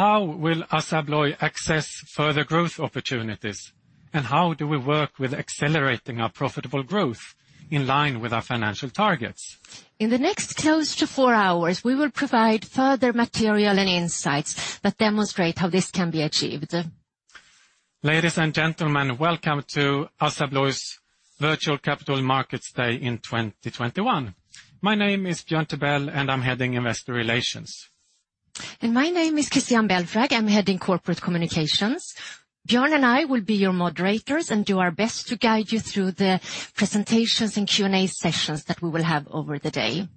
How will ASSA ABLOY access further growth opportunities, and how do we work with accelerating our profitable growth in line with our financial targets? In the next close to four hours, we will provide further material and insights that demonstrate how this can be achieved. Ladies and gentlemen, welcome to ASSA ABLOY's Virtual Capital Markets Day in 2021. My name is Björn Tibell, and I'm heading Investor Relations. My name is Christiane Belfrage, I'm heading Corporate Communications. Björn and I will be your moderators and do our best to guide you through the presentations and Q&A sessions that we will have over the day.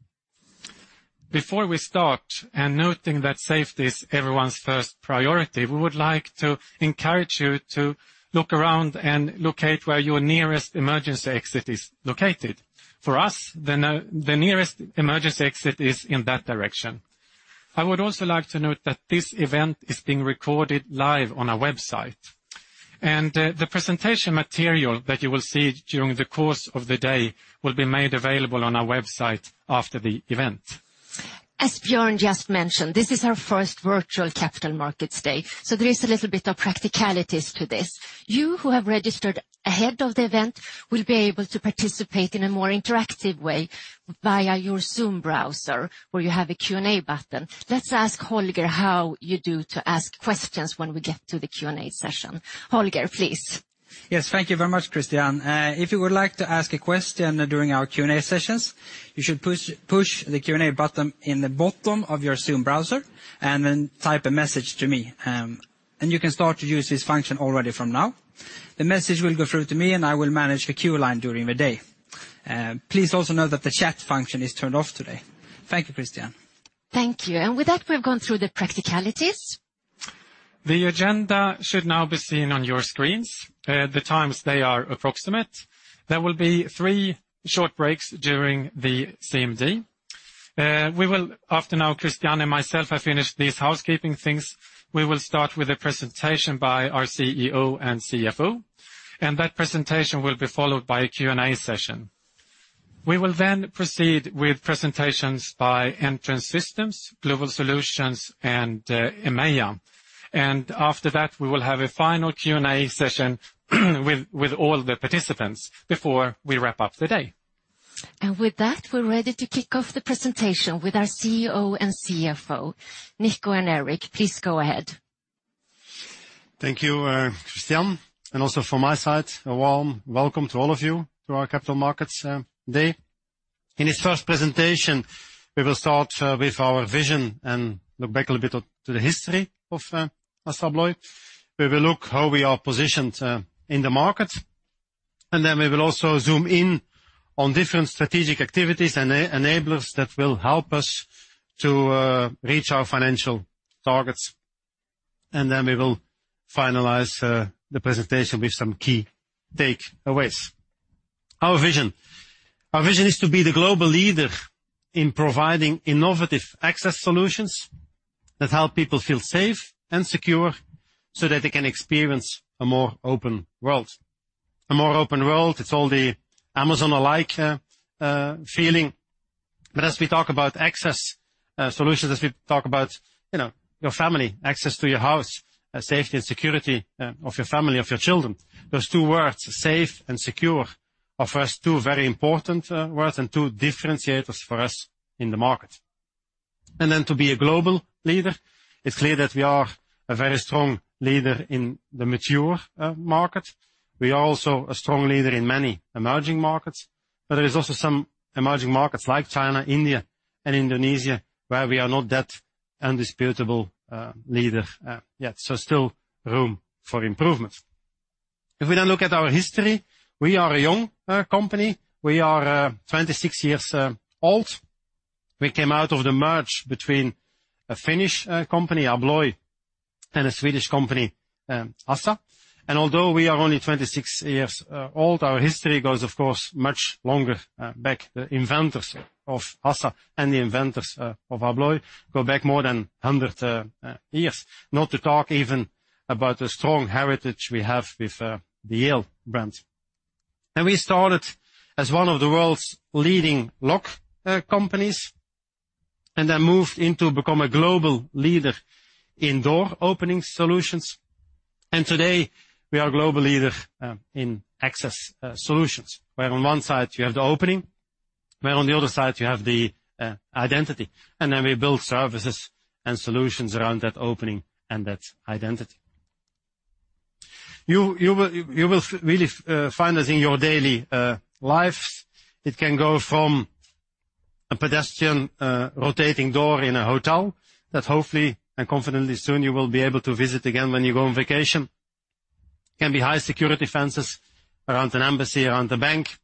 Before we start, and noting that safety is everyone's first priority, we would like to encourage you to look around and locate where your nearest emergency exit is located. For us, the nearest emergency exit is in that direction. I would also like to note that this event is being recorded live on our website, and the presentation material that you will see during the course of the day will be made available on our website after the event. As Björn just mentioned, this is our first virtual Capital Markets Day, so there is a little bit of practicalities to this. You who have registered ahead of the event will be able to participate in a more interactive way via your Zoom browser, where you have a Q&A button. Let's ask Holger how you ask questions when we get to the Q&A session. Holger, please. Yes, thank you very much, Christiane. If you would like to ask a question during our Q&A sessions, you should push the Q&A button at the bottom of your Zoom browser and then type a message to me. You can start to use this function already from now. The message will go through to me, and I will manage the queue line during the day. Please also know that the chat function is turned off today. Thank you, Christiane. Thank you. With that, we've gone through the practicalities. The agenda should now be seen on your screens. The times, they are approximate. There will be three short breaks during the CMD. After now Christiane and myself have finished these housekeeping things, we will start with a presentation by our CEO and CFO, and that presentation will be followed by a Q&A session. We will then proceed with presentations by Entrance Systems, Global Solutions, and EMEIA. After that, we will have a final Q&A session with all the participants before we wrap up the day. With that, we're ready to kick off the presentation with our CEO and CFO. Nico and Erik, please go ahead. Thank you, Christiane, and also from my side, a warm welcome to all of you to our Capital Markets Day. In this first presentation, we will start with our vision and look back a little bit to the history of ASSA ABLOY. We will look how we are positioned in the market, and then we will also zoom in on different strategic activities and enablers that will help us to reach our financial targets. We will finalize the presentation with some key takeaways. Our vision. Our vision is to be the global leader in providing innovative access solutions that help people feel safe and secure so that they can experience a more open world. A more open world, it's all the Amazon-alike feeling. As we talk about access solutions, as we talk about your family, access to your house, safety and security of your family, of your children. Those two words, safe and secure, are, for us, two very important words and two differentiators for us in the market. To be a global leader, it's clear that we are a very strong leader in the mature market. We are also a strong leader in many emerging markets, but there is also some emerging markets like China, India, and Indonesia, where we are not that indisputable leader yet, so still room for improvement. If we now look at our history, we are a young company. We are 26 years old. We came out of the merge between a Finnish company, ABLOY, and a Swedish company, ASSA. Although we are only 26 years old, our history goes, of course, much longer back. The inventors of ASSA and the inventors of ABLOY go back more than 100 years. Not to talk even about the strong heritage we have with the Yale brand. We started as one of the world's leading lock companies, and then moved into become a global leader in door opening solutions. Today, we are a global leader in access solutions, where on one side you have the opening, where on the other side you have the identity. Then we build services and solutions around that opening and that identity. You will really find it in your daily lives. It can go from a pedestrian rotating door in a hotel that hopefully and confidently soon you will be able to visit again when you go on vacation. It can be high-security fences around an embassy, around a bank,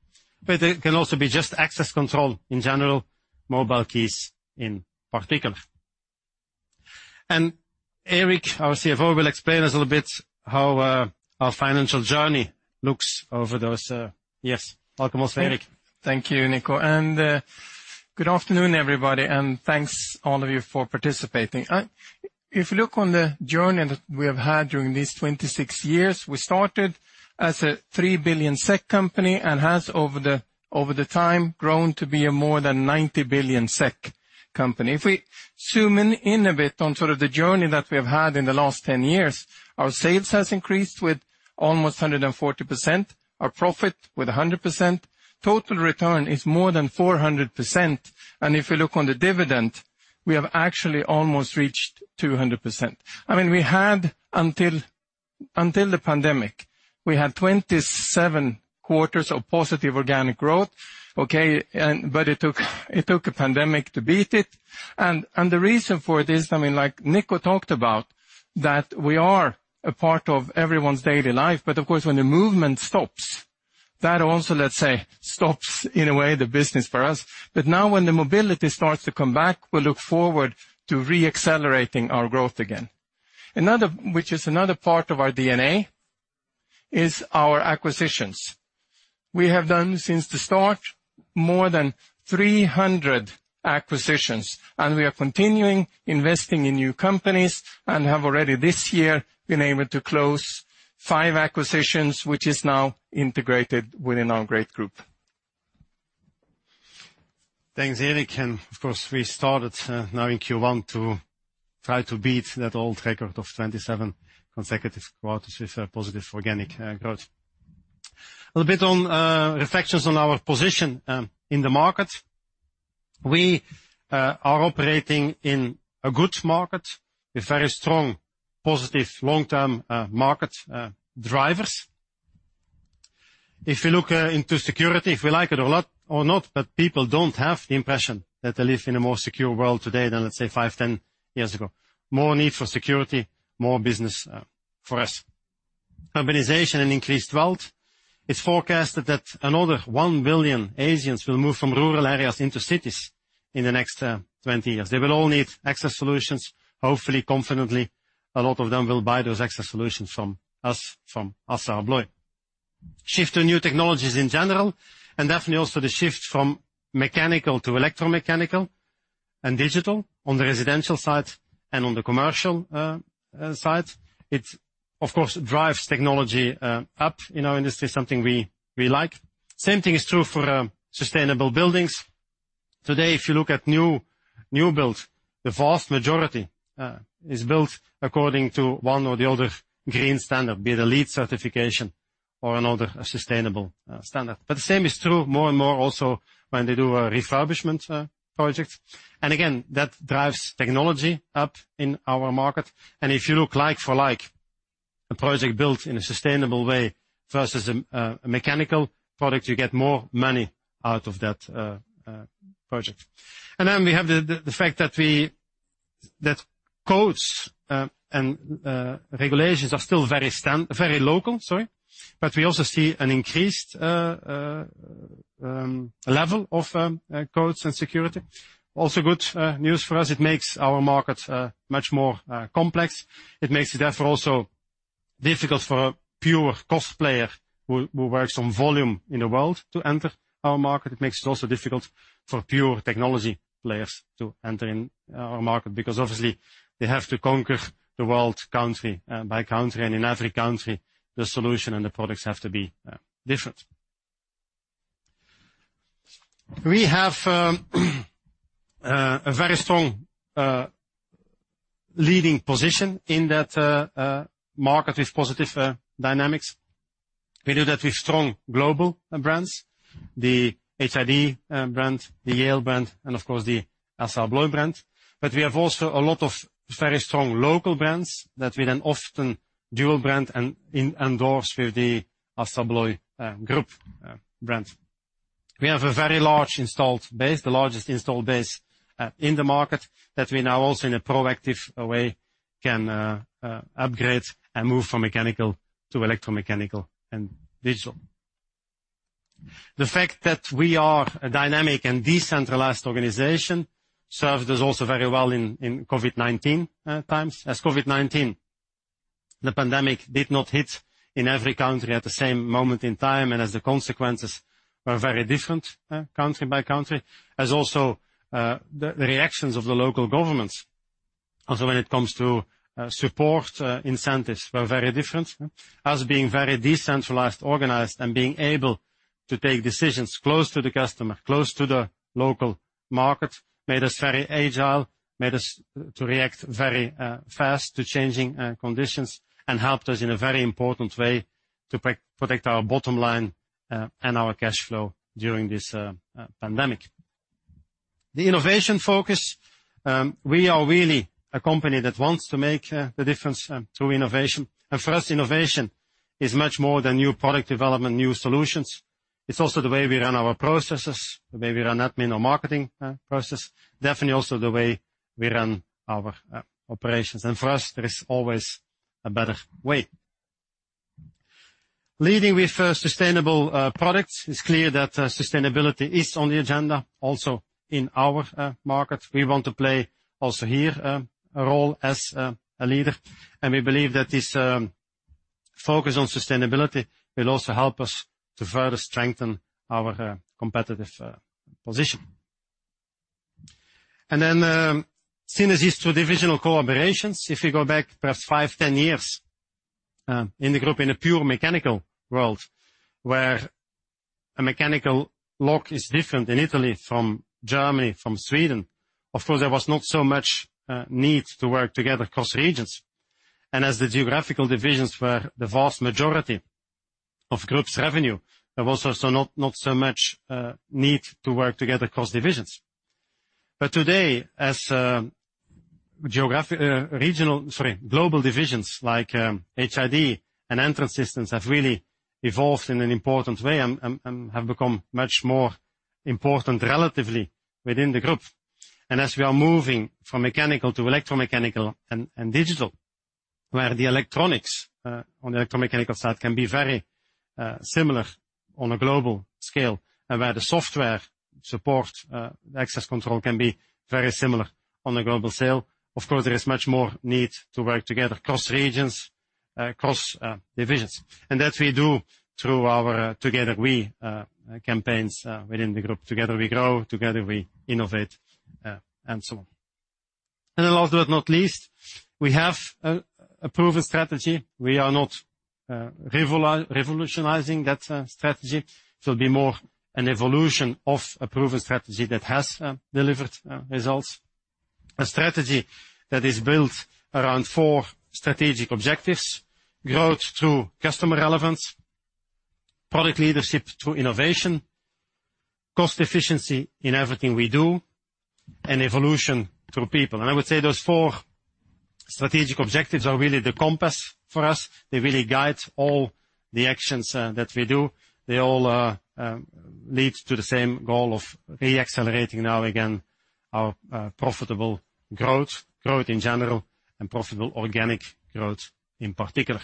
but it can also be just access control in general, mobile keys in particular. Erik, our CFO, will explain us a bit how our financial journey looks over those years. Welcome on, Erik. Thank you, Nico. Good afternoon, everybody, and thanks all of you for participating. If you look on the journey that we have had during these 26 years, we started as a 3 billion SEK company and has over the time grown to be a more than 90 billion SEK company. If we zoom in a bit on sort of the journey that we've had in the last 10 years, our sales has increased with almost 140%, our profit with 100%, total return is more than 400%, and if you look on the dividend, we have actually almost reached 200%. Until the pandemic, we had 27 quarters of positive organic growth. Okay? It took a pandemic to beat it. The reason for it is, like Nico talked about, that we are a part of everyone's daily life, but of course, when the movement stops, that also, let's say, stops in a way the business for us. Now when the mobility starts to come back, we look forward to re-accelerating our growth again. Which is another part of our DNA, is our acquisitions. We have done, since the start, more than 300 acquisitions, and we are continuing investing in new companies and have already this year been able to close five acquisitions, which is now integrated within our great group. Thanks, Erik. Of course, we started now in Q1 to try to beat that old record of 27 consecutive quarters with positive organic growth. A bit on reflections on our position in the market. We are operating in a good market with very strong, positive, long-term market drivers. If you look into security, if you like it or not, but people don't have the impression that they live in a more secure world today than, let's say, five, 10 years ago. More need for security, more business for us. Urbanization and increased wealth. It's forecasted that another 1 billion Asians will move from rural areas into cities in the next 20 years. They will all need access solutions. Hopefully, confidently, a lot of them will buy those access solutions from us, from ASSA ABLOY. Shift to new technologies in general, and definitely also the shift from mechanical to electromechanical and digital on the residential side and on the commercial side. It, of course, drives technology up in our industry, something we like. Same thing is true for sustainable buildings. Today, if you look at new build, the vast majority is built according to one or the other green standard, be it LEED certification or another sustainable standard. The same is true more and more also when they do a refurbishment project. Again, that drives technology up in our market. If you look like for like, a project built in a sustainable way versus a mechanical product, you get more money out of that project. Then we have the fact that codes and regulations are still very local, but we also see an increased level of codes and security. Good news for us, it makes our market much more complex. It makes it therefore also difficult for a pure cost player who works on volume in the world to enter our market. It makes it also difficult for pure technology players to enter in our market, because obviously they have to conquer the world country by country, and in every country, the solution and the products have to be different. We have a very strong leading position in that market with positive dynamics. We do that with strong global brands, the HID brand, the Yale brand, and of course, the ASSA ABLOY brand. We have also a lot of very strong local brands that we then often dual brand and endorse with the ASSA ABLOY Group brand. We have a very large installed base, the largest installed base in the market, that we now also in a proactive way can upgrade and move from mechanical to electromechanical and digital. The fact that we are a dynamic and decentralized organization served us also very well in COVID-19 times, as COVID-19, the pandemic did not hit in every country at the same moment in time, and as the consequences were very different country by country. Also, the reactions of the local governments also when it comes to support incentives were very different. Us being very decentralized, organized, and being able to take decisions close to the customer, close to the local market, made us very agile, made us to react very fast to changing conditions, and helped us in a very important way to protect our bottom line and our cash flow during this pandemic. The innovation focus, we are really a company that wants to make the difference through innovation. For us, innovation is much more than new product development, new solutions. It's also the way we run our processes, the way we run admin or marketing process, definitely also the way we run our operations. For us, there is always a better way. Leading with sustainable products. It's clear that sustainability is on the agenda also in our market. We want to play also here a role as a leader, and we believe that this focus on sustainability will also help us to further strengthen our competitive position. Synergies through divisional collaborations. If you go back perhaps five, 10 years in the group, in a pure mechanical world where a mechanical lock is different in Italy from Germany, from Sweden, of course, there was not so much need to work together across regions. As the geographical divisions were the vast majority of group's revenue, there was also not so much need to work together across divisions. Today, as global divisions like HID and Entrance Systems have really evolved in an important way and have become much more important relatively within the group, and as we are moving from mechanical to electromechanical and digital, where the electronics on the electromechanical side can be very similar on a global scale, and where the software support, access control can be very similar on a global scale. Of course, there is much more need to work together across regions, across divisions, and that we do through our Together We campaigns within the group. Together We grow, Together We innovate, and so on. Last but not least, we have a proven strategy. We are not revolutionizing that strategy. It will be more an evolution of a proven strategy that has delivered results, a strategy that is built around four strategic objectives: growth through customer relevance, product leadership through innovation, cost efficiency in everything we do, and evolution through people. I would say those four strategic objectives are really the compass for us. They really guide all the actions that we do. They all lead to the same goal of re-accelerating now again our profitable growth in general, and profitable organic growth in particular.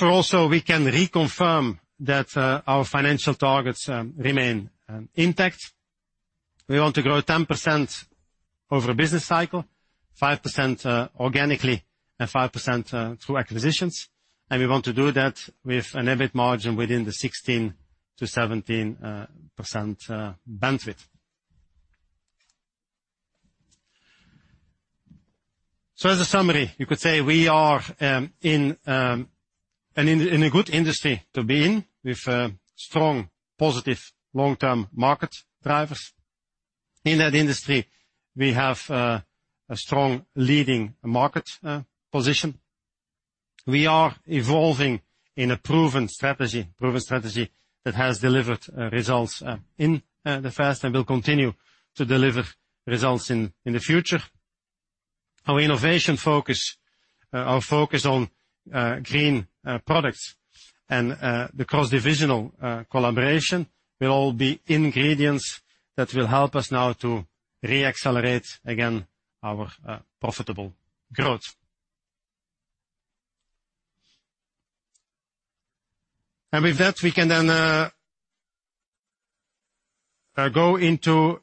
Also, we can reconfirm that our financial targets remain intact. We want to grow 10% over a business cycle, 5% organically and 5% through acquisitions. We want to do that with an EBIT margin within the 16%-17% bandwidth. As a summary, you could say we are in a good industry to be in with strong, positive long-term market drivers. In that industry, we have a strong leading market position. We are evolving in a proven strategy that has delivered results in the past and will continue to deliver results in the future. Our innovation focus, our focus on green products, and the cross-divisional collaboration will all be ingredients that will help us now to re-accelerate again our profitable growth. With that, we can then go into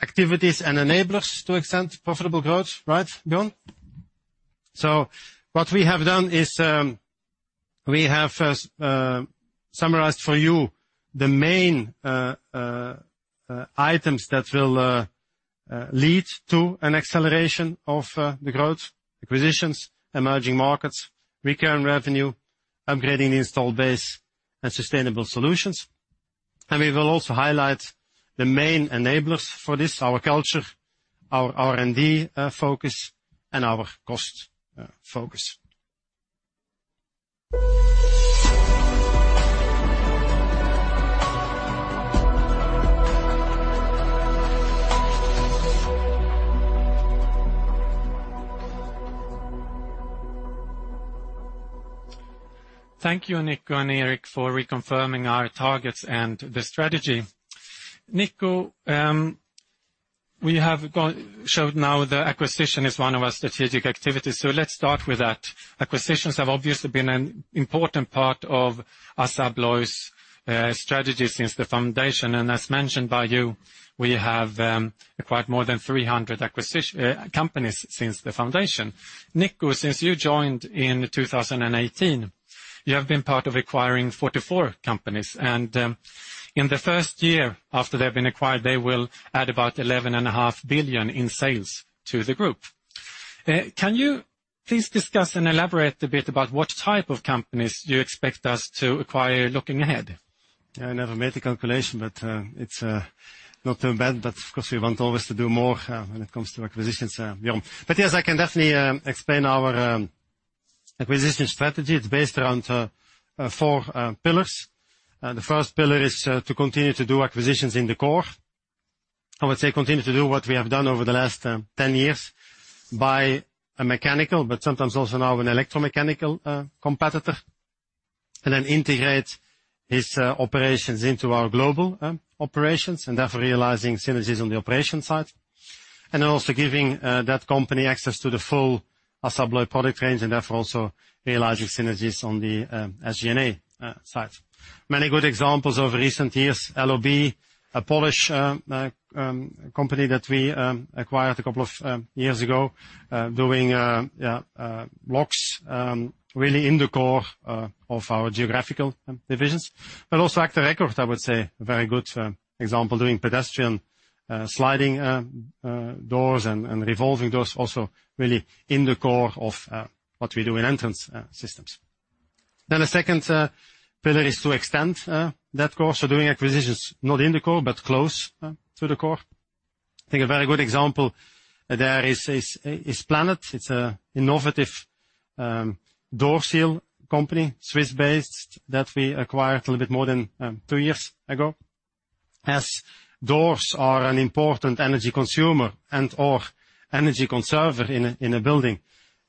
activities and enablers to extend profitable growth. Right, Björn? What we have done is we have summarized for you the main items that will lead to an acceleration of the growth: acquisitions, emerging markets, recurring revenue, upgrading installed base, and sustainable solutions. We will also highlight the main enablers for this, our culture, our R&D focus, and our cost focus. Thank you, Nico and Erik, for reconfirming our targets and the strategy. Nico, we have showed now that acquisition is one of our strategic activities. Let's start with that. Acquisitions have obviously been an important part of ASSA ABLOY's strategy since the foundation, and as mentioned by you, we have acquired more than 300 companies since the foundation. Nico, since you joined in 2018, you have been part of acquiring 44 companies, and in the first year after they've been acquired, they will add about 11.5 billion in sales to the group. Can you please discuss and elaborate a bit about what type of companies you expect us to acquire looking ahead? I never made the calculation, but it is not too bad. Of course, we want always to do more when it comes to acquisitions, Björn. Yes, I can definitely explain our acquisition strategy. It is based around four pillars. The first pillar is to continue to do acquisitions in the core. I would say continue to do what we have done over the last 10 years. Buy a mechanical, but sometimes also now an electromechanical competitor, and then integrate his operations into our global operations, and therefore realizing synergies on the operation side. Then also giving that company access to the full ASSA ABLOY product range, and therefore also realizing synergies on the SG&A side. Many good examples over recent years, LOB, a Polish company that we acquired a couple of years ago doing locks really in the core of our geographical divisions. Also agta record, I would say a very good example, doing pedestrian sliding doors and revolving doors also really in the core of what we do in Entrance Systems. The second pillar is to extend that core. Doing acquisitions not in the core, but close to the core. I think a very good example there is Planet. It's a innovative door seal company, Swiss-based, that we acquired a little bit more than two years ago. As doors are an important energy consumer and/or energy conserver in a building,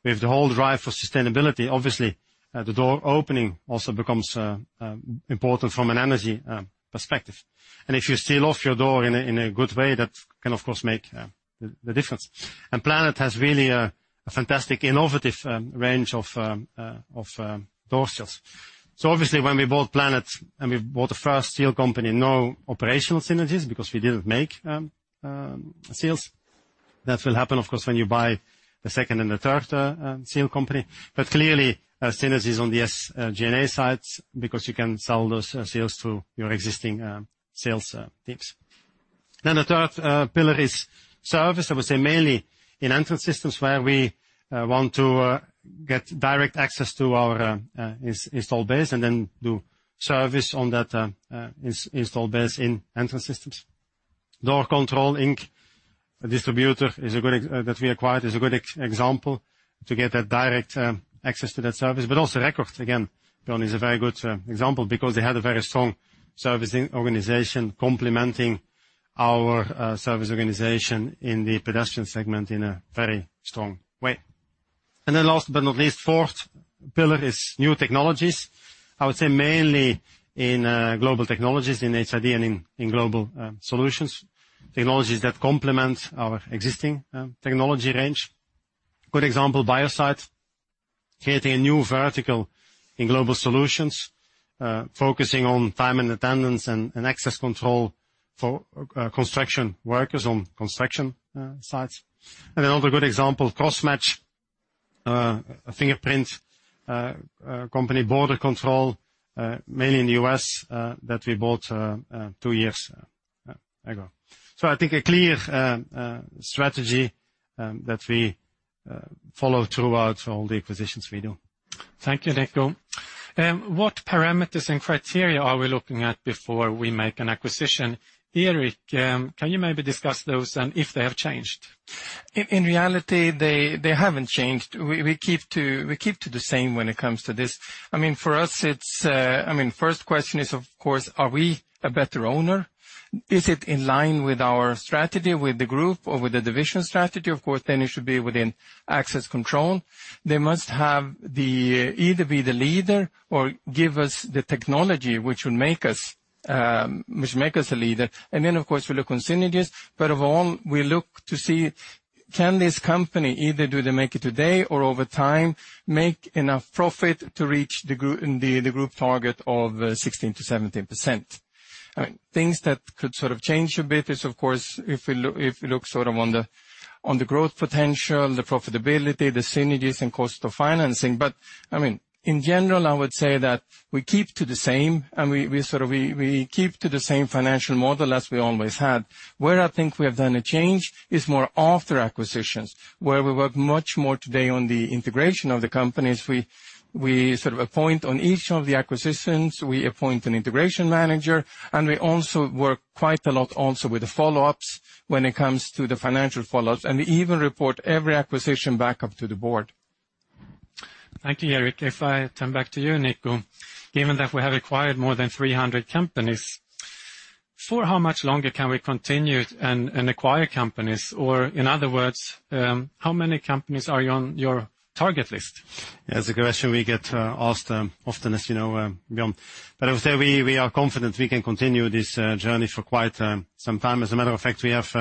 with the whole drive for sustainability, obviously, the door opening also becomes important from an energy perspective. If you seal off your door in a good way, that can, of course, make the difference. Planet has really a fantastic innovative range of door seals. Obviously, when we bought Planet and we bought the first seal company, no operational synergies because we didn't make seals. That will happen, of course, when you buy the second and the third seal company. Clearly, synergies on the SG&A sides because you can sell those seals through your existing sales teams. The third pillar is service. I would say, mainly in Entrance Systems, where we want to get direct access to our install base and then do service on that install base in Entrance Systems. Door Control Inc, a distributor, that we acquired, is a good example to get that direct access to that service. Also agta record, again, Björn, is a very good example because they had a very strong servicing organization complementing our service organization in the pedestrian segment in a very strong way. Last but not least, fourth pillar is new technologies. I would say mainly in Global Technologies, in HID and in Global Solutions, technologies that complement our existing technology range. Good example, Biosite, creating a new vertical in Global Solutions, focusing on time and attendance and access control for construction workers on construction sites. Another good example, Crossmatch, a fingerprint company, border control, mainly in the U.S., that we bought two years ago. I think a clear strategy that we follow throughout all the acquisitions we do. Thank you, Nico. What parameters and criteria are we looking at before we make an acquisition? Erik, can you maybe discuss those and if they have changed? In reality, they haven't changed. We keep to the same when it comes to this. First question is, of course, are we a better owner? Is it in line with our strategy with the group or with the division strategy? It should be within access control. They must either be the leader or give us the technology which will make us a leader. We look on synergies. Of all, we look to see, can this company, either do they make it today or over time, make enough profit to reach the group target of 16%-17%? Things that could change a bit is if we look on the growth potential, the profitability, the synergies, and cost of financing. In general, I would say that we keep to the same financial model as we always had. Where I think we have done a change is more after acquisitions, where we work much more today on the integration of the companies. We appoint on each of the acquisitions, we appoint an integration manager, and we also work quite a lot also with the follow-ups when it comes to the financial follow-ups, and we even report every acquisition back up to the Board. Thank you, Erik. If I turn back to you, Nico. Given that we have acquired more than 300 companies, for how much longer can we continue and acquire companies? In other words, how many companies are on your target list? That's a question we get asked often as you know, Björn. I would say we are confident we can continue this journey for quite some time. As a matter of fact, we have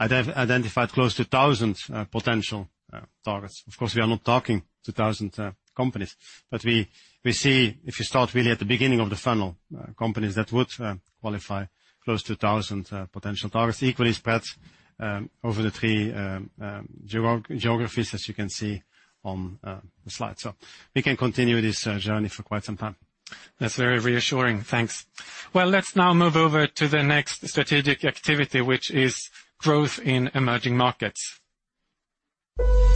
identified close to 1,000 potential targets. Of course, we are not talking 2,000 companies, but we see, if you start really at the beginning of the funnel, companies that would qualify close to 1,000 potential targets, equally spread over the three geographies as you can see on the slide. We can continue this journey for quite some time. That's very reassuring. Thanks. Well, let's now move over to the next strategic activity, which is growth in emerging markets. Growth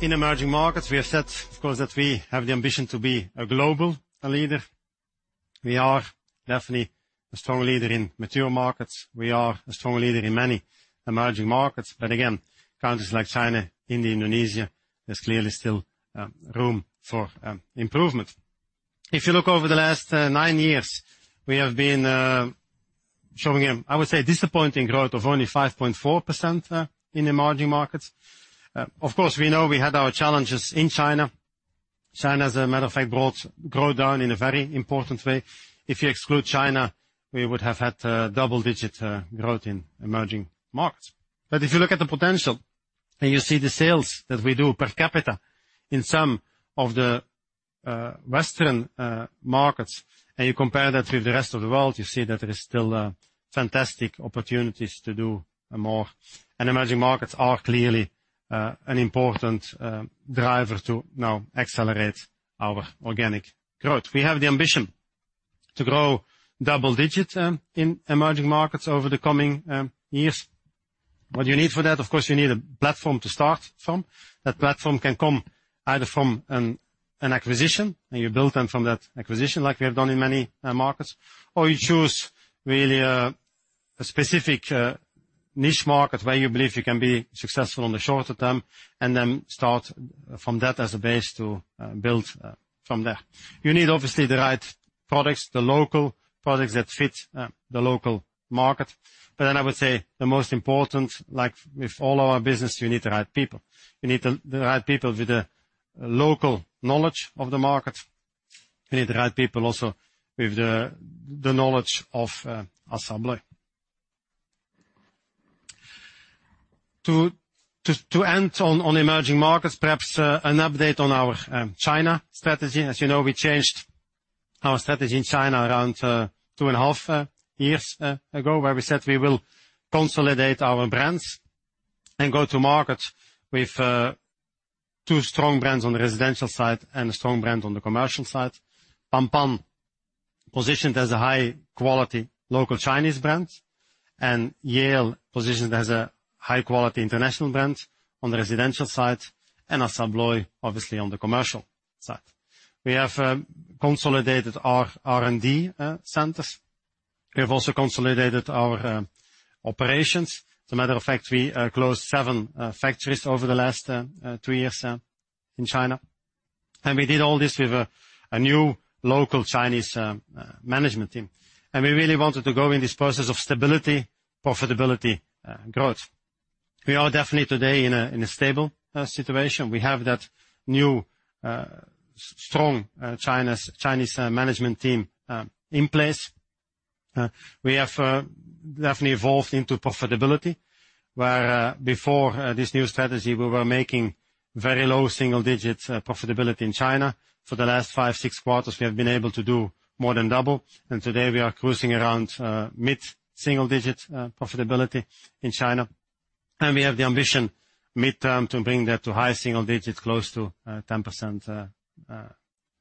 in emerging markets. We have said, of course, that we have the ambition to be a global leader. We are definitely a strong leader in mature markets. We are a strong leader in many emerging markets. Again, countries like China, India, Indonesia, there's clearly still room for improvement. If you look over the last nine years, we have been showing, I would say, disappointing growth of only 5.4% in emerging markets. Of course, we know we had our challenges in China. China, as a matter of fact, growth down in a very important way. If you exclude China, we would have had double-digit growth in emerging markets. If you look at the potential and you see the sales that we do per capita in some of the Western markets, and you compare that with the rest of the world, you see that there is still fantastic opportunities to do more. Emerging markets are clearly an important driver to now accelerate our organic growth. We have the ambition to grow double digits in emerging markets over the coming years. What you need for that, of course, you need a platform to start from. That platform can come either from an acquisition, and you build them from that acquisition like we have done in many markets, or you choose really a specific niche market where you believe you can be successful in the shorter term, and then start from that as a base to build from there. You need obviously the right products, the local products that fit the local market. I would say the most important, like with all our business, you need the right people. You need the right people with the local knowledge of the market. You need the right people also with the knowledge of assembly. To end on emerging markets, perhaps an update on our China strategy. As you know, we changed our strategy in China around two and a half years ago, where we said we will consolidate our brands and go to market with two strong brands on the residential side and a strong brand on the commercial side. PANPAN positioned as a high-quality local Chinese brand, and Yale positioned as a high-quality international brand on the residential side, and ASSA ABLOY obviously on the commercial side. We have consolidated our R&D centers. We have also consolidated our operations. As a matter of fact, we closed seven factories over the last three years in China. We did all this with a new local Chinese management team. We really wanted to go in this process of stability, profitability, growth. We are definitely today in a stable situation. We have that new, strong Chinese management team in place. We have definitely evolved into profitability, where before this new strategy, we were making very low single-digit profitability in China. For the last five, six quarters, we have been able to do more than double, and today we are cruising around mid-single-digit profitability in China. We have the ambition mid-term to bring that to high single digits, close to 10%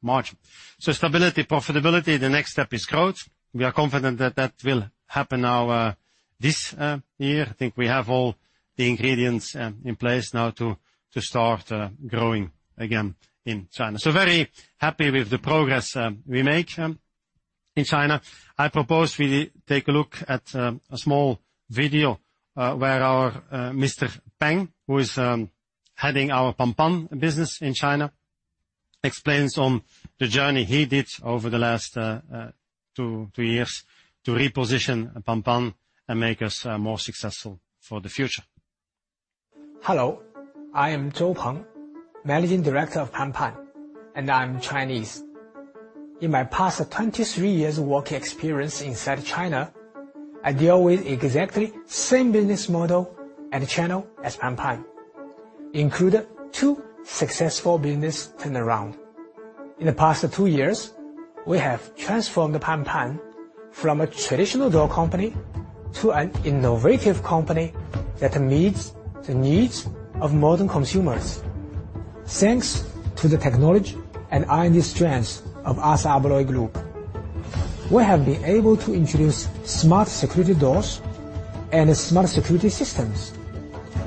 margin. So stability, profitability, the next step is growth. We are confident that that will happen now this year. I think we have all the ingredients in place now to start growing again in China. Very happy with the progress we made in China. I propose we take a look at a small video where our Mr. Peng, who is heading our PANPAN business in China, explains on the journey he did over the last two, three years to reposition PANPAN and make us more successful for the future. Hello, I am Zhou Peng, Managing Director of PANPAN, and I am Chinese. In my past 23 years of work experience inside China, I deal with exactly same business model and channel as PANPAN, including two successful business turnaround. In the past two years, we have transformed PANPAN from a traditional door company to an innovative company that meets the needs of modern consumers. Thanks to the technology and R&D strengths of ASSA ABLOY Group, we have been able to introduce smart security doors and smart security systems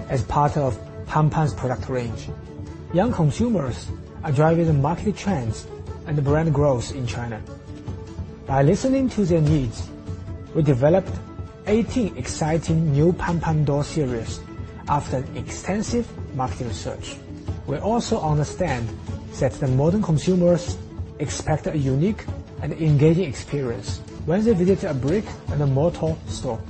as part of PANPAN's product range. Young consumers are driving the market trends and brand growth in China. By listening to their needs, we developed 18 exciting new PANPAN door series after an extensive market research. We also understand that the modern consumers expect a unique and engaging experience when they visit a brick-and-mortar store.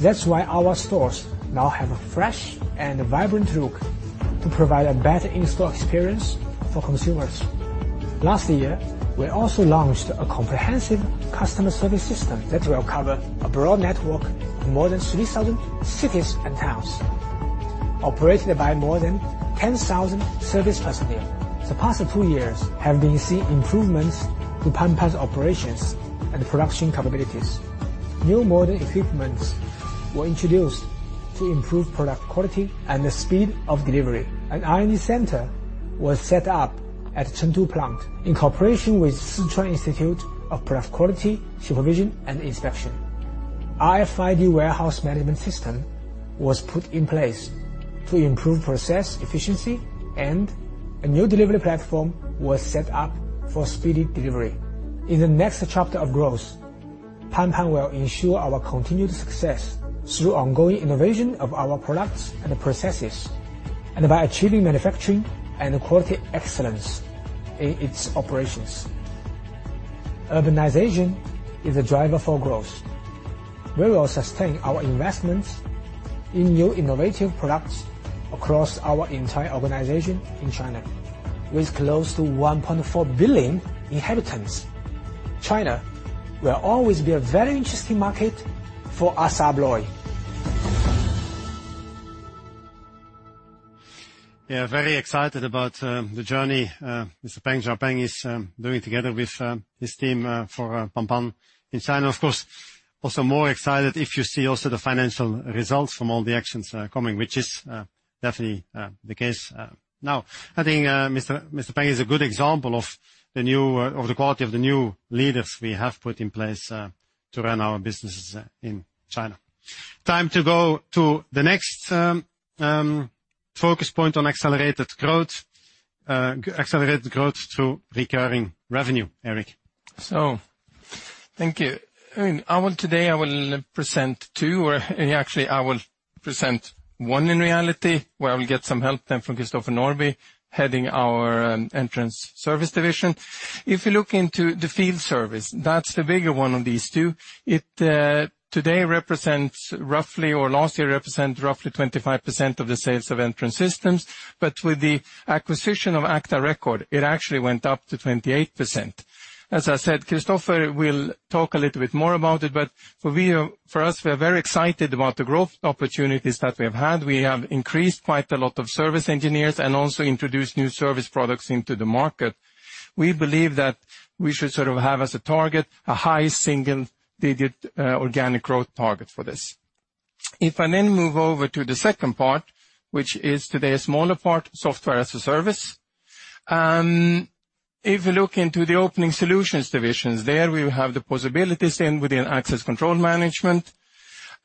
That's why our stores now have a fresh and vibrant look to provide a better in-store experience for consumers. Last year, we also launched a comprehensive customer service system that will cover a broad network of more than 3,000 cities and towns, operated by more than 10,000 service personnel. The past two years have seen improvements in PANPAN's operations and production capabilities. New modern equipments were introduced to improve product quality and the speed of delivery. An R&D center was set up at Chengdu plant in cooperation with Sichuan Institute of Product Quality Supervision and Inspection. RFID warehouse management system was put in place to improve process efficiency, and a new delivery platform was set up for speedy delivery. In the next chapter of growth, PANPAN will ensure our continued success through ongoing innovation of our products and processes. By achieving manufacturing and quality excellence in its operations. Urbanization is a driver for growth. We will sustain our investments in new innovative products across our entire organization in China. With close to 1.4 billion inhabitants, China will always be a very interesting market for ASSA ABLOY. We are very excited about the journey Mr. Peng. Zhou Peng is doing together with his team for PANPAN in China. Also more excited if you see also the financial results from all the actions coming, which is definitely the case now. I think Mr. Peng is a good example of the quality of the new leaders we have put in place to run our businesses in China. Time to go to the next focus point on accelerated growth to recurring revenue, Erik. Thank you. Today, I will present two. Actually, I will present one in reality, where I will get some help then from Christopher Norbye, heading our Entrance Systems Division. If you look into the field service, that's the bigger one of these two. It today represents roughly, or last year represented roughly 25% of the sales of Entrance Systems. With the acquisition of agta record, it actually went up to 28%. As I said, Christopher will talk a little bit more about it, for us, we're very excited about the growth opportunities that we've had. We have increased quite a lot of service engineers and also introduced new service products into the market. We believe that we should have as a target a high single-digit organic growth target for this. If I move over to the second part, which is today a smaller part, Software as a Service. If you look into the opening solutions divisions, there we will have the possibilities within access control management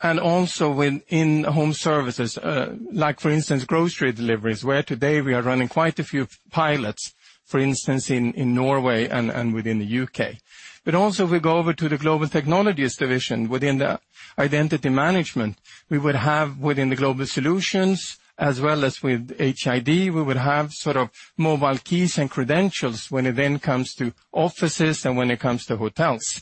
and also within home services. Like for instance, grocery deliveries, where today we are running quite a few pilots, for instance, in Norway and within the U.K. Also, if we go over to the Global Technologies Division, within the identity management, we will have within the Global Solutions as well as with HID, we will have mobile keys and credentials when it then comes to offices and when it comes to hotels.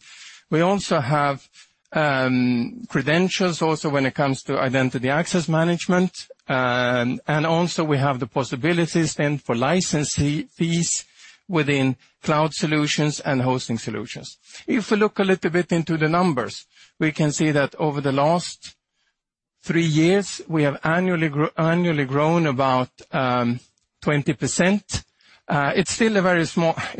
We also have credentials also when it comes to identity access management, also we have the possibilities then for license fees within cloud solutions and hosting solutions. If we look a little bit into the numbers, we can see that over the last three years, we have annually grown about 20%. It's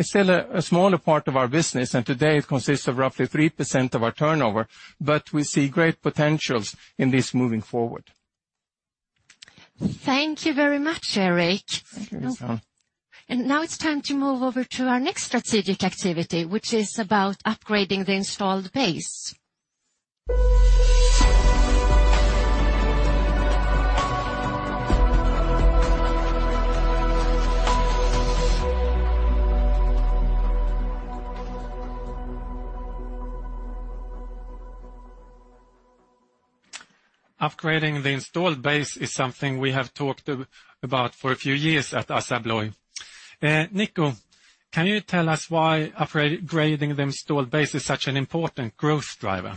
still a smaller part of our business, and today it consists of roughly 3% of our turnover, but we see great potentials in this moving forward. Thank you very much, Erik. Now it's time to move over to our next strategic activity, which is about upgrading the installed base. Upgrading the installed base is something we have talked about for a few years at ASSA ABLOY. Nico, can you tell us why upgrading the installed base is such an important growth driver?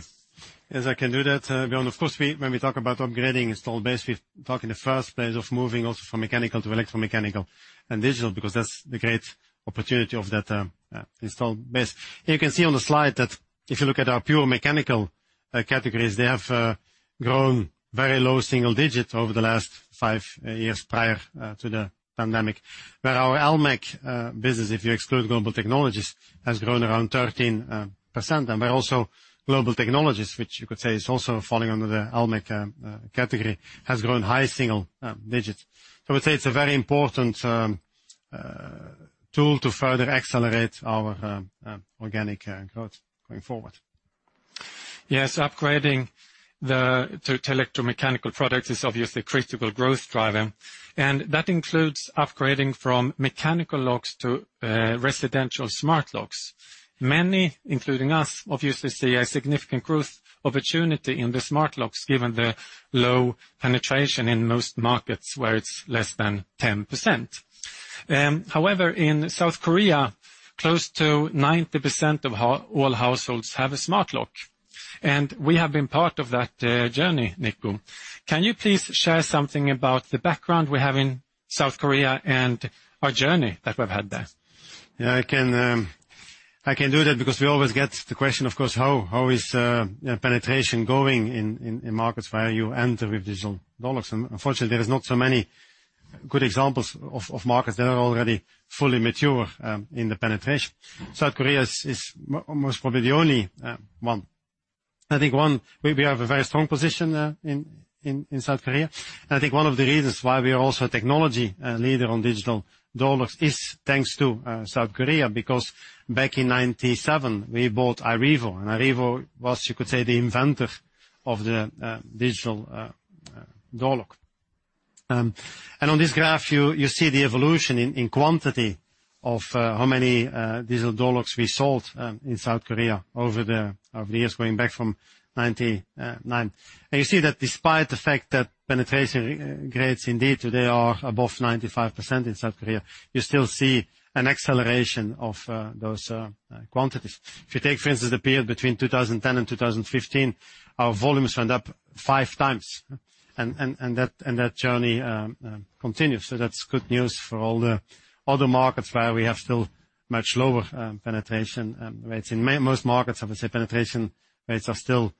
Yes, I can do that. Of course, when we talk about upgrading installed base, we talk in the first place of moving also from mechanical to electromechanical and digital because that's the great opportunity of that installed base. You can see on the slide that if you look at our pure mechanical categories, they have grown very low single digits over the last five years prior to the pandemic. Our electromechanical business, if you exclude Global Technologies, has grown around 13%. We also, Global Technologies, which you could say is also falling under the electromechanical category, has grown high single digits. I would say it's a very important tool to further accelerate our organic growth going forward. Yes, upgrading to electromechanical products is obviously a critical growth driver, and that includes upgrading from mechanical locks to residential smart locks. Many, including us, obviously see a significant growth opportunity in the smart locks given the low penetration in most markets where it's less than 10%. However, in South Korea, close to 90% of all households have a smart lock, and we have been part of that journey, Nico. Can you please share something about the background we have in South Korea and our journey that we've had there? Yeah, I can do that because we always get the question, of course, how is penetration going in markets where you enter with digital locks? Unfortunately, there's not so many good examples of markets that are already fully mature in the penetration. South Korea is most probably the only one. I think, one, we have a very strong position in South Korea, and I think one of the reasons why we are also a technology leader on digital doors is thanks to South Korea. Back in 1997, we bought iRevo, and iRevo was, you could say, the inventor of the digital door lock. On this graph you see the evolution in quantity of how many digital door locks we sold in South Korea over the years going back from 1999. You see that despite the fact that penetration rates indeed today are above 95% in South Korea, you still see an acceleration of those quantities. If you take, for instance, the period between 2010 and 2015, our volumes went up five times, that journey continues. That's good news for all the markets where we have still much lower penetration rates. In most markets, obviously, penetration rates are still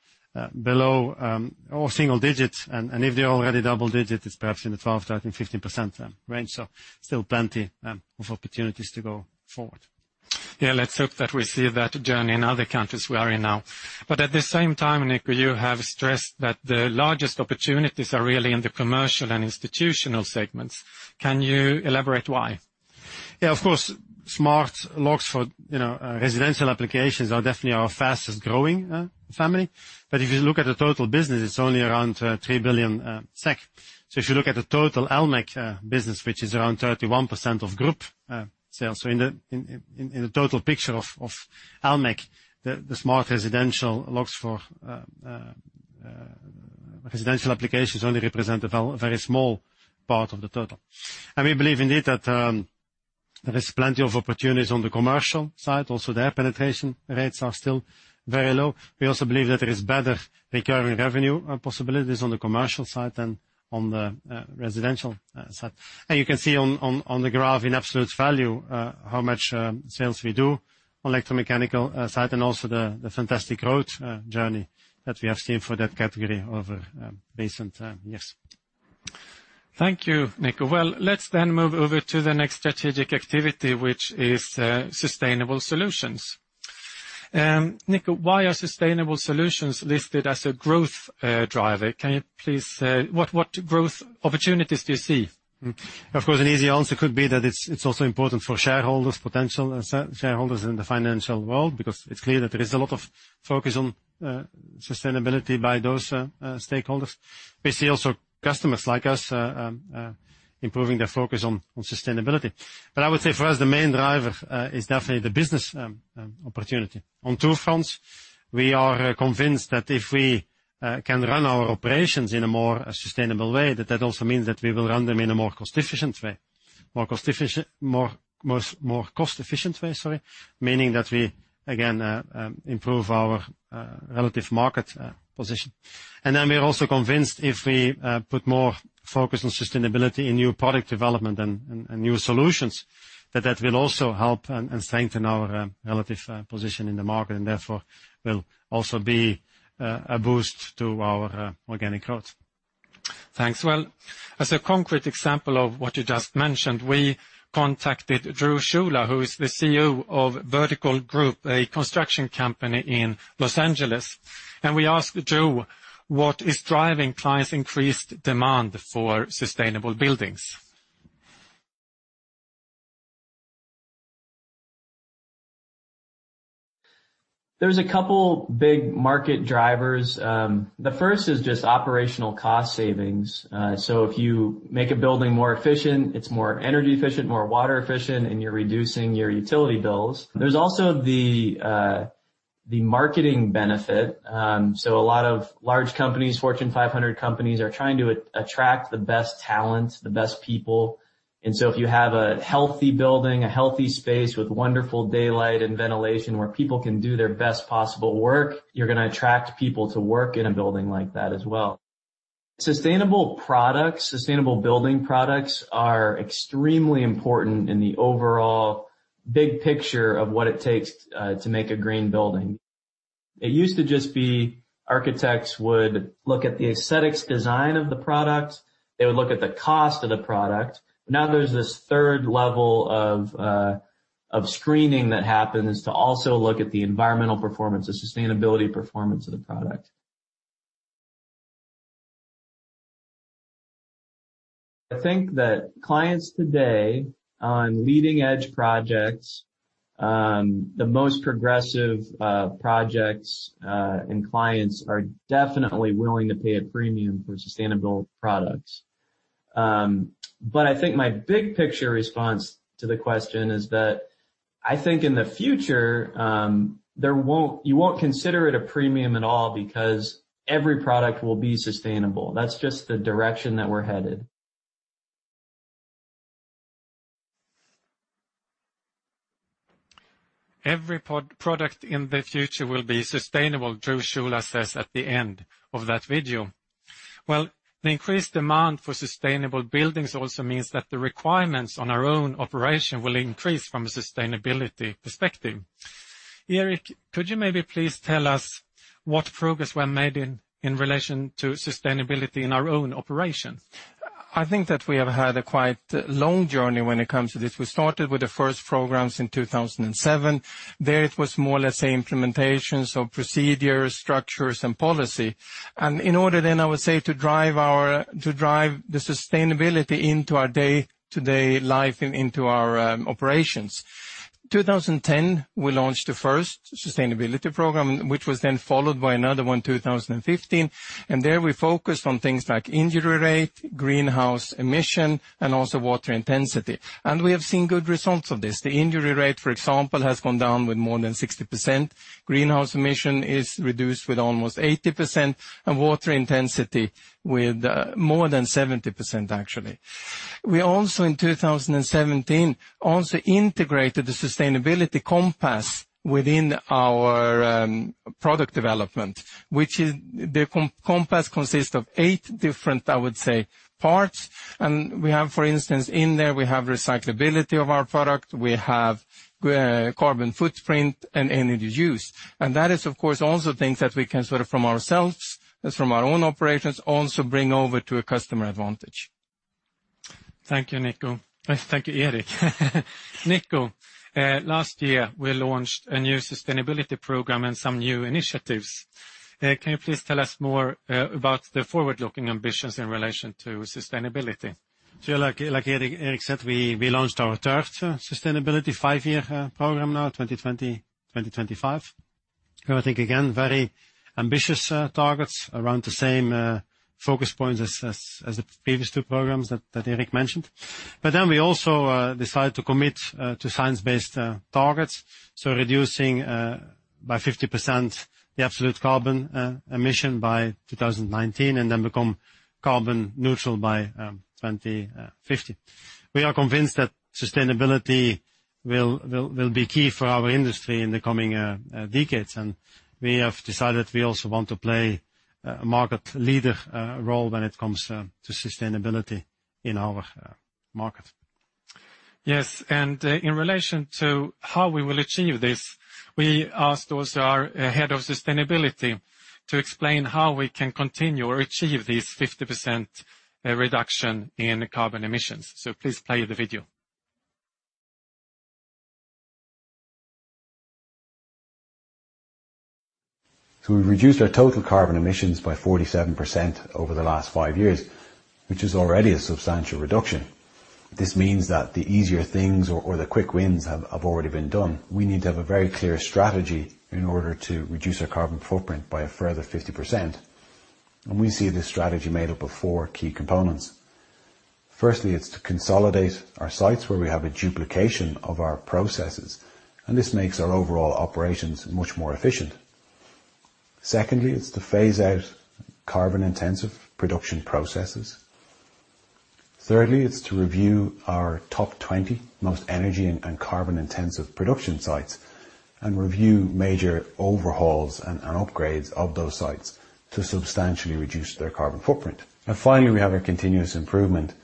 below or single digits, if they're already double digits, it's perhaps in the 12, 13, 15% range. Still plenty of opportunities to go forward. Yeah, let's hope that we see that journey in other countries we are in now. At the same time, Nico, you have stressed that the largest opportunities are really in the commercial and institutional segments. Can you elaborate why? Of course, smart locks for residential applications are definitely our fastest-growing family. If you look at the total business, it's only around 3 billion SEK. If you look at the total Elmech business, which is around 31% of group sales, so in the total picture of Elmech, the smart residential locks for residential applications only represent a very small part of the total. We believe indeed that there is plenty of opportunities on the commercial side. Also, their penetration rates are still very low. We also believe that there is better recurring revenue possibilities on the commercial side than on the residential side. You can see on the graph in absolute value how much sales we do electromechanical side, and also the fantastic growth journey that we have seen for that category over recent years. Thank you, Nico. Well, let's then move over to the next strategic activity, which is sustainable solutions. Nico, why are sustainable solutions listed as a growth driver? What growth opportunities do you see? Of course, an easy answer could be that it's also important for shareholders, potential shareholders in the financial world, because it's clear that there is a lot of focus on sustainability by those stakeholders. We see also customers like us improving their focus on sustainability. I would say for us, the main driver is definitely the business opportunity. On two fronts, we are convinced that if we can run our operations in a more sustainable way, that also means that we will run them in a more cost-efficient way, meaning that we, again, improve our relative market position. We are also convinced if we put more focus on sustainability in new product development and new solutions, that that will also help and strengthen our relative position in the market and therefore will also be a boost to our organic growth. Thanks. Well, as a concrete example of what you just mentioned, we contacted Drew Shula, who is the CEO of Verdical Group, a construction company in Los Angeles. We asked Drew what is driving clients' increased demand for sustainable buildings. There's a couple big market drivers. The first is just operational cost savings. If you make a building more efficient, it's more energy efficient, more water efficient, and you're reducing your utility bills. There's also the marketing benefit. A lot of large companies, Fortune 500 companies, are trying to attract the best talents, the best people. If you have a healthy building, a healthy space with wonderful daylight and ventilation where people can do their best possible work, you're going to attract people to work in a building like that as well. Sustainable products, sustainable building products are extremely important in the overall big picture of what it takes to make a green building. It used to just be architects would look at the aesthetics design of the product, they would look at the cost of the product. There's this third level of screening that happens to also look at the environmental performance, the sustainability performance of the product. I think that clients today on leading-edge projects, the most progressive projects and clients are definitely willing to pay a premium for sustainable products. I think my big-picture response to the question is that I think in the future, you won't consider it a premium at all because every product will be sustainable. That's just the direction that we're headed. Every product in the future will be sustainable, Drew Shula says at the end of that video. Well, the increased demand for sustainable buildings also means that the requirements on our own operation will increase from a sustainability perspective. Erik, could you maybe please tell us what progress were made in relation to sustainability in our own operations? I think that we have had a quite long journey when it comes to this. We started with the first programs in 2007. There it was more or less the implementations of procedures, structures, and policy. In order then, I would say, to drive the sustainability into our day-to-day life and into our operations 2010, we launched the first sustainability program, which was then followed by another one in 2015. There we focused on things like injury rate, greenhouse emission, and also water intensity. We have seen good results of this. The injury rate, for example, has gone down with more than 60%. Greenhouse emission is reduced with almost 80%, and water intensity with more than 70%, actually. We also, in 2017, integrated the sustainability compass within our product development. The compass consists of eight different parts. We have, for instance, in there, we have recyclability of our product, we have carbon footprint, and energy use. That is, of course, also things that we can sort of from ourselves, from our own operations, also bring over to a customer advantage. Thank you, Erik. Nico, last year we launched a new sustainability program and some new initiatives. Can you please tell us more about the forward-looking ambitions in relation to sustainability? Sure. Like Erik said, we launched our third sustainability five-year program now, 2020-2025. I think, again, very ambitious targets around the same focus points as the previous two programs that Erik mentioned. We also decided to commit to science-based targets. Reducing by 50% the absolute carbon emission by 2019 and then become carbon neutral by 2050. We are convinced that sustainability will be key for our industry in the coming decades, and we have decided we also want to play a market leader role when it comes to sustainability in our market. In relation to how we will achieve this, we asked also our Head of Sustainability to explain how we can continue or achieve this 50% reduction in the carbon emissions. Please play the video. We've reduced our total carbon emissions by 47% over the last five years, which is already a substantial reduction. This means that the easier things or the quick wins have already been done. We need to have a very clear strategy in order to reduce our carbon footprint by a further 50%, and we see this strategy made up of four key components. Firstly, it's to consolidate our sites where we have a duplication of our processes, and this makes our overall operations much more efficient. Secondly, it's to phase out carbon-intensive production processes. Thirdly, it's to review our top 20 most energy and carbon-intensive production sites and review major overhauls and upgrades of those sites to substantially reduce their carbon footprint. Finally, we have our continuous improvement.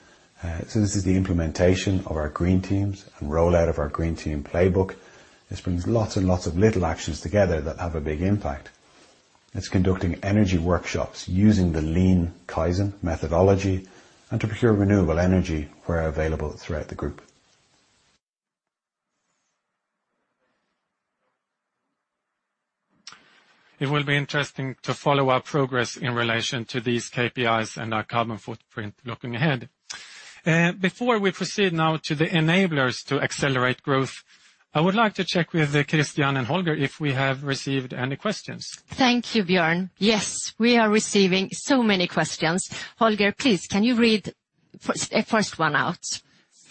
This is the implementation of our green teams and rollout of our green team playbook. This brings lots and lots of little actions together that have a big impact. It's conducting energy workshops using the lean Kaizen methodology and to procure renewable energy where available throughout the group. It will be interesting to follow our progress in relation to these KPIs and our carbon footprint looking ahead. Before we proceed now to the enablers to accelerate growth, I would like to check with Christiane and Holger if we have received any questions. Thank you, Björn. Yes, we are receiving so many questions. Holger, please, can you read the first one out?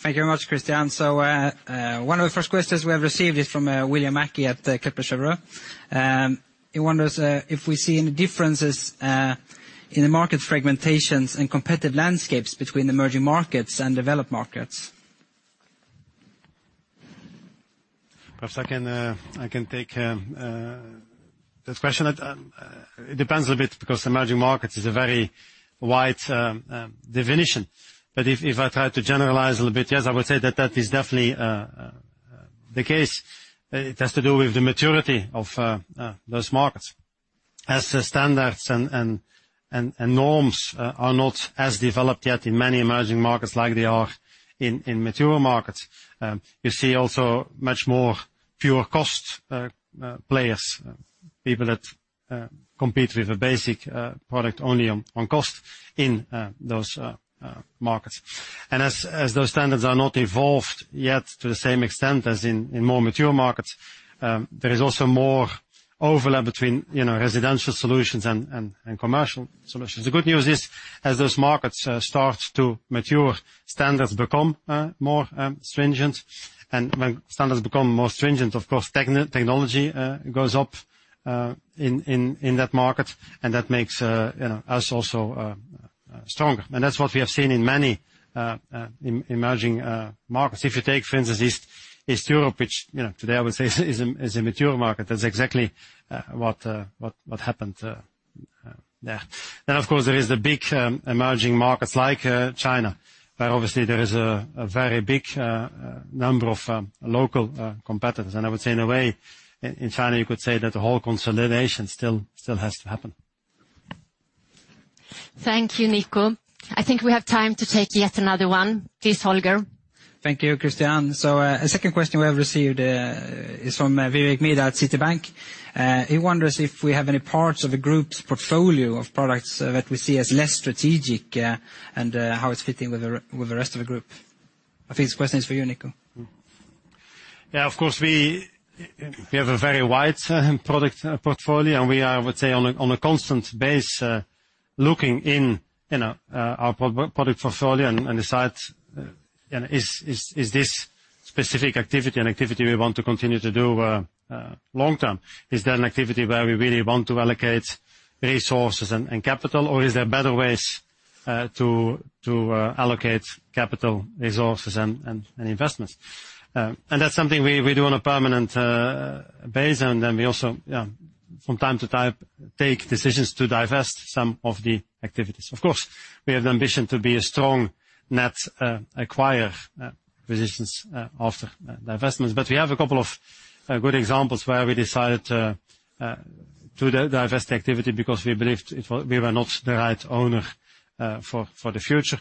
Thank you very much, Christiane. One of the first questions we have received is from William Mackie at Kepler Cheuvreux. He wonders if we see any differences in the market fragmentations and competitive landscapes between emerging markets and developed markets. Perhaps I can take that question. It depends a bit because emerging markets is a very wide definition. If I try to generalize a little bit, yes, I would say that that is definitely the case. It has to do with the maturity of those markets. As the standards and norms are not as developed yet in many emerging markets like they are in mature markets, you see also much more pure cost players, people that compete with a basic product only on cost in those markets. As those standards are not evolved yet to the same extent as in more mature markets, there is also more overlap between residential solutions and commercial solutions. The good news is, as those markets start to mature, standards become more stringent. When standards become more stringent, of course, technology goes up in that market, and that makes us also stronger. That's what we have seen in many emerging markets. If you take, for instance, East Europe, which today I would say is a mature market, that's exactly what happened there. Of course, there is the big emerging markets like China, where obviously there is a very big number of local competitors. I would say in a way, in China, you could say that the whole consolidation still has to happen. Thank you, Nico. I think we have time to take yet another one. Please, Holger. Thank you, Christiane. A second question we have received is from Vivek Midha at Citibank. He wonders if we have any parts of the group's portfolio of products that we see as less strategic and how it's fitting with the rest of the group. I think this question is for you, Nico. Of course, we have a very wide product portfolio, and we are, I would say, on a constant basis, looking in our product portfolio and decide, is this specific activity an activity we want to continue to do long-term? Is that an activity where we really want to allocate resources and capital, or is there better ways to allocate capital resources and investments? That's something we do on a permanent basis. We also, from time to time, take decisions to divest some of the activities. Of course, we have the ambition to be a strong net acquirer positions after divestments. We have a couple of good examples where we decided to divest activity because we believed we were not the right owner for the future.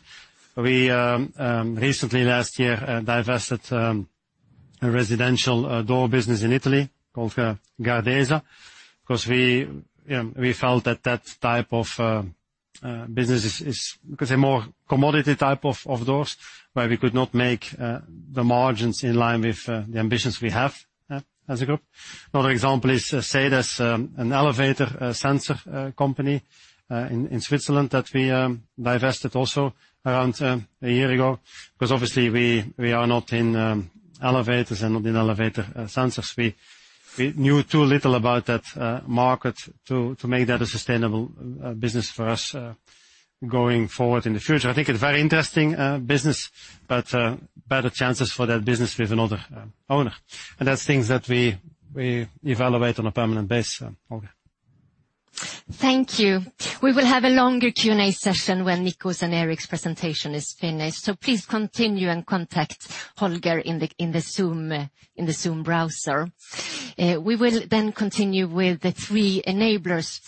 We recently, last year, divested a residential door business in Italy called Gardesa, because we felt that type of business is more commodity type of doors, where we could not make the margins in line with the ambitions we have as a group. Another example is let's say there's an elevator sensor company in Switzerland that we divested also around a year ago, because obviously we are not in elevators and not in elevator sensors. We knew too little about that market to make that a sustainable business for us going forward in the future. I think a very interesting business, but better chances for that business with another owner. That's things that we evaluate on a permanent basis, Holger. Thank you. We will have a longer Q&A session when Nico and Erik's presentation is finished, so please continue and contact Holger in the Zoom browser. We will continue with the three enablers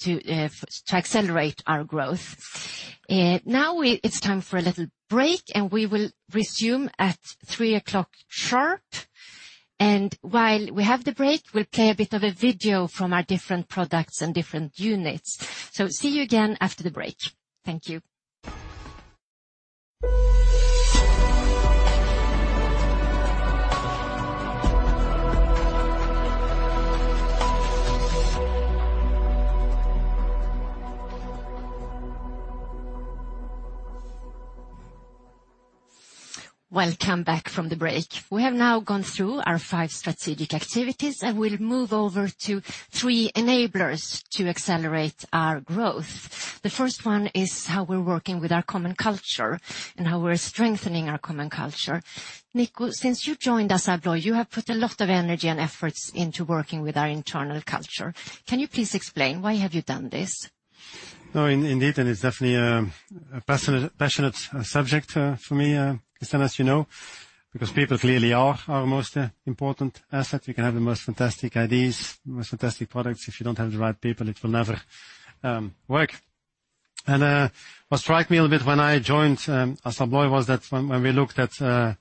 to accelerate our growth. Now it's time for a little break, and we will resume at 3:00 sharp. While we have the break, we play a bit of a video from our different products and different units. See you again after the break. Thank you. Welcome back from the break. We have now gone through our five strategic activities, and we'll move over to three enablers to accelerate our growth. The first one is how we're working with our common culture and how we're strengthening our common culture. Nico, since you've joined us at ASSA ABLOY, you have put a lot of energy and efforts into working with our internal culture. Can you please explain why have you done this? No, indeed, that is definitely a passionate subject for me, as you know, because people clearly are our most important asset. You can have the most fantastic ideas, most fantastic products. If you don't have the right people, it will never work. What struck me a bit when I joined ASSA ABLOY was that when we looked at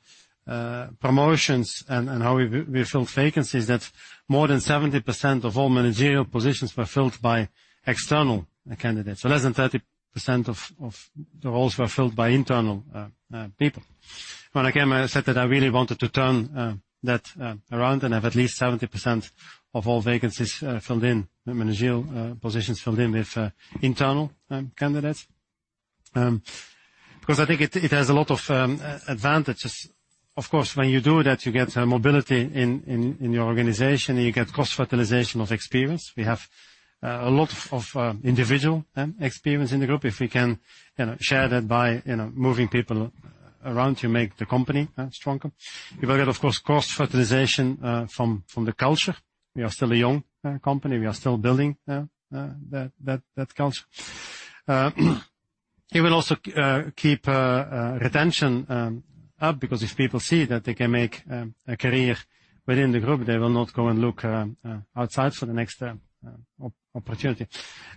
promotions and how we fill vacancies, that more than 70% of all managerial positions were filled by external candidates. Less than 30% of the roles were filled by internal people. When I came, I said that I really wanted to turn that around and have at least 70% of all vacancies filled in, managerial positions filled in with internal candidates. I think it has a lot of advantages. Of course, when you do that, you get mobility in your organization, and you get cross-fertilization of experience. We have a lot of individual experience in the group. If you can share that by moving people around, you make the company stronger. You will get, of course, cross-fertilization from the culture. We are still a young company. We are still building that culture. You will also keep retention up because if people see that they can make a career within the group, they will not go and look outside for the next opportunity.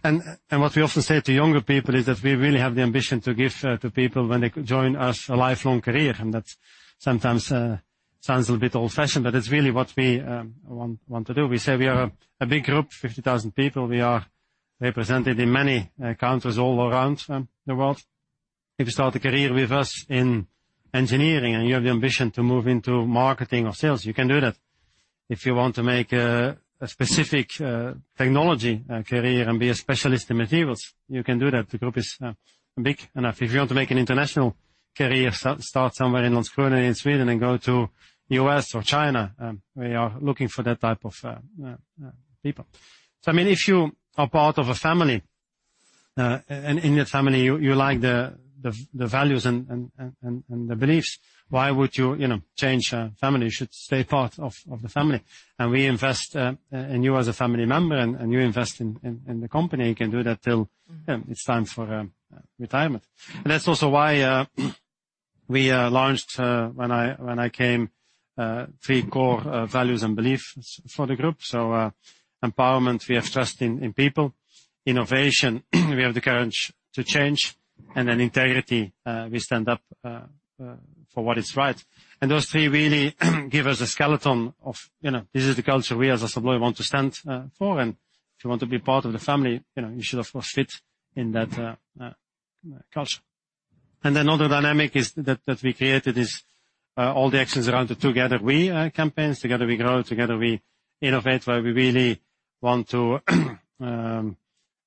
What we also say to younger people is that we really have the ambition to give to people when they join us a lifelong career, and that sometimes sounds a bit old-fashioned, but it's really what we want to do. We say we are a big group, 50,000 people. We are represented in many countries all around the world. If you start a career with us in engineering and you have the ambition to move into marketing or sales, you can do that. If you want to make a specific technology career and be a specialist in materials, you can do that. The group is big enough. If you want to make an international career, start somewhere in Långshult, in Sweden, and go to U.S. or China, we are looking for that type of people. I mean, if you are part of a family, and in your family, you like the values and the beliefs, why would you change family? You should stay part of the family. We invest in you as a family member, and you invest in the company and can do that till it's time for retirement. That's also why we launched, when I came, three core values and beliefs for the group. Empowerment, we have trust in people; innovation, we have the courage to change; integrity, we stand up for what is right. Those three really give us a skeleton of this is the culture we as ASSA ABLOY want to stand for, and if you want to be part of the family, you should, of course, fit in that culture. Another dynamic that we created is all the actions around the Together We campaigns. Together We grow, Together We innovate, where we really want to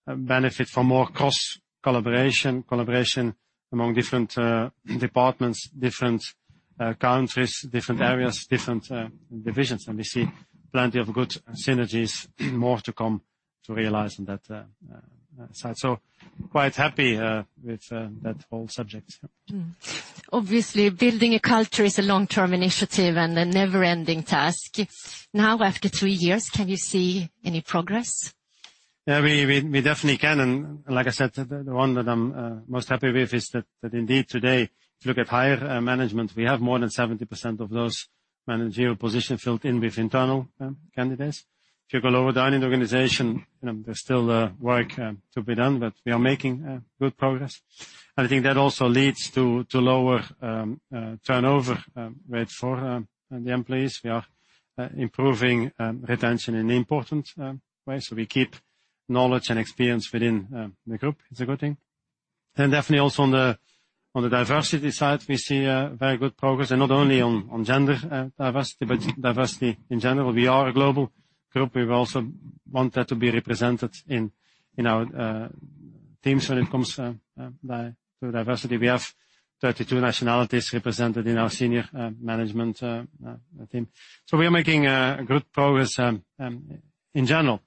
benefit from more cross-collaboration, collaboration among different departments, different countries, different areas, different divisions. We see plenty of good synergies, more to come to realize on that side. Quite happy with that whole subject. Obviously, building a culture is a long-term initiative and a never-ending task. It's now after three years, can you see any progress? Yeah, we definitely can. Like I said, the one that I'm most happy with is that indeed today, if you look at higher management, we have more than 70% of those manager positions filled in with internal candidates. If you go lower down in the organization, there's still work to be done, but we are making good progress. I think that also leads to lower turnover rates for the employees. We are improving retention in an important way. We keep knowledge and experience within the group. It's a good thing. Definitely also on the diversity side, we see very good progress and not only on gender diversity, but diversity in general. We are a global group. We also want that to be represented in our teams when it comes to diversity. We have 32 nationalities represented in our senior management team. We are making good progress in general.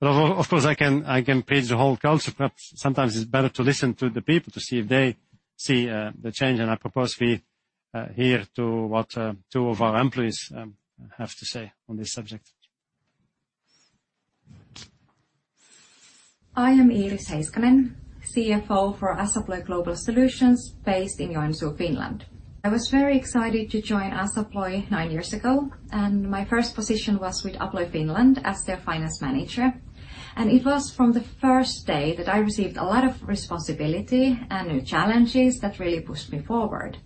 Of course, I can praise the whole culture. Perhaps sometimes it's better to listen to the people to see if they see the change. I propose we hear to what two of our employees have to say on this subject. I am Iiris Heiskanen, CFO for ASSA ABLOY Global Solutions based in Joensuu, Finland. I was very excited to join ASSA ABLOY nine years ago, and my first position was with ABLOY Finland as their Finance Manager. It was from the first day that I received a lot of responsibility and new challenges that really pushed me forward.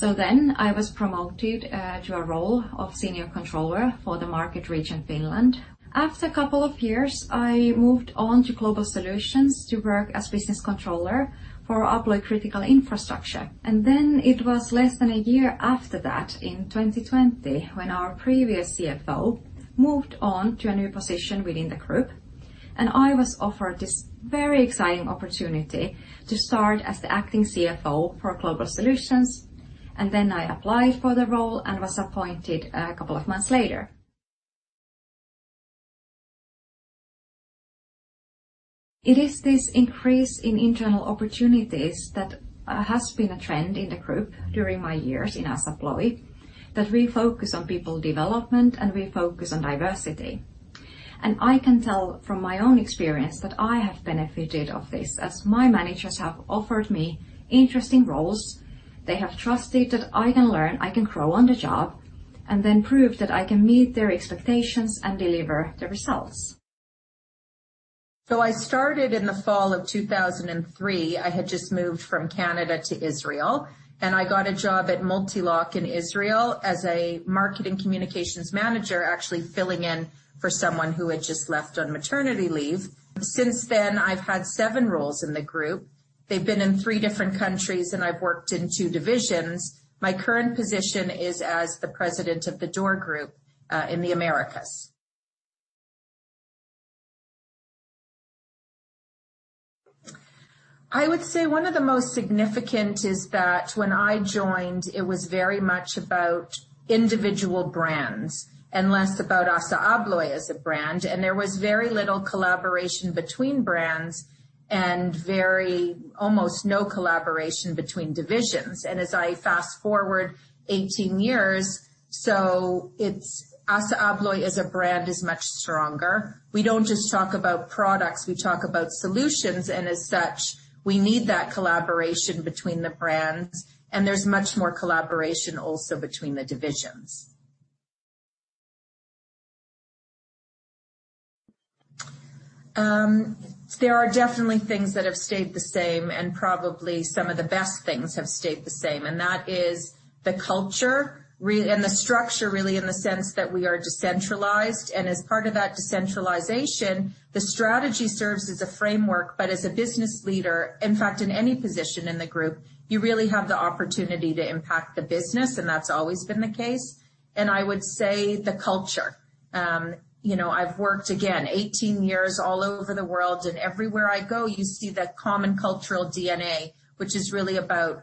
I was promoted to a role of Senior Controller for the market region Finland. After a couple of years, I moved on to Global Solutions to work as Business Controller for ASSA ABLOY Critical Infrastructure. It was less than a year after that in 2020 when our previous CFO moved on to a new position within the group, and I was offered this very exciting opportunity to start as the acting CFO for Global Solutions. I applied for the role and was appointed a couple of months later. It is this increase in internal opportunities that has been a trend in the group during my years in ASSA ABLOY, that we focus on people development and we focus on diversity. I can tell from my own experience that I have benefited off this as my managers have offered me interesting roles. They have trusted that I can learn, I can grow on the job, and then prove that I can meet their expectations and deliver the results. I started in the fall of 2003. I had just moved from Canada to Israel, and I got a job at Mul-T-Lock in Israel as a marketing communications manager, actually filling in for someone who had just left on maternity leave. Since then, I've had seven roles in the group. They've been in three different countries, and I've worked in two divisions. My current position is as the President of the Door Group in the Americas. I would say one of the most significant is that when I joined, it was very much about individual brands and less about ASSA ABLOY as a brand, and there was very little collaboration between brands and almost no collaboration between divisions. As I fast-forward 18 years, ASSA ABLOY as a brand is much stronger. We don't just talk about products, we talk about solutions. As such, we need that collaboration between the brands. There's much more collaboration also between the divisions. There are definitely things that have stayed the same. Probably some of the best things have stayed the same. That is the culture and the structure, really in the sense that we are decentralized. As part of that decentralization, the strategy serves as a framework. As a business leader, in fact, in any position in the group, you really have the opportunity to impact the business, and that's always been the case. I would say the culture. I've worked, again, 18 years all over the world, and everywhere I go, you see that common cultural DNA, which is really about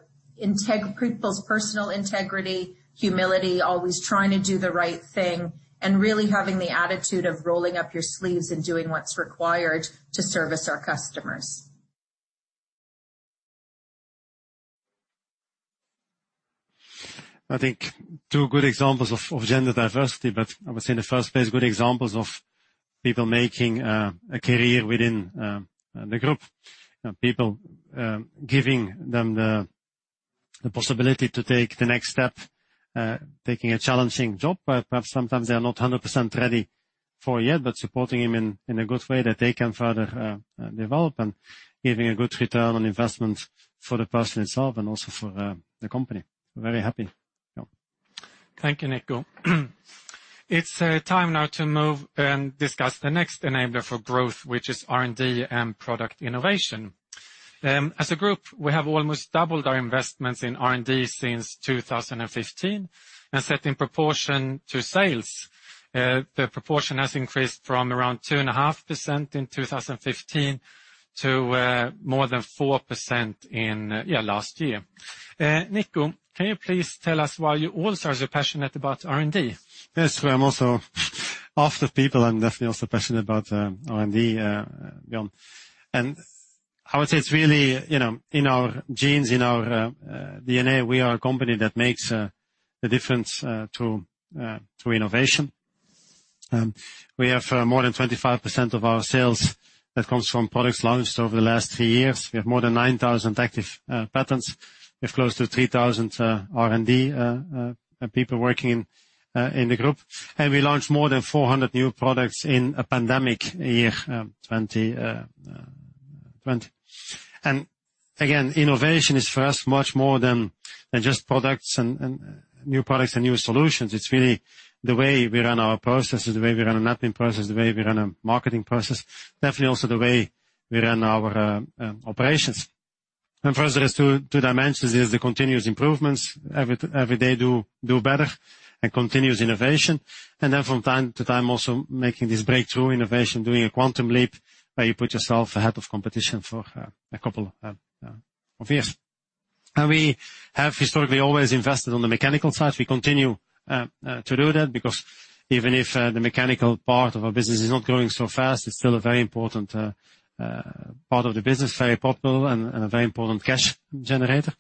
people's personal integrity, humility, always trying to do the right thing, and really having the attitude of rolling up your sleeves and doing what's required to service our customers. I think two good examples of gender diversity, but I would say in the first place, good examples of people making a career within the Group. People giving them the possibility to take the next step, taking a challenging job where perhaps sometimes they're not 100% ready for yet, but supporting them in a good way that they can further develop and giving a good return on investment for the person itself and also for the company. We're very happy. Thank you, Nico. It's time now to move and discuss the next enabler for growth, which is R&D and product innovation. As a group, we have almost doubled our investments in R&D since 2015, and set in proportion to sales. The proportion has increased from around 2.5% in 2015 to more than 4% last year. Nico, can you please tell us why you also are so passionate about R&D? I'm also half the people, I'm definitely also passionate about R&D, Björn. I would say it's really in our genes, in our DNA. We are a company that makes a difference through innovation. We have more than 25% of our sales that comes from products launched over the last three years. We have more than 9,000 active patents. We have close to 3,000 R&D people working in the group. We launched more than 400 new products in a pandemic year, 2020. Again, innovation is, for us, much more than just products and new products and new solutions. It's really the way we run our processes, the way we run our mapping process, the way we run our marketing process, definitely also the way we run our operations. First, there's two dimensions. There's the continuous improvements. Every day do better, and continuous innovation. Then from time to time, also making this breakthrough innovation, doing a quantum leap, where you put yourself ahead of competition for a couple of years. We have historically always invested on the mechanical side. We continue to do that because even if the mechanical part of our business is not growing so fast, it's still a very important part of the business, very profitable and a very important cash generator.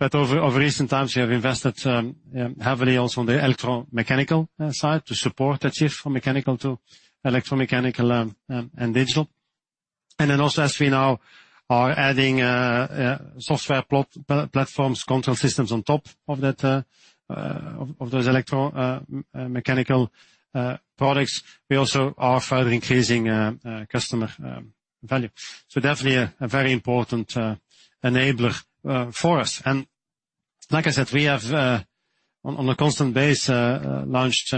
Over recent times, we have invested heavily also on the electromechanical side to support that shift from mechanical to electromechanical and digital. Also, as we now are adding software platforms, control systems on top of those electromechanical products, we also are further increasing customer value. So definitely a very important enabler for us. Like I said, we have, on a constant basis, launched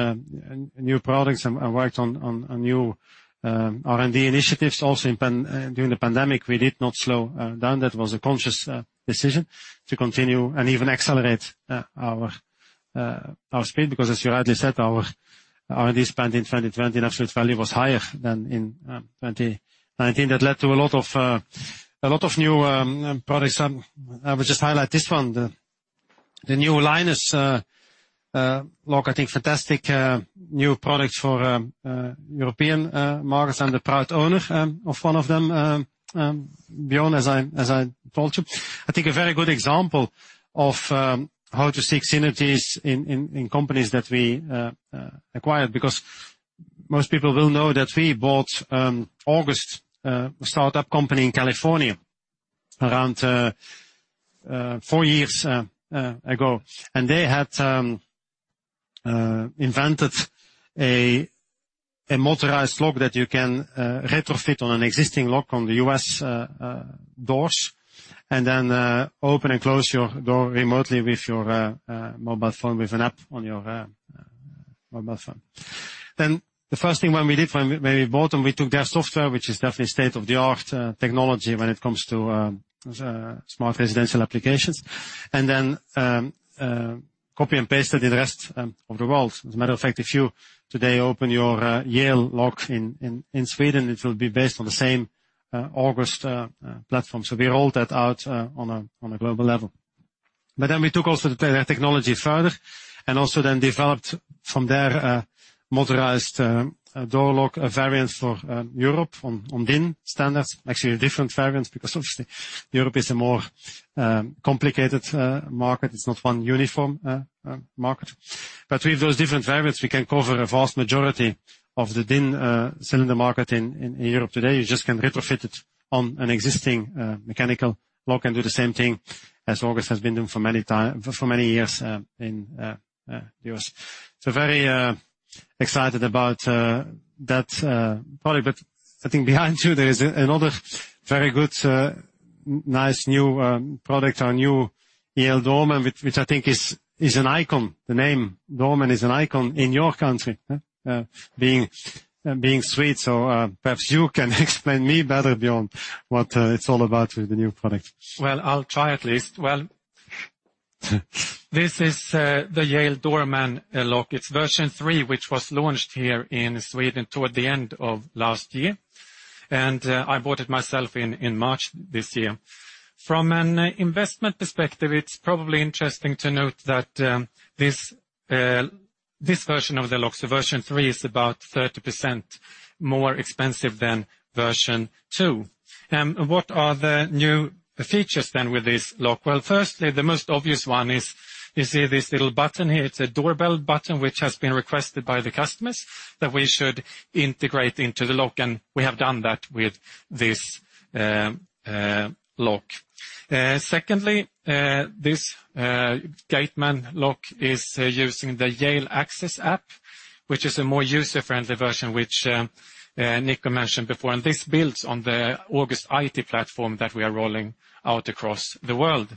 new products and worked on new R&D initiatives also during the pandemic. We did not slow down. That was a conscious decision to continue and even accelerate our speed because as you rightly said, our R&D spend in 2020 versus value was higher than in 2019. That led to a lot of new products. I would just highlight this one. The new Linus lock, I think fantastic new product for European markets. I am a proud owner of one of them, Björn, as I told you. I think a very good example of how to seek synergies in companies that we acquired, because most people will know that we bought August, a startup company in California around four years ago. They had invented a motorized lock that you can retrofit on an existing lock on the U.S. doors, open and close your door remotely with your mobile phone, with an app on your mobile phone. The first thing when we did when we bought them, we took their software, which is definitely state-of-the-art technology when it comes to smart residential applications, copy and pasted the rest of the world. As a matter of fact, if you today open your Yale lock in Sweden, it will be based on the same August platform. We rolled that out on a global level. We took also the technology further and also then developed from there a motorized door lock variants for Europe on DIN standards. Different variants because obviously Europe is a more complicated market. It's not one uniform market. With those different variants, we can cover a vast majority of the DIN cylinder market in Europe today. You just can retrofit it on an existing mechanical lock, and do the same thing as August has been doing for many years in the U.S. Very excited about that product. I think behind you there's another very good, nice new product. Our new Yale Doorman, which I think is an icon. The name Doorman is an icon in your country, being Swedish. Perhaps you can explain me better, Björn, what it's all about with the new product. Well, I'll try at least. Well, this is the Yale Doorman. It's version three, which was launched here in Sweden toward the end of last year, and I bought it myself in March this year. From an investment perspective, it's probably interesting to note that this version of the lock, so version three, is about 30% more expensive than version two. What are the new features then with this lock? Well, firstly, the most obvious one is you see this little button here. It's a doorbell button, which has been requested by the customers that we should integrate into the lock, and we have done that with this lock. This Yale Doorman lock is using the Yale Access app, which is a more user-friendly version, which Nico mentioned before, and this builds on the August IT platform that we are rolling out across the world.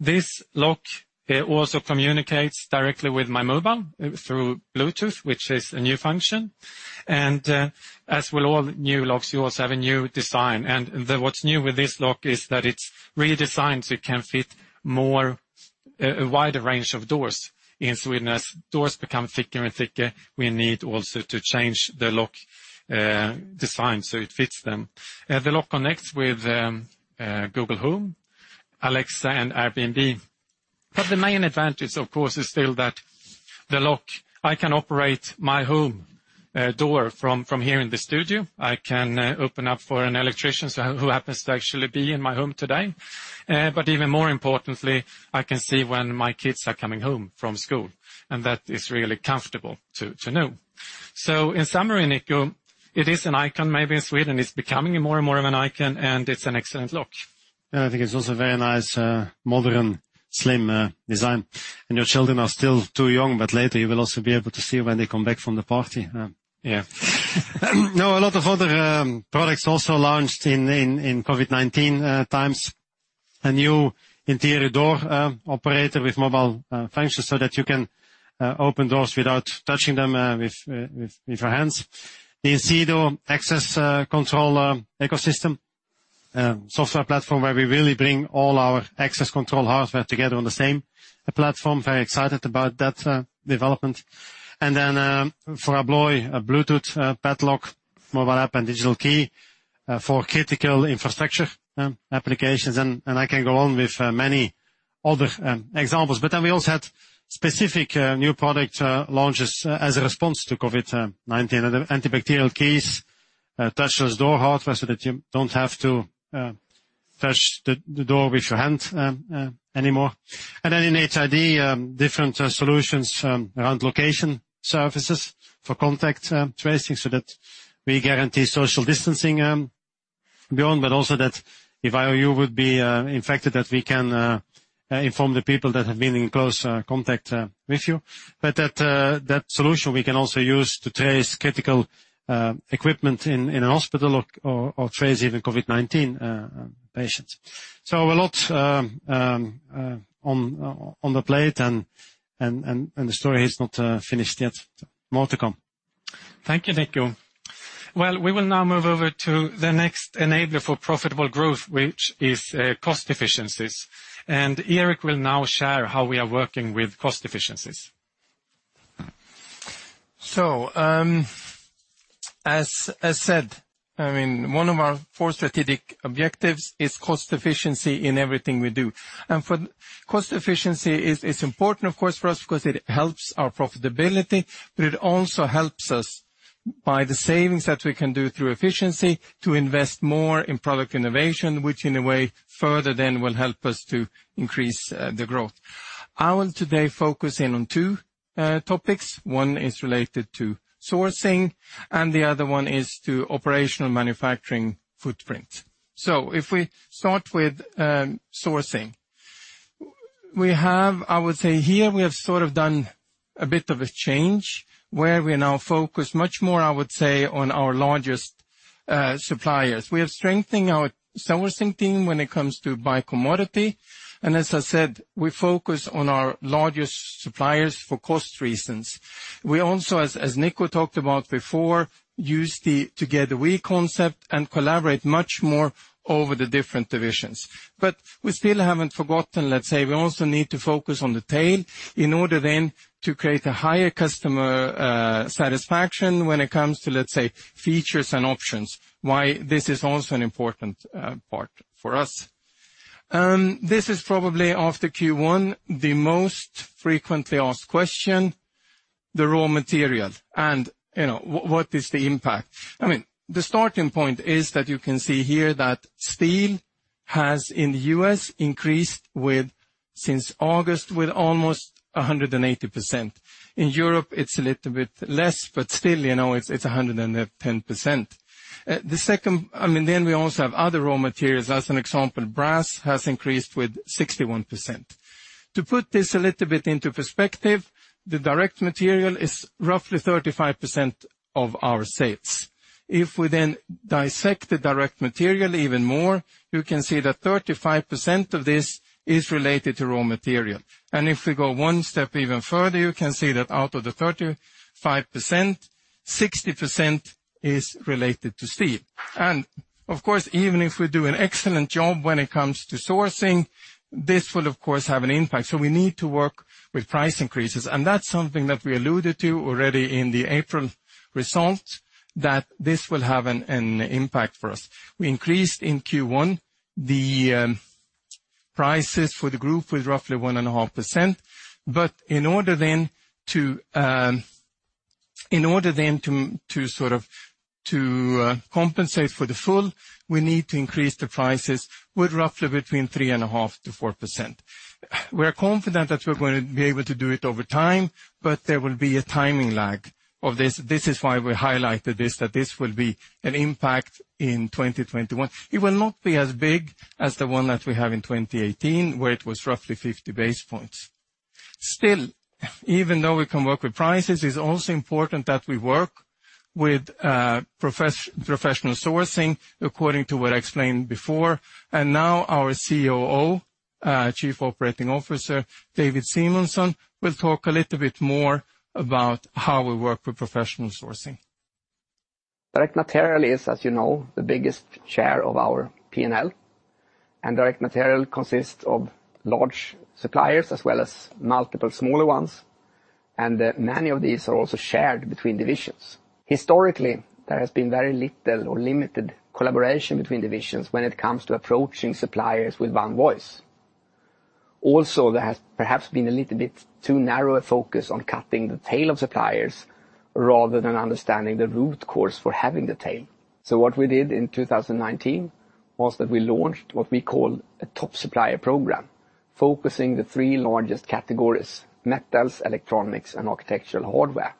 This lock also communicates directly with my mobile through Bluetooth, which is a new function. As with all new locks, we also have a new design. What's new with this lock is that it's redesigned so it can fit a wider range of doors. In Sweden, as doors become thicker and thicker, we need also to change the lock design so it fits them. The lock connects with Google Home, Alexa, and Airbnb. The main advantage, of course, is still that the lock, I can operate my home door from here in the studio. I can open up for an electrician who happens to actually be in my home today. Even more importantly, I can see when my kids are coming home from school, and that is really comfortable to know. In summary, Nico, it's an icon. Maybe in Sweden, it's becoming more and more of an icon, and it's an excellent lock. Yeah. I think it's also a very nice, modern, slim design. Your children are still too young, but later you will also be able to see when they come back from the party. Yeah. A lot of other products also launched in COVID-19 times. A new interior door operator with mobile functions so that you can open doors without touching them with your hands. The Incedo access control ecosystem, software platform where we really bring all our access control hardware together on the same platform. Very excited about that development. For ABLOY, a Bluetooth padlock, mobile app, and digital key for critical infrastructure applications. I can go on with many other examples. We also had specific new product launches as a response to COVID-19. Other antibacterial keys, touchless door hardware so that you don't have to touch the door with your hand anymore. In HID, different solutions around location services for contact tracing so that we guarantee social distancing and beyond, but also that if I or you would be infected, that we can inform the people that have been in close contact with you. That solution we can also use to trace critical equipment in a hospital or trace even COVID-19 patients. A lot on the plate, and the story is not finished yet. More to come. Thank you, Nico. We will now move over to the next enabler for profitable growth, which is cost efficiencies. Erik will now share how we are working with cost efficiencies. As said, one of our four strategic objectives is cost efficiency in everything we do. Cost efficiency is important, of course, for us because it helps our profitability. It also helps us by the savings that we can do through efficiency to invest more in product innovation, which in a way further will help us to increase the growth. I will today focus in on two topics. One is related to sourcing. The other one is to operational manufacturing footprint. If we start with sourcing, I would say here we have done a bit of a change, where we now focus much more, I would say, on our largest suppliers. We have strengthened our sourcing team when it comes to by commodity, and as I said, we focus on our largest suppliers for cost reasons. We also, as Nico talked about before, use the Together We concept and collaborate much more over the different divisions. We still haven't forgotten, let's say, we also need to focus on the tail in order then to create a higher customer satisfaction when it comes to, let's say, features and options, why this is also an important part for us. This is probably after Q1, the most frequently asked question, the raw material, and what is the impact? The starting point is that you can see here that steel has in the U.S. increased since August with almost 180%. In Europe, it's a little bit less, but still, it's 110%. We also have other raw materials. As an example, brass has increased with 61%. To put this a little bit into perspective, the direct material is roughly 35% of our sales. If we then dissect the direct material even more, you can see that 35% of this is related to raw material. If we go one step even further, you can see that out of the 35%, 60% is related to steel. Of course, even if we do an excellent job when it comes to sourcing, this will of course have an impact. We need to work with price increases. That's something that we alluded to already in the April results, that this will have an impact for us. We increased in Q1 the prices for the group with roughly 1.5%, but in order then to compensate for the full, we need to increase the prices with roughly between 3.5%-4%. We're confident that we're going to be able to do it over time, there will be a timing lag of this. This is why we highlighted this, that this will be an impact in 2021. It will not be as big as the one that we had in 2018, where it was roughly 50 basis points. Still, even though we can work with prices, it's also important that we work with professional sourcing according to what I explained before. Now our COO, Chief Operating Officer, David Simonsson, will talk a little bit more about how we work with professional sourcing. Direct material is, as you know, the biggest share of our P&L, direct material consists of large suppliers as well as multiple smaller ones, many of these are also shared between divisions. Historically, there has been very little or limited collaboration between divisions when it comes to approaching suppliers with one voice. There has perhaps been a little bit too narrow a focus on cutting the tail of suppliers rather than understanding the root cause for having the tail. What we did in 2019 was that we launched what we call a Top Supplier Program, focusing the three largest categories, metals, electronics, and architectural hardware.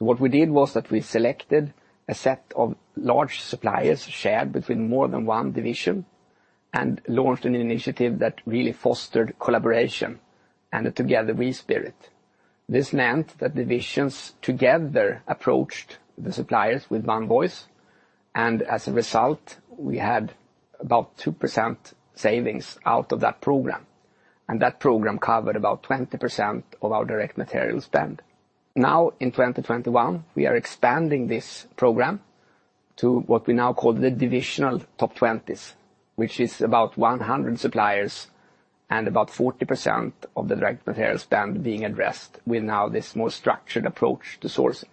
What we did was that we selected a set of large suppliers shared between more than one division and launched an initiative that really fostered collaboration and a Together we spirit. This meant that divisions together approached the suppliers with one voice, and as a result, we had about 2% savings out of that program, and that program covered about 20% of our direct material spend. In 2021, we are expanding this program to what we now call the Divisional Top 20s, which is about 100 suppliers and about 40% of the direct material spend being addressed with now this more structured approach to sourcing.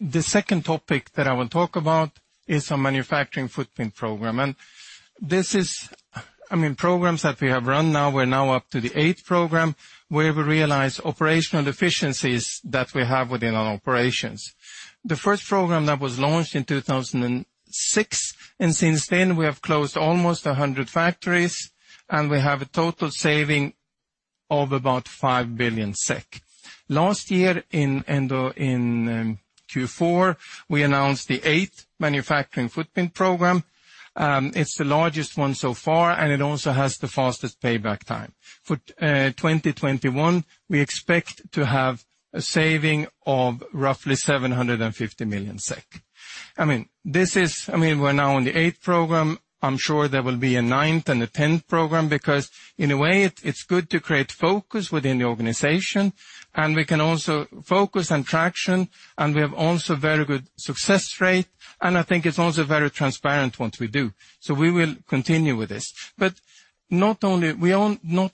The second topic that I will talk about is a Manufacturing Footprint Program. Programs that we have run now, we're now up to the eighth program, where we realize operational efficiencies that we have within our operations. The first program that was launched in 2006, and since then we have closed almost 100 factories, and we have a total saving of about 5 billion SEK. Last year in Q4, we announced the eighth Manufacturing Footprint Program. It's the largest one so far, and it also has the fastest payback time. For 2021, we expect to have a saving of roughly 750 million SEK. We're now on the eighth program. I'm sure there will be a ninth and a 10th program because in a way, it's good to create focus within the organization, and we can also focus on traction, and we have also very good success rate, and I think it's also very transparent what we do. We will continue with this. We not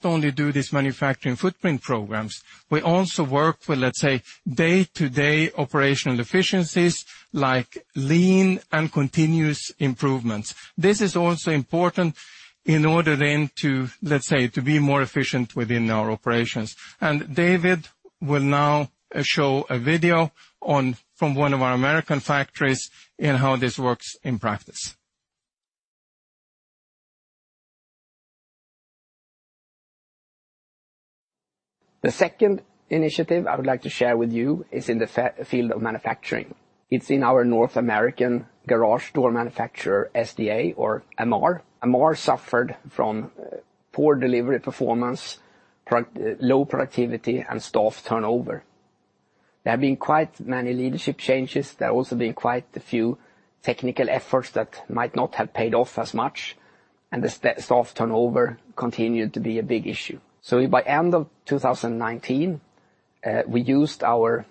only do these manufacturing footprint programs, we also work with, let's say, day-to-day operational efficiencies like lean and continuous improvements. This is also important in order then to, let's say, to be more efficient within our operations. David will now show a video from one of our American factories in how this works in practice. The second initiative I would like to share with you is in the field of manufacturing. It's in our North American garage door manufacturer, SDA or Amarr. Amarr suffered from poor delivery performance, low productivity, and staff turnover. There have been quite many leadership changes. There have also been quite a few technical efforts that might not have paid off as much, and the staff turnover continued to be a big issue. By end of 2019, we used our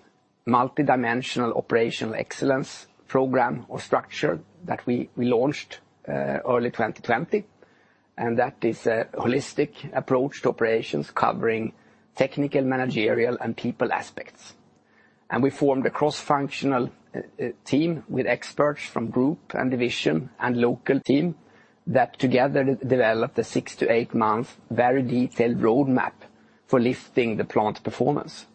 multidimensional operational excellence program or structure that we launched early 2020, and that is a holistic approach to operations covering technical, managerial, and people aspects. We formed a cross-functional team with experts from group and division and local team that together developed a six to eight-month very detailed roadmap for lifting the plant performance.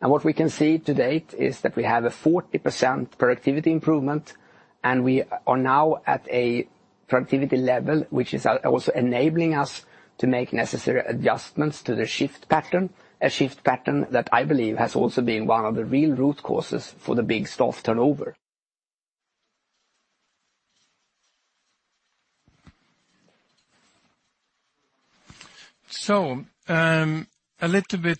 What we can see to date is that we have a 40% productivity improvement, and we are now at a productivity level, which is also enabling us to make necessary adjustments to the shift pattern. A shift pattern that I believe has also been one of the real root causes for the big staff turnover. A little bit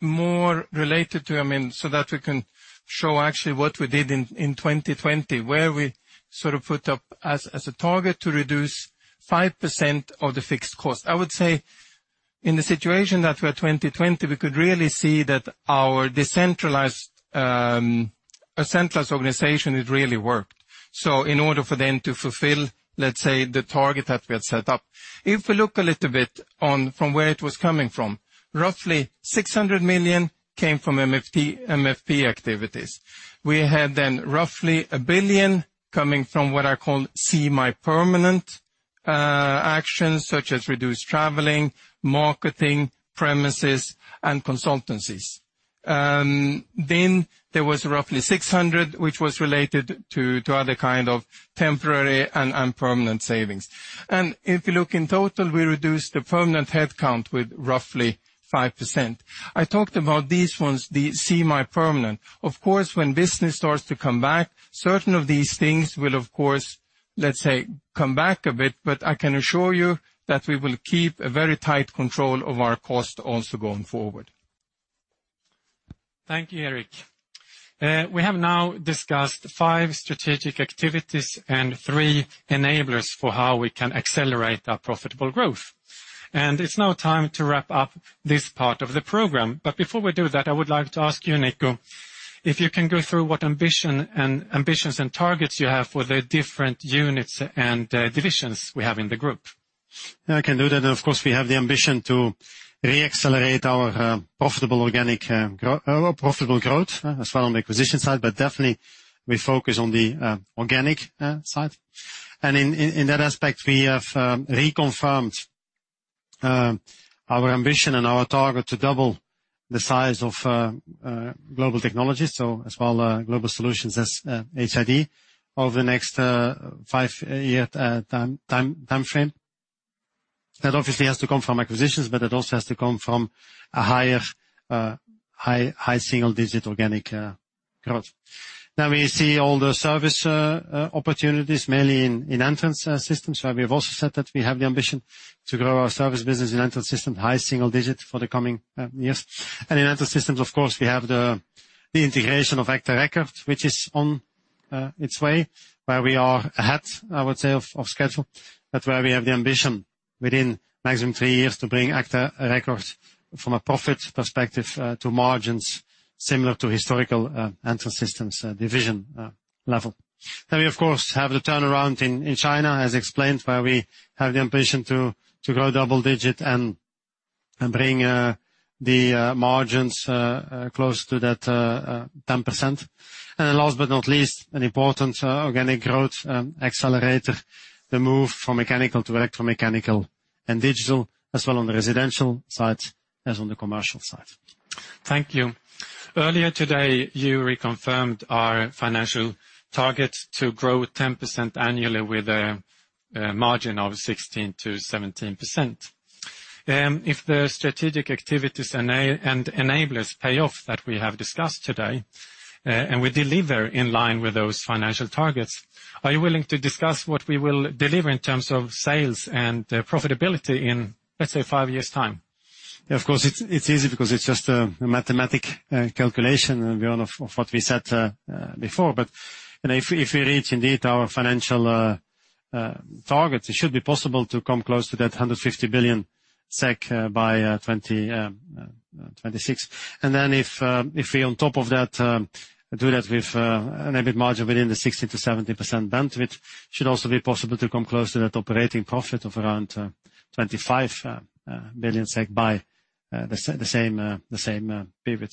more related to, so that we can show actually what we did in 2020, where we sort of put up as a target to reduce 5% of the fixed cost. I would say in the situation that we're in 2020, we could really see that our decentralized organization, it really worked. In order for them to fulfill, let's say, the target that we had set up. If we look a little bit on from where it was coming from, roughly 600 million came from MFP activities. We had roughly 1 billion coming from what I call semi-permanent actions, such as reduced traveling, marketing, premises, and consultancies. There was roughly 600, which was related to other kind of temporary and permanent savings. If you look in total, we reduced the permanent headcount with roughly 5%. I talked about these ones, the semi-permanent. Of course, when business starts to come back, certain of these things will, let's say, come back a bit. I can assure you that we will keep a very tight control of our cost also going forward. Thank you, Erik. We have now discussed five strategic activities and three enablers for how we can accelerate our profitable growth. It's now time to wrap up this part of the program. Before we do that, I would like to ask you, Nico, if you can go through what ambitions and targets you have for the different units and divisions we have in the group. I can do that. Of course, we have the ambition to re-accelerate our profitable growth as well on the acquisition side, but definitely we focus on the organic side. In that aspect, we have reconfirmed our ambition and our target to double the size of Global Technologies, so as well Global Solutions as HID, over the next five-year time frame. That obviously has to come from acquisitions, but it also has to come from a high single-digit organic growth. We see all the service opportunities, mainly in Entrance Systems, where we've also said that we have the ambition to grow our service business in Entrance Systems high single digit for the coming years. In Entrance Systems, of course, we have the integration of agta record, which is on its way, where we are ahead, I would say, of schedule. Where we have the ambition within maximum three years to bring agta record from a profit perspective to margins similar to historical Entrance Systems division level. We, of course, have the turnaround in China as explained, where we have the ambition to grow double-digit and bring the margins close to that 10%. Last but not least, an important organic growth accelerator, the move from mechanical to electromechanical and digital, as well on the residential side as on the commercial side. Thank you. Earlier today, you reconfirmed our financial target to grow 10% annually with a margin of 16%-17%. If the strategic activities and enablers pay off that we have discussed today, and we deliver in line with those financial targets, are you willing to discuss what we will deliver in terms of sales and profitability in, let's say, five years' time? Of course, it's easy because it's just a mathematical calculation, Björn, of what we said before. If we reach indeed our financial target, it should be possible to come close to that 150 billion SEK by 2026. If we, on top of that, do that with an EBIT margin within the 16%-17% band, which should also be possible to come close to that operating profit of around 25 billion SEK by the same period.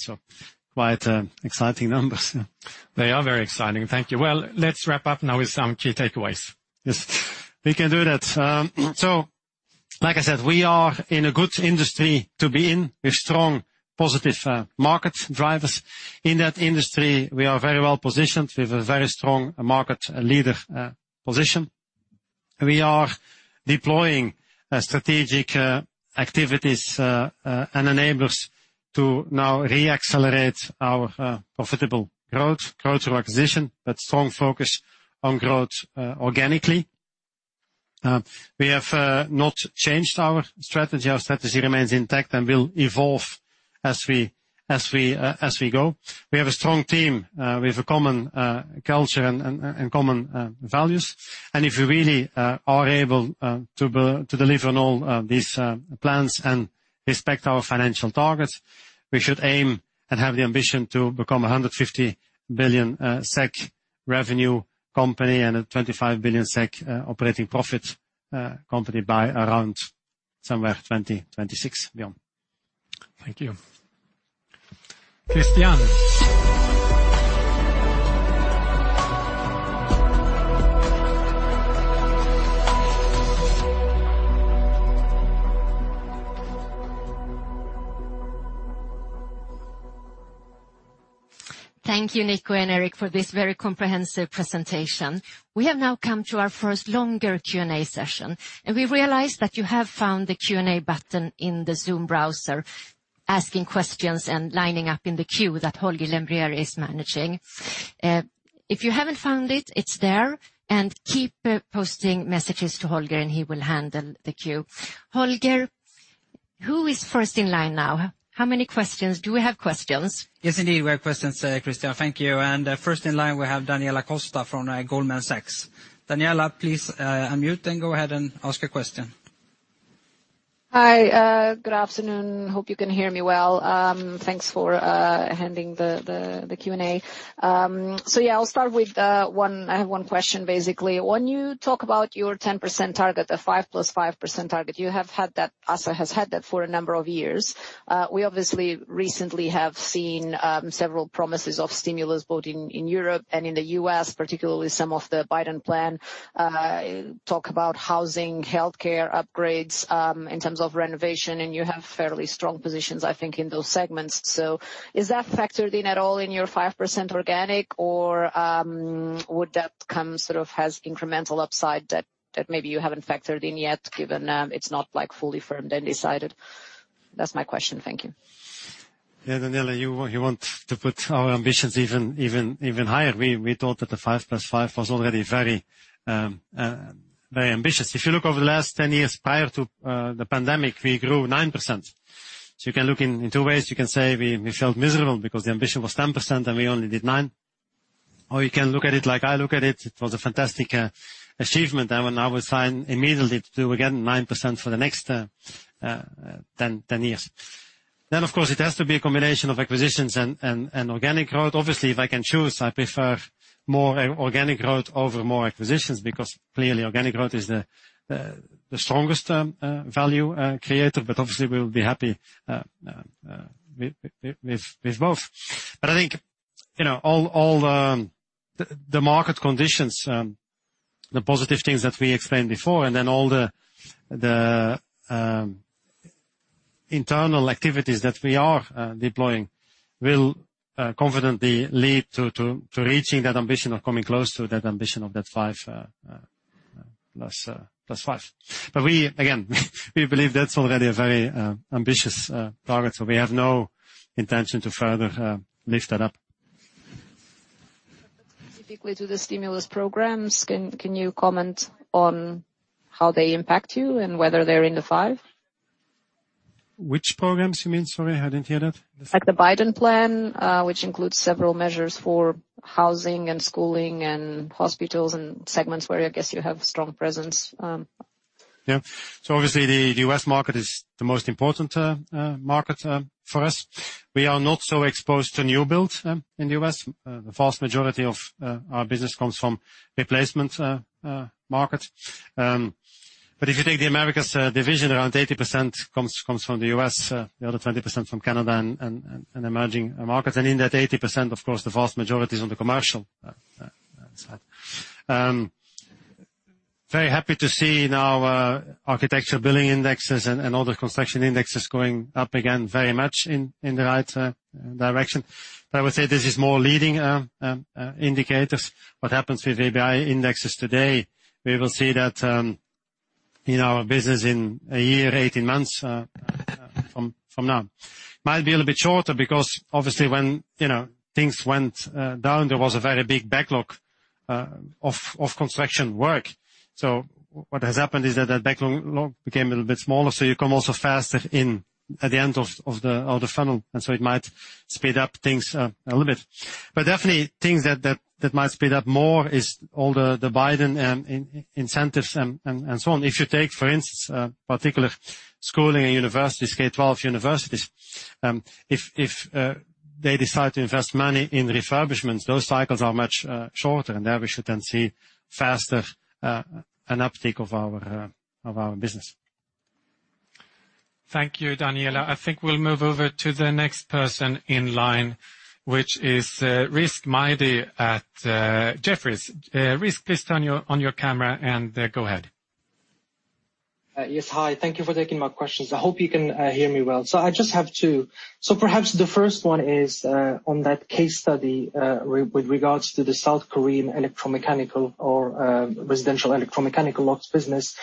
Quite exciting numbers. They are very exciting. Thank you. Let's wrap up now with some key takeaways. Yes, we can do that. Like I said, we are in a good industry to be in with strong positive market drivers. In that industry, we are very well-positioned with a very strong market leader position. We are deploying strategic activities and enablers to now re-accelerate our profitable growth through acquisition, but strong focus on growth organically. We have not changed our strategy. Our strategy remains intact and will evolve as we go. We have a strong team with a common culture and common values. If we really are able to deliver on all these plans and respect our financial targets, we should aim and have the ambition to become a 150 billion SEK revenue company and a 25 billion SEK operating profit company by around somewhere 2026, Björn. Thank you. Christiane. Thank you, Nico and Erik, for this very comprehensive presentation. We have now come to our first longer Q&A session. We realize that you have found the Q&A button in the Zoom browser, asking questions and lining up in the queue that Holger Lembrér is managing. If you haven't found it's there. Keep posting messages to Holger, and he will handle the queue. Holger, who is first in line now? How many questions? Do we have questions? Yes, indeed, we have questions, Christiane. Thank you. First in line, we have Daniela Costa from Goldman Sachs. Daniela, please unmute and go ahead and ask your question. Hi, good afternoon. Hope you can hear me well. Thanks for handling the Q&A. Yeah, I'll start with one question, basically. When you talk about your 10% target, the 5% plus 5% target, ASSA ABLOY has had that for a number of years. We obviously recently have seen several promises of stimulus, both in Europe and in the U.S., particularly some of the Biden plan talk about housing, healthcare upgrades in terms of renovation, and you have fairly strong positions, I think, in those segments. Is that factored in at all in your 5% organic, or would that come sort of as incremental upside that maybe you haven't factored in yet, given it's not fully firm decided? That's my question. Thank you. Daniela, you want to put our ambitions even higher. We thought that the five plus five was already very ambitious. If you look over the last 10 years prior to the pandemic, we grew 9%. You can look in two ways. You can say we failed miserably because the ambition was 10% and we only did 9%, or you can look at it like I look at it was a fantastic achievement, and I would sign immediately to do again 9% for the next 10 years. Of course, it has to be a combination of acquisitions and organic growth. If I can choose, I prefer more organic growth over more acquisitions because clearly organic growth is the strongest value creator, but obviously, we'll be happy with both. I think all the market conditions, the positive things that we explained before, and then all the internal activities that we are deploying will confidently lead to reaching that ambition of coming close to that ambition of that five plus five. Again, we believe that's already a very ambitious target. We have no intention to further lift that up. Specifically to the stimulus programs, can you comment on how they impact you and whether they're in the five? Which programs you mean? Sorry, I didn't hear that. The Biden plan, which includes several measures for housing and schooling and hospitals and segments where I guess you have a strong presence. Yeah. Obviously the U.S. market is the most important market for us. We are not so exposed to new builds in the U.S. The vast majority of our business comes from replacement market. If you take the Americas division, around 80% comes from the U.S., the other 20% from Canada and emerging markets. In that 80%, of course, the vast majority is on the commercial side. Very happy to see now architecture billing indexes and other construction indexes going up again very much in the right direction. I would say this is more leading indicators. What happens with ABI indexes today, we will see that in our business in a year, 18 months from now. Might be a little bit shorter because obviously when things went down, there was a very big backlog of construction work. What has happened is that the backlog became a little bit smaller, you come also faster in at the end of the funnel, it might speed up things a little bit. Definitely things that might speed up more is all the Biden incentives and so on. You take, for instance, particular schooling and universities, K-12 universities, if they decide to invest money in refurbishments, those cycles are much shorter, and there we should then see faster an uptick of our business. Thank you, Daniela. I think we will move over to the next person in line, which is Rizk Maidi at Jefferies. Rizk, please turn on your camera and go ahead. Yes. Hi. Thank you for taking my questions. I hope you can hear me well. I just have two. Perhaps the first one is on that case study with regards to the South Korean electromechanical or residential electromechanical locks business.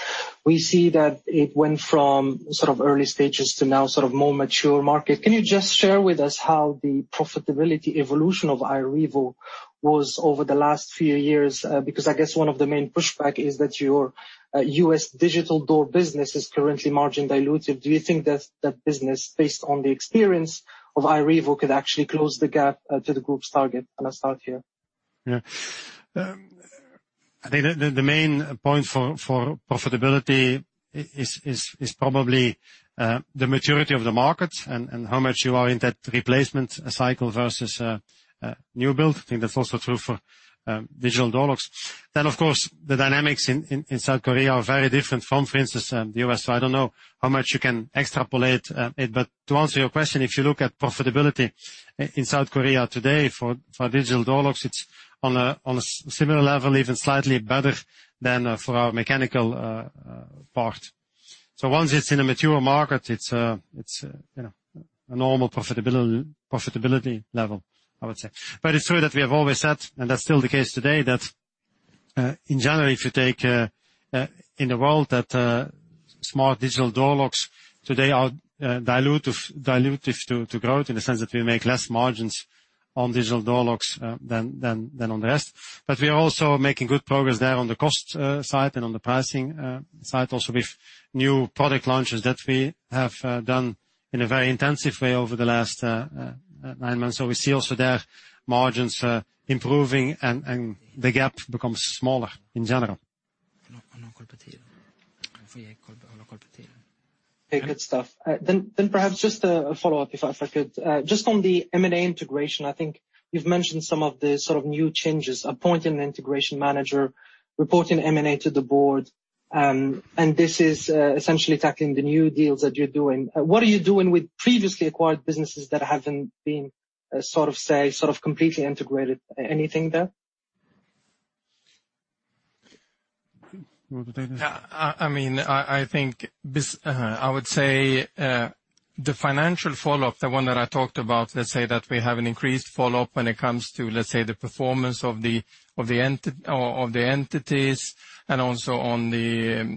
We see that it went from sort of early stages to now sort of more mature market. Can you just share with us how the profitability evolution of iRevo was over the last few years? I guess one of the main pushback is that your U.S. digital door business is currently margin dilutive. Do you think that that business, based on the experience of iRevo, could actually close the gap to the group's target in the South here? Yeah. I think the main point for profitability is probably the maturity of the market and how much you are in that replacement cycle versus new build. I think that's also true for digital door locks. Of course, the dynamics in South Korea are very different from, for instance, the U.S. I don't know how much you can extrapolate it. To answer your question, if you look at profitability in South Korea today for digital door locks, it's on a similar level, even slightly better than for our mechanical part. Once it's in a mature market, it's a normal profitability level, I would say. It's true that we have always said, and that's still the case today, that in general, if you take in the world that smart digital door locks today are dilutive to growth in the sense that we make less margins on digital door locks than on the rest. We are also making good progress there on the cost side and on the pricing side also with new product launches that we have done in a very intensive way over the last nine months. We see also there margins improving and the gap becomes smaller in general. Good stuff. Perhaps just a follow-up if I could. Just on the M&A integration, I think you've mentioned some of the sort of new changes, appointing an integration manager, reporting M&A to the board, this is essentially tackling the new deals that you're doing. What are you doing with previously acquired businesses that haven't been sort of, say, sort of completely integrated? Anything there? I would say the financial follow-up, the one that I talked about, let's say that we have an increased follow-up when it comes to, let's say, the performance of the entities and also on the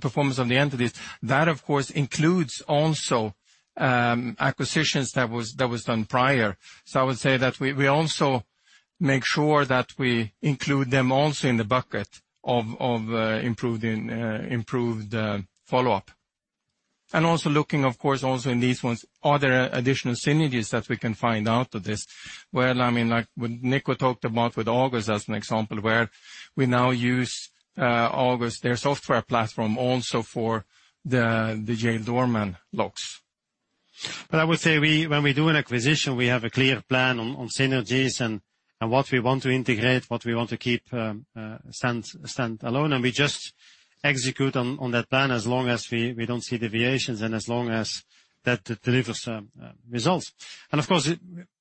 performance of the entities. That, of course, includes also acquisitions that was done prior. I would say that we also make sure that we include them also in the bucket of improved follow-up. Also looking, of course, also in these ones, are there additional synergies that we can find out of this? Well, like Nico talked about with August as an example, where we now use August, their software platform, also for the Yale Doorman locks. I would say when we do an acquisition, we have a clear plan on synergies and what we want to integrate, what we want to keep stand-alone, and we just execute on that plan as long as we don't see deviations and as long as that delivers results. Of course,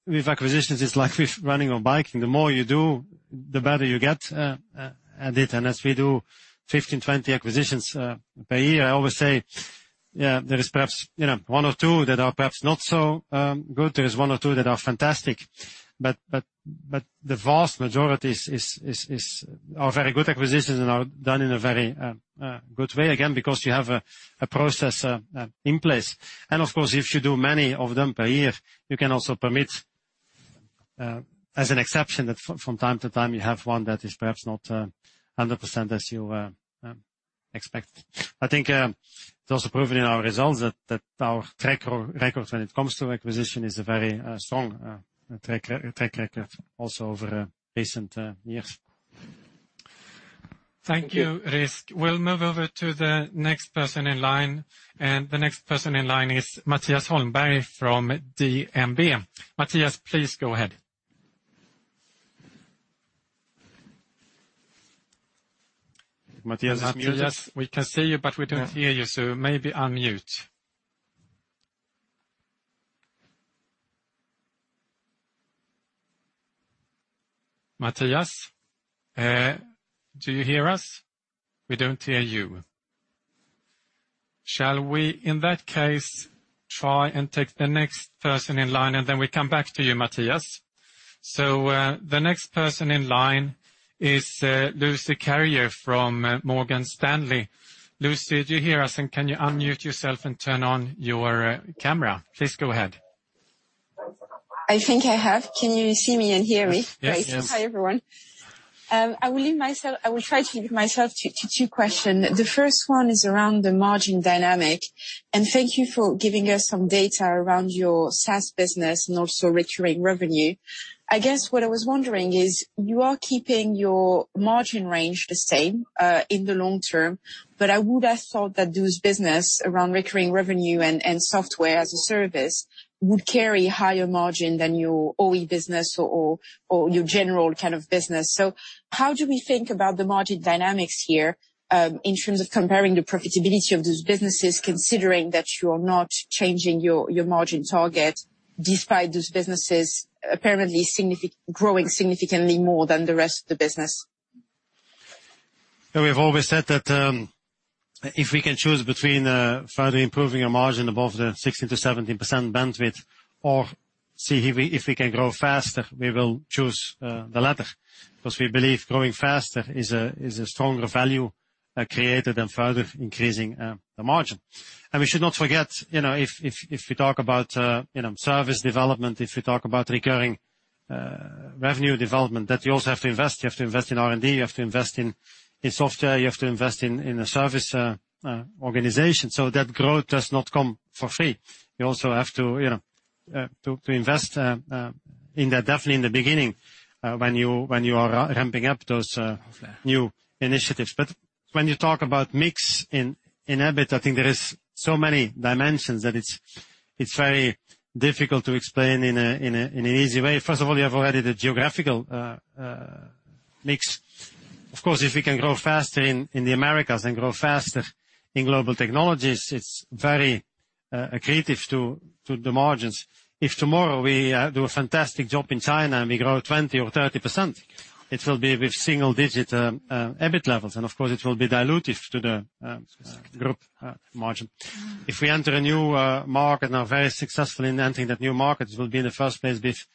with acquisitions, it's like with running or biking. The more you do, the better you get at it. As we do 15, 20 acquisitions per year, I always say there is perhaps one or two that are perhaps not so good. There's one or two that are fantastic. The vast majority are very good acquisitions and are done in a very good way, again, because you have a process in place. Of course, if you do many of them per year, you can also permit as an exception that from time to time you have one that is perhaps not 100% as you expect. I think it's also proven in our results that our track record when it comes to acquisition is very strong, and track record also over recent years. Thank you, Rizk. We'll move over to the next person in line. The next person in line is Mattias Holmberg from DNB. Mattias, please go ahead. Mattias, we can see you, but we don't hear you, so maybe unmute. Mattias, do you hear us? We don't hear you. Shall we, in that case, try and take the next person in line, and then we come back to you, Mattias? The next person in line is Lucie Carrier from Morgan Stanley. Lucie, do you hear us, and can you unmute yourself and turn on your camera? Please go ahead. I think I have. Can you see me and hear me? Yes. Great. Hi, everyone. I will try to keep myself to two questions. The first one is around the margin dynamic, and thank you for giving us some data around your SaaS business and also recurring revenue. I guess what I was wondering is you are keeping your margin range the same in the long term, but I would have thought that those business around recurring revenue and Software as a Service would carry a higher margin than your OE business or your general kind of business. How do we think about the margin dynamics here in terms of comparing the profitability of those businesses, considering that you're not changing your margin target despite those businesses apparently growing significantly more than the rest of the business? We've always said that if we can choose between further improving our margin above the 60%-70% bandwidth or see if we can grow faster, we will choose the latter because we believe growing faster is a stronger value created than further increasing the margin. We should not forget, if we talk about service development, if we talk about recurring revenue development, that you also have to invest. You have to invest in R&D, you have to invest in software, you have to invest in a service organization, so that growth does not come for free. You also have to invest definitely in the beginning when you are ramping up those new initiatives. When you talk about mix in EBIT, I think there is so many dimensions that it's very difficult to explain in an easy way. First of all, you have already the geographical mix. Of course, if we can grow faster in the Americas and grow faster in Global Technologies, it's very accretive to the margins. If tomorrow we do a fantastic job in China and we grow 20% or 30%, it will be with single-digit EBIT levels, and of course, it will be dilutive to the group margin. If we enter a new market and are very successful in entering that new market, it will be in the first place with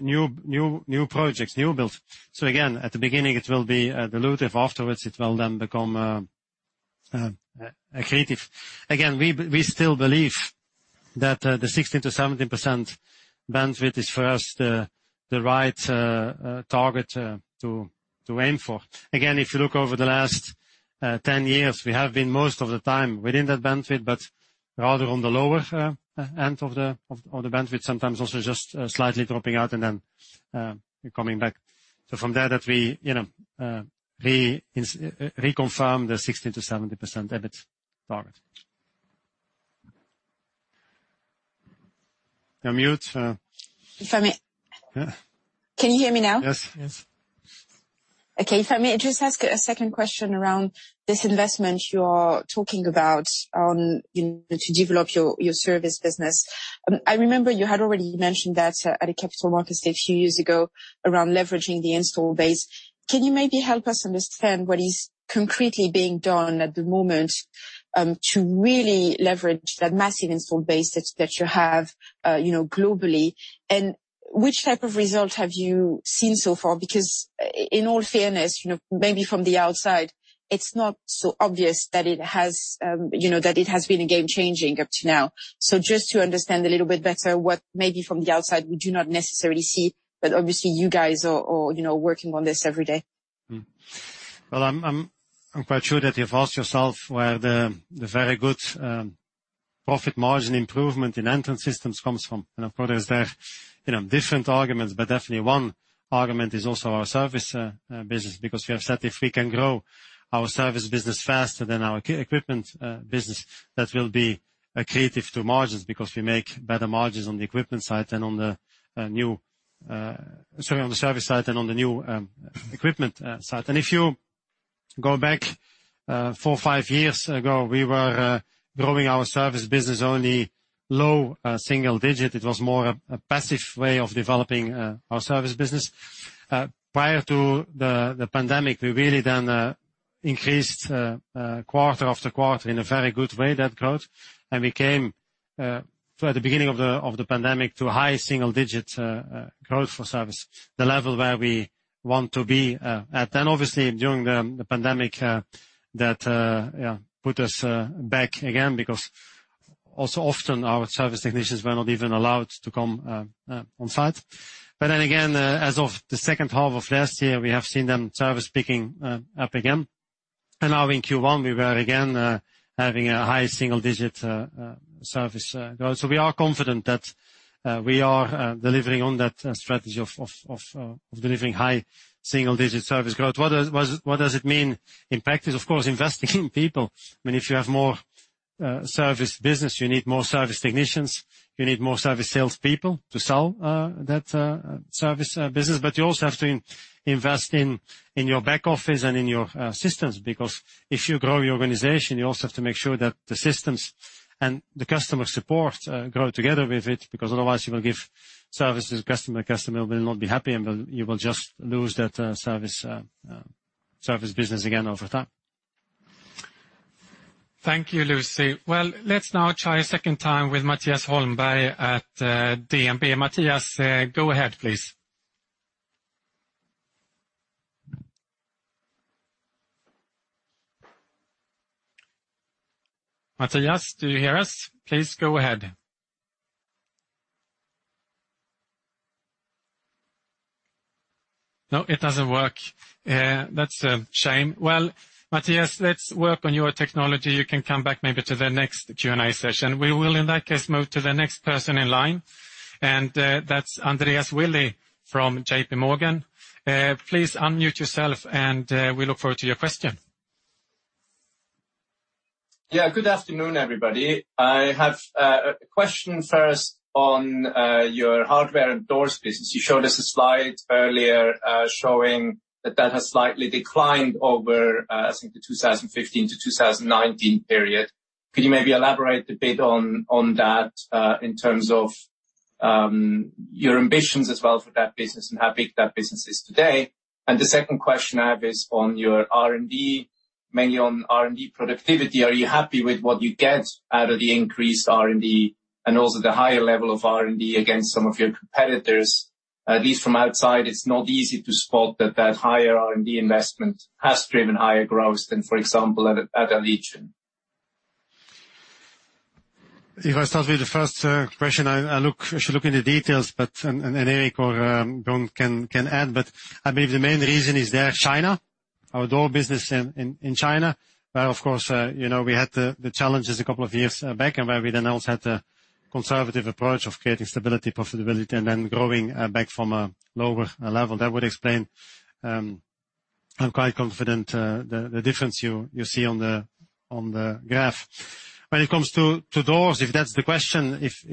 new projects, new builds. Again, at the beginning it will be dilutive. Afterwards, it will then become accretive. Again, we still believe that the 60%-70% bandwidth is for us the right target to aim for. If you look over the last 10 years, we have been most of the time within that bandwidth, but rather on the lower end of the bandwidth, sometimes also just slightly dropping out and then coming back. From there that we reconfirm the 60%-70% EBIT target. Can you hear me now? Yes. Okay. If I may just ask a second question around this investment you are talking about to develop your service business. I remember you had already mentioned that at a capital markets day a few years ago around leveraging the install base. Can you maybe help us understand what is concretely being done at the moment to really leverage that massive install base that you have globally? Which type of result have you seen so far? In all fairness, maybe from the outside, it's not so obvious that it has been game-changing up to now. Just to understand a little bit better what maybe from the outside we do not necessarily see, but obviously you guys are working on this every day. Well, I'm quite sure that you've asked yourself where the very good profit margin improvement in Entrance Systems comes from. Of course, there are different arguments, but definitely one argument is also our service business because we have said if we can grow our service business faster than our equipment business, that will be accretive to margins because we make better margins on the service side and on the new equipment side. If you go back four or five years ago, we were growing our service business only low single digit. It was more a passive way of developing our service business. Prior to the pandemic, we really then increased quarter after quarter in a very good way that growth, and we came to the beginning of the pandemic to high single-digit growth for service, the level where we want to be at. Obviously during the pandemic, that put us back again because also often our service technicians were not even allowed to come on site. As of the second half of last year, we have seen service picking up again. Now in Q1, we are again having a high single-digit service growth. We are confident that we are delivering on that strategy of delivering high single-digit service growth. What does it mean in practice? Of course, investing in people. If you have more service business, you need more service technicians, you need more service salespeople to sell that service business. You also have to invest in your back office and in your systems because if you grow your organization, you also have to make sure that the systems and the customer support grow together with it, because otherwise you will give service to the customer, will not be happy, and you will just lose that service business again over time. Thank you, Lucie. Well, let's now try a second time with Mattias Holmberg at DNB. Mattias, go ahead, please. Mattias, do you hear us? Please go ahead. No, it doesn't work. That's a shame. Well, Mattias, let's work on your technology. You can come back maybe to the next Q&A session. We will in that case move to the next person in line, and that's Andreas Willi from JPMorgan. Please unmute yourself, and we look forward to your question. Yeah. Good afternoon, everybody. I have a question first on your hardware and doors business. You showed us a slide earlier showing that has slightly declined over the 2015 to 2019 period. Can you maybe elaborate a bit on that in terms of your ambitions as well for that business and how big that business is today? The second question I have is on your R&D. Mainly on R&D productivity. Are you happy with what you get out of the increased R&D and also the higher level of R&D against some of your competitors? At least from outside, it's not easy to spot that higher R&D investment has driven higher growth than, for example, at Allegion. If I start with the first question, I should look at the details, Erik can add. I believe the main reason is there China, our door business in China. Of course, we had the challenges a couple of years back where we also had a conservative approach of creating stability, profitability, and growing back from a lower level. That would explain, I'm quite confident, the difference you see on the graph. When it comes to doors, if that's the question, if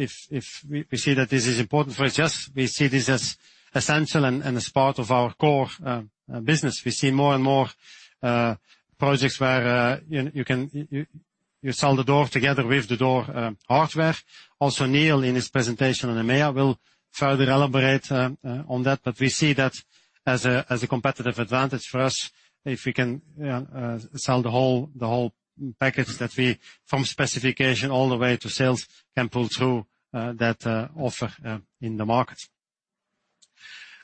we see that this is important for us, yes, we see this as essential and as part of our core business. We see more and more projects where you sell the door together with the door hardware. Neil in his presentation on EMEIA will further elaborate on that. We see that as a competitive advantage for us if we can sell the whole package that we from specification all the way to sales can pull through that offer in the market.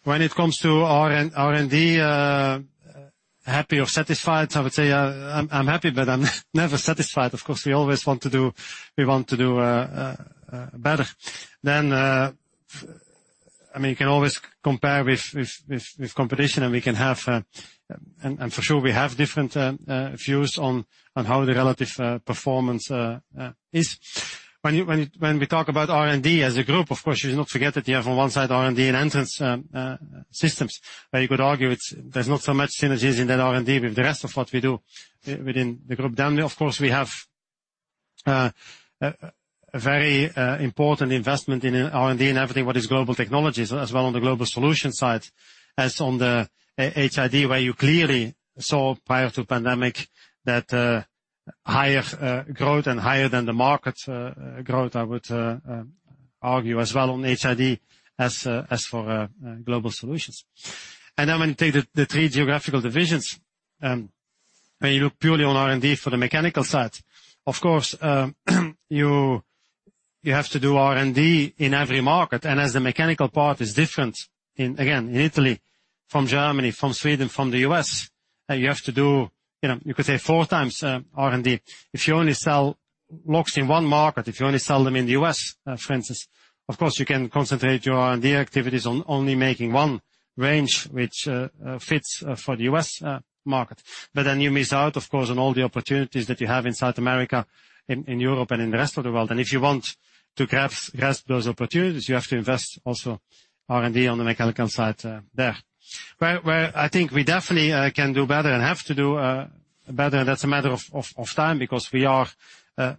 When it comes to R&D, happy or satisfied, I would say I'm happy. I'm never satisfied. Of course, we always want to do better. You can always compare with competition. For sure we have different views on how the relative performance is. When we talk about R&D as a group, of course, you should not forget that you have on one side R&D and Entrance Systems. You could argue there's not so much synergies in that R&D with the rest of what we do within the group. Of course, we have a very important investment in R&D and everything what is Global Technologies as well on the Global Solutions side as on the HID where you clearly saw prior to pandemic that higher growth and higher than the market growth, I would argue as well on HID as for Global Solutions. When you look purely on R&D for the mechanical side, of course, you have to do R&D in every market. As the mechanical part is different, again, in Italy from Germany, from Sweden, from the U.S., you have to do, you could say four times R&D. If you only sell locks in one market, if you only sell them in the U.S., for instance, of course, you can concentrate your R&D activities on only making one range which fits for the U.S. market. You miss out, of course, on all the opportunities that you have in South America, in Europe, and in the rest of the world. If you want to grasp those opportunities, you have to invest also R&D on the mechanical side there. Where I think we definitely can do better and have to do better, that's a matter of time, because we are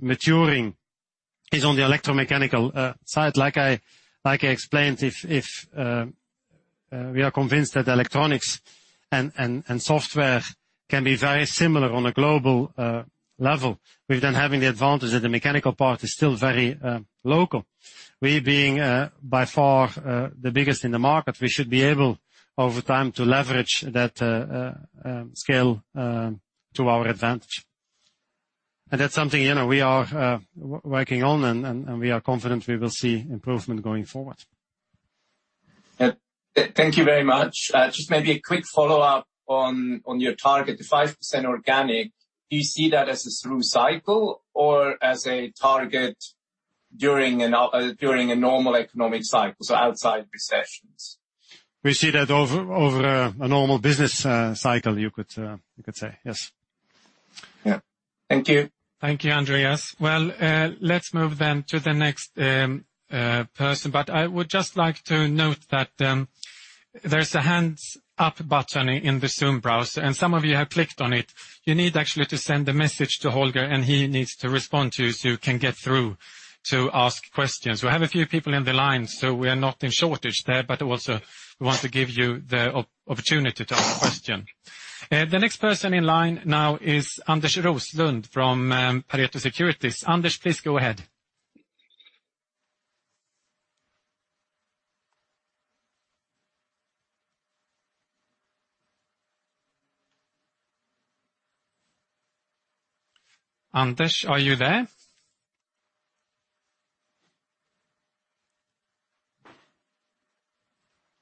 maturing is on the electromechanical side. Like I explained, if we are convinced that electronics and software can be very similar on a global level, with then having the advantage that the mechanical part is still very local. We being by far the biggest in the market, we should be able, over time, to leverage that scale to our advantage. That's something we are working on, and we are confident we will see improvement going forward. Thank you very much. Just maybe a quick follow-up on your target, the 5% organic. Do you see that as a through cycle or as a target during a normal economic cycle, so outside recessions? We see that over a normal business cycle, you could say. Yes. Yeah. Thank you. Thank you, Andreas. Well, let's move then to the next person. I would just like to note that there's a hands up button in the Zoom browser, and some of you have clicked on it. You need actually to send a message to Holger. He needs to respond to you so you can get through to ask questions. We have a few people in the line, so we are not in shortage there. Also, we want to give you the opportunity to ask questions. The next person in line now is Anders Roslund from Pareto Securities. Anders, please go ahead. Anders, are you there?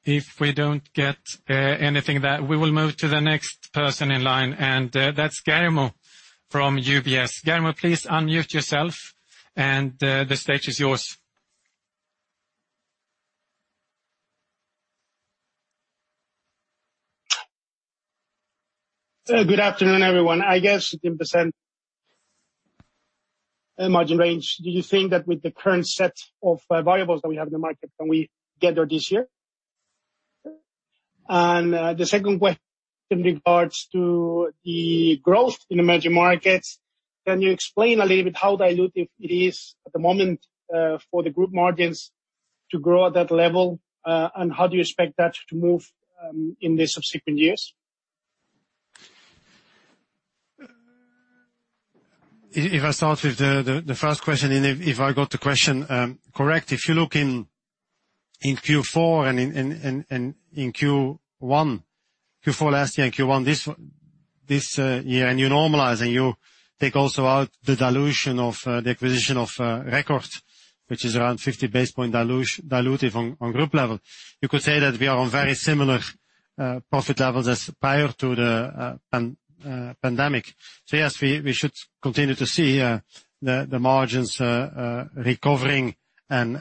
If we don't get anything back, we will move to the next person in line. That's Guillermo from UBS. Guillermo, please unmute yourself. The stage is yours. Good afternoon, everyone. I guess 15% margin range. Do you think that with the current set of variables that we have in the market, can we get there this year? The second question regards to the growth in emerging markets. Can you explain a little bit how dilutive it is at the moment for the group margins to grow at that level? How do you expect that to move in the subsequent years? If I start with the first question, if I got the question correct. If you look in Q4 and in Q1, Q4 last year, Q1 this year, and you normalize and you take also out the dilution of the acquisition of record, which is around 50 basis point dilutive on group level. You could say that we are on very similar profit levels as prior to the pandemic. Yes, we should continue to see the margins recovering and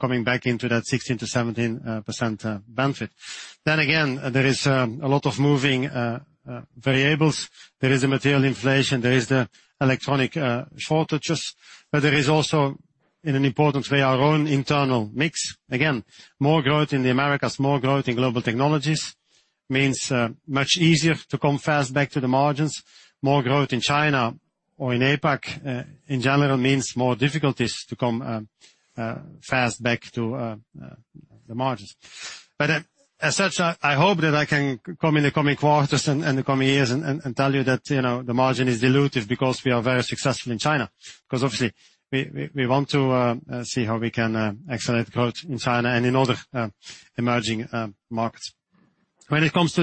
coming back into that 16%-17% bandwidth. Again, there is a lot of moving variables. There is the material inflation, there is the electronic shortages, but there is also in an important way, our own internal mix. More growth in the Americas, more growth in Global Technologies means much easier to come fast back to the margins. More growth in China or in APAC in general means more difficulties to come fast back to the margins. As such, I hope that I can come in the coming quarters and the coming years and tell you that the margin is dilutive because we are very successful in China. Obviously, we want to see how we can accelerate growth in China and in other emerging markets. When it comes to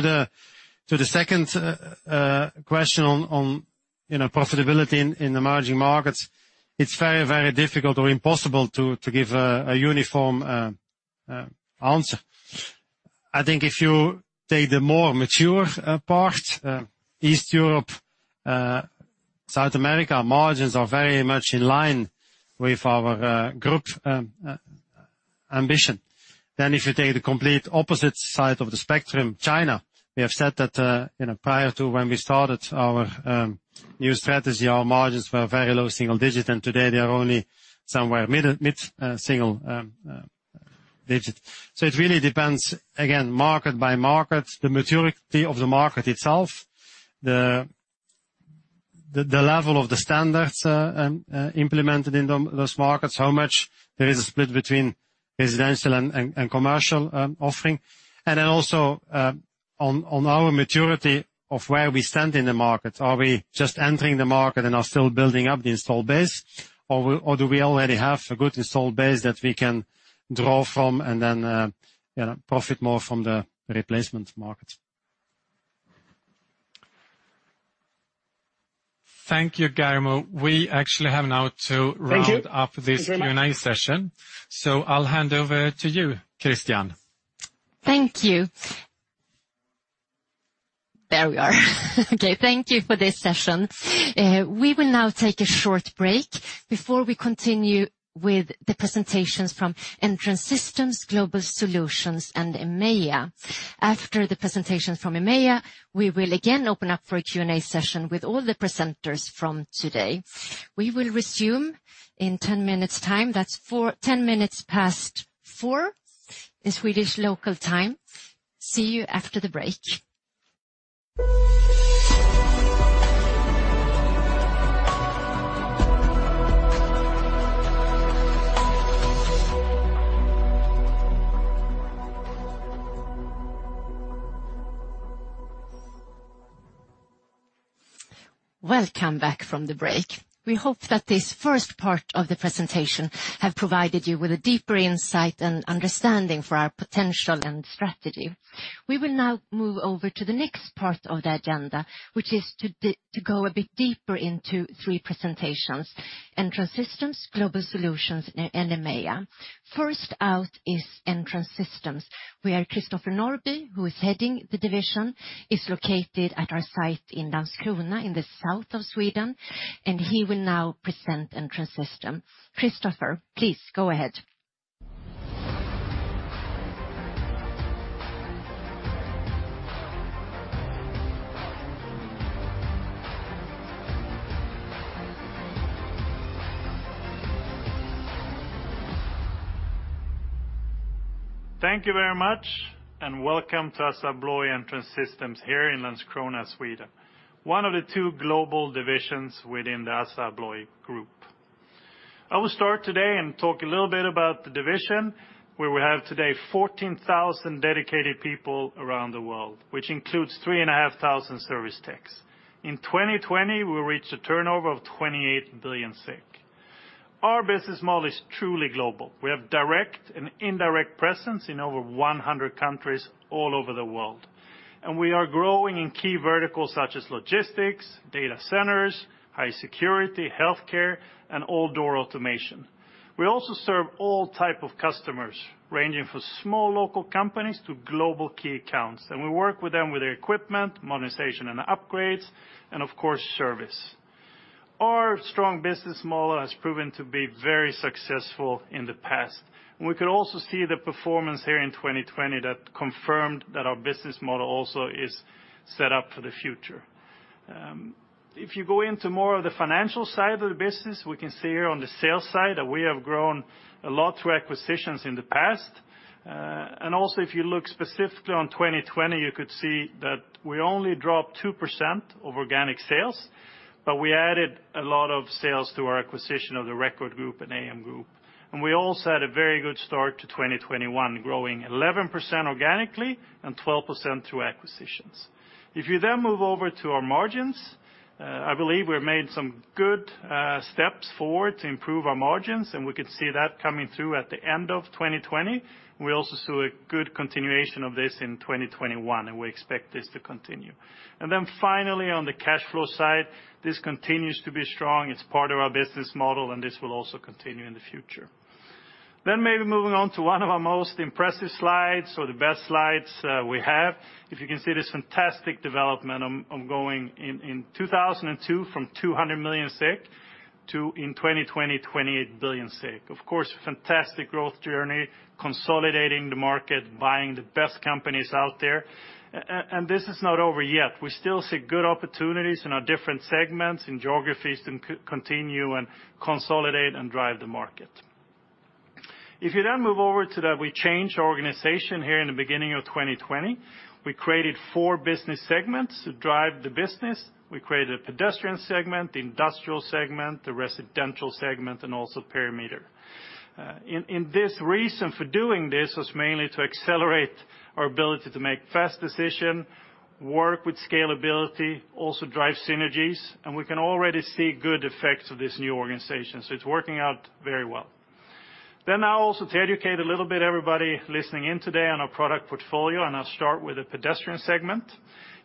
the second question on profitability in emerging markets, it is very difficult or impossible to give a uniform answer. If you take the more mature part, East Europe, South America, margins are very much in line with our group ambition. If you take the complete opposite side of the spectrum, China, we have said that prior to when we started our new strategy, our margins were very low single digit, and today they are only somewhere mid-single digit. It really depends, again, market by market, the maturity of the market itself, the level of the standards implemented in those markets, how much there is a split between residential and commercial offering. Also on our maturity of where we stand in the market. Are we just entering the market and are still building up the install base, or do we already have a good install base that we can draw from and then profit more from the replacement market? Thank you, Guillermo. We actually have now to round up this Q&A session. I'll hand over to you, Christiane. Thank you. There we are. Thank you for this session. We will now take a short break before we continue with the presentations from Entrance Systems, Global Solutions, and EMEIA. After the presentation from EMEIA, we will again open up for a Q&A session with all the presenters from today. We will resume in 10 minutes' time. That's 10 minutes past 4:00 P.M. in Swedish local time. See you after the break. Welcome back from the break. We hope that this first part of the presentation has provided you with a deeper insight and understanding of our potential and strategy. We will now move over to the next part of the agenda, which is to go a bit deeper into three presentations, Entrance Systems, Global Solutions, and EMEIA. First out is Entrance Systems, where Christopher Norbye, who is heading the division, is located at our site in Landskrona in the south of Sweden, and he will now present Entrance Systems. Christopher, please go ahead. Thank you very much, welcome to ASSA ABLOY Entrance Systems here in Landskrona, Sweden, one of the two global divisions within the ASSA ABLOY Group. I will start today and talk a little bit about the division, where we have today 14,000 dedicated people around the world, which includes 3,500 service techs. In 2020, we reached a turnover of 28 billion SEK. Our business model is truly global. We have direct and indirect presence in over 100 countries all over the world, we are growing in key verticals such as logistics, data centers, high security, healthcare, and all door automation. We also serve all types of customers, ranging from small local companies to global key accounts, we work with them with equipment, monetization and upgrades, and of course, service. Our strong business model has proven to be very successful in the past. We could also see the performance here in 2020 that confirmed that our business model also is set up for the future. If you go into more of the financial side of the business, we can see here on the sales side that we have grown a lot through acquisitions in the past. Also, if you look specifically at 2020, you could see that we only dropped 2% of organic sales, but we added a lot of sales to our acquisition of the agta record and AM Group. We also had a very good start to 2021, growing 11% organically and 12% through acquisitions. If you then move over to our margins, I believe we've made some good steps forward to improve our margins, and we could see that coming through at the end of 2020. We also saw a good continuation of this in 2021, and we expect this to continue. Finally, on the cash flow side, this continues to be strong. It's part of our business model, and this will also continue in the future. Maybe moving on to one of our most impressive slides or the best slides we have. If you can see this fantastic development ongoing in 2002 from 200 million to in 2020, 28 billion. Of course, a fantastic growth journey, consolidating the market, buying the best companies out there. This is not over yet. We still see good opportunities in our different segments and geographies to continue and consolidate and drive the market. If you move over to that, we changed our organization here in the beginning of 2020. We created four business segments to drive the business. We created a pedestrian segment, the industrial segment, the residential segment, and also perimeter. This reason for doing this was mainly to accelerate our ability to make fast decisions, work with scalability, also drive synergies, and we can already see good effects of this new organization. It's working out very well. I also to educate a little bit everybody listening in today on our product portfolio, and I'll start with the pedestrian segment.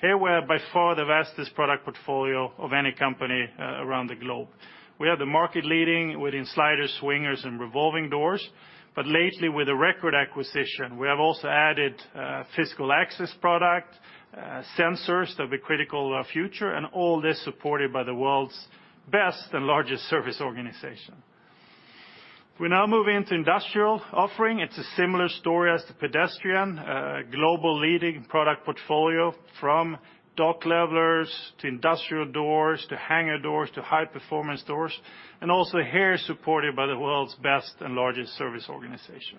Here we have by far the vastest product portfolio of any company around the globe. We are the market leading within sliders, swingers, and revolving doors, but lately with the record acquisition, we have also added physical access product, sensors that'll be critical in our future, and all this supported by the world's best and largest service organization. We now move into industrial offering. It's a similar story as the pedestrian, global leading product portfolio from dock levelers to industrial doors, to hangar doors, to high-performance doors, and also here supported by the world's best and largest service organization.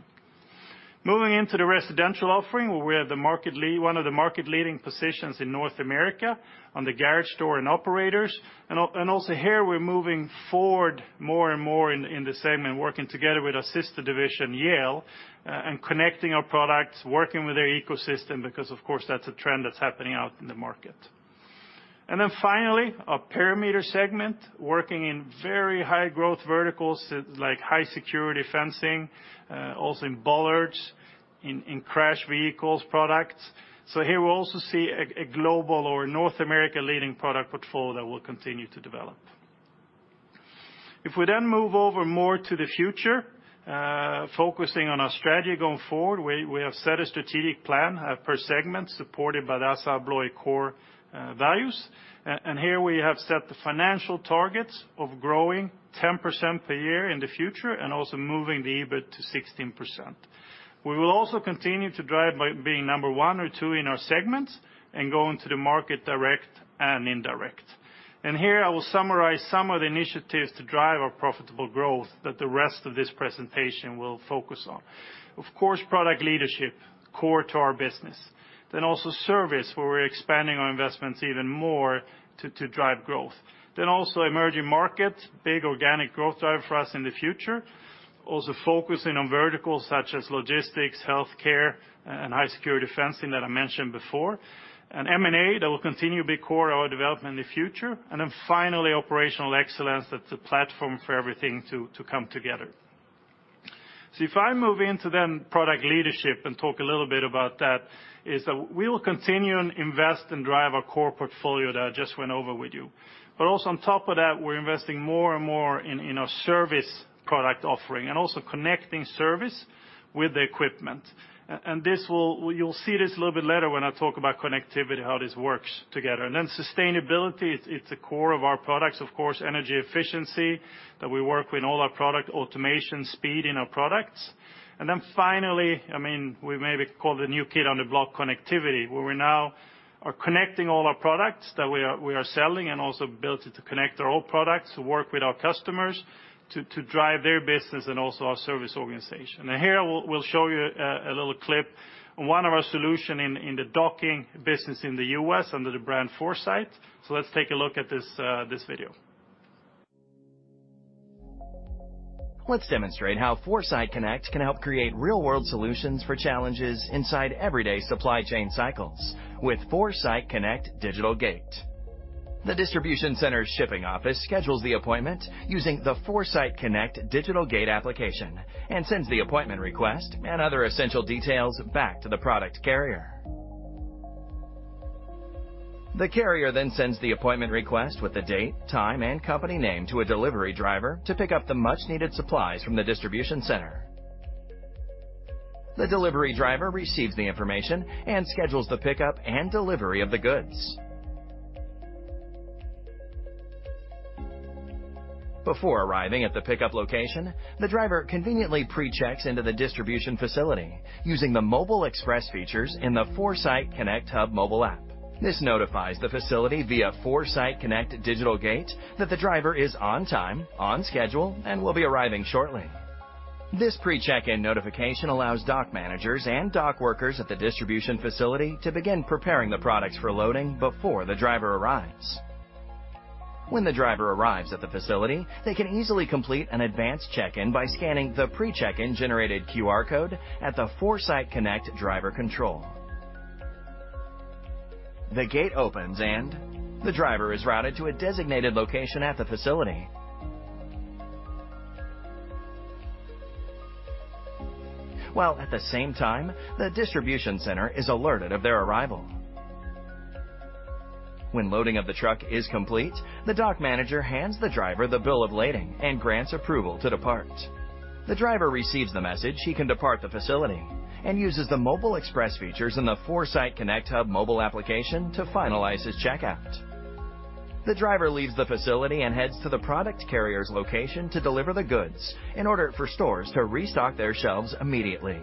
Moving into the residential offering, where we have one of the market leading positions in North America on the garage door and operators. Also here, we're moving forward more and more in the segment, working together with our sister division, Yale, and connecting our products, working with their ecosystem, because of course, that's a trend that's happening out in the market. Finally, our perimeter segment, working in very high growth verticals like high security fencing, also in bollards, in crash vehicles products. Here we also see a global or North America leading product portfolio that will continue to develop. If we then move over more to the future, focusing on our strategy going forward, we have set a strategic plan per segment supported by the ASSA ABLOY core values. Here we have set the financial targets of growing 10% per year in the future and also moving the EBIT to 16%. We will also continue to drive by being number one or two in our segments and going to the market direct and indirect. Here I will summarize some of the initiatives to drive our profitable growth that the rest of this presentation will focus on. Of course, product leadership, core to our business. Also service, where we're expanding our investments even more to drive growth. Also emerging markets, big organic growth driver for us in the future. Also focusing on verticals such as logistics, healthcare, and high-security fencing that I mentioned before. M&A, that will continue to be core to our development in the future. Finally, operational excellence. That's the platform for everything to come together. If I move into then product leadership and talk a little bit about that, is that we will continue and invest and drive our core portfolio that I just went over with you. Also on top of that, we're investing more and more in our service product offering and also connecting service with the equipment. You'll see this a little bit later when I talk about connectivity, how this works together. Sustainability, it's the core of our products. Of course, energy efficiency, that we work with all our product automation speed in our products. Finally, we may call the new kid on the block connectivity, where we now are connecting all our products that we are selling and also ability to connect our own products to work with our customers to drive their business and also our service organization. Here we'll show you a little clip of one of our solution in the docking business in the U.S. under the brand 4SIGHT. Let's take a look at this video. Let's demonstrate how 4SIGHT Connect can help create real-world solutions for challenges inside everyday supply chain cycles with 4SIGHT Connect Digital Gate. The distribution center's shipping office schedules the appointment using the 4SIGHT Connect Digital Gate application and sends the appointment request and other essential details back to the product carrier. The carrier then sends the appointment request with the date, time, and company name to a delivery driver to pick up the much-needed supplies from the distribution center. The delivery driver receives the information and schedules the pickup and delivery of the goods. Before arriving at the pickup location, the driver conveniently pre-checks into the distribution facility using the Mobile Express features in the 4SIGHT Connect Hub mobile app. This notifies the facility via 4SIGHT Connect Digital Gate that the driver is on time, on schedule, and will be arriving shortly. This pre-check-in notification allows dock managers and dock workers at the distribution facility to begin preparing the products for loading before the driver arrives. When the driver arrives at the facility, they can easily complete an advanced check-in by scanning the pre-check-in generated QR code at the 4SIGHT Connect driver control. The gate opens, and the driver is routed to a designated location at the facility. At the same time, the distribution center is alerted of their arrival. Loading of the truck is complete, the dock manager hands the driver the bill of lading and grants approval to depart. The driver receives the message he can depart the facility and uses the Mobile Express features in the 4SIGHT Connect Hub mobile application to finalize his checkout. The driver leaves the facility and heads to the product carrier's location to deliver the goods in order for stores to restock their shelves immediately.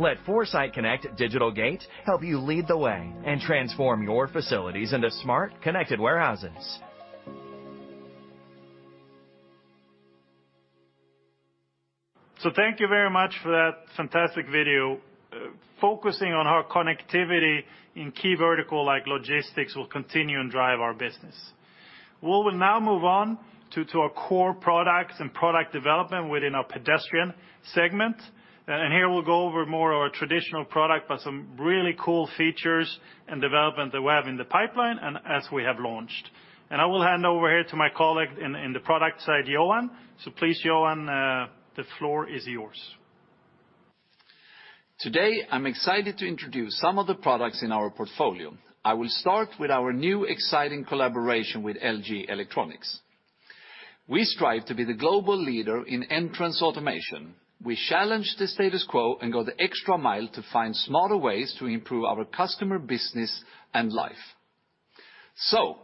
Let 4SIGHT Connect Digital Gate help you lead the way and transform your facilities into smart, connected warehouses. Thank you very much for that fantastic video focusing on how connectivity in key vertical like logistics will continue and drive our business. We will now move on to our core products and product development within our pedestrian segment. Here we'll go over more of our traditional product, but some really cool features and development that we have in the pipeline and as we have launched. I will hand over here to my colleague in the product side, Johan. Please, Johan, the floor is yours. Today, I'm excited to introduce some of the products in our portfolio. I will start with our new exciting collaboration with LG Electronics. We strive to be the global leader in entrance automation. We challenge the status quo and go the extra mile to find smarter ways to improve our customer business and life.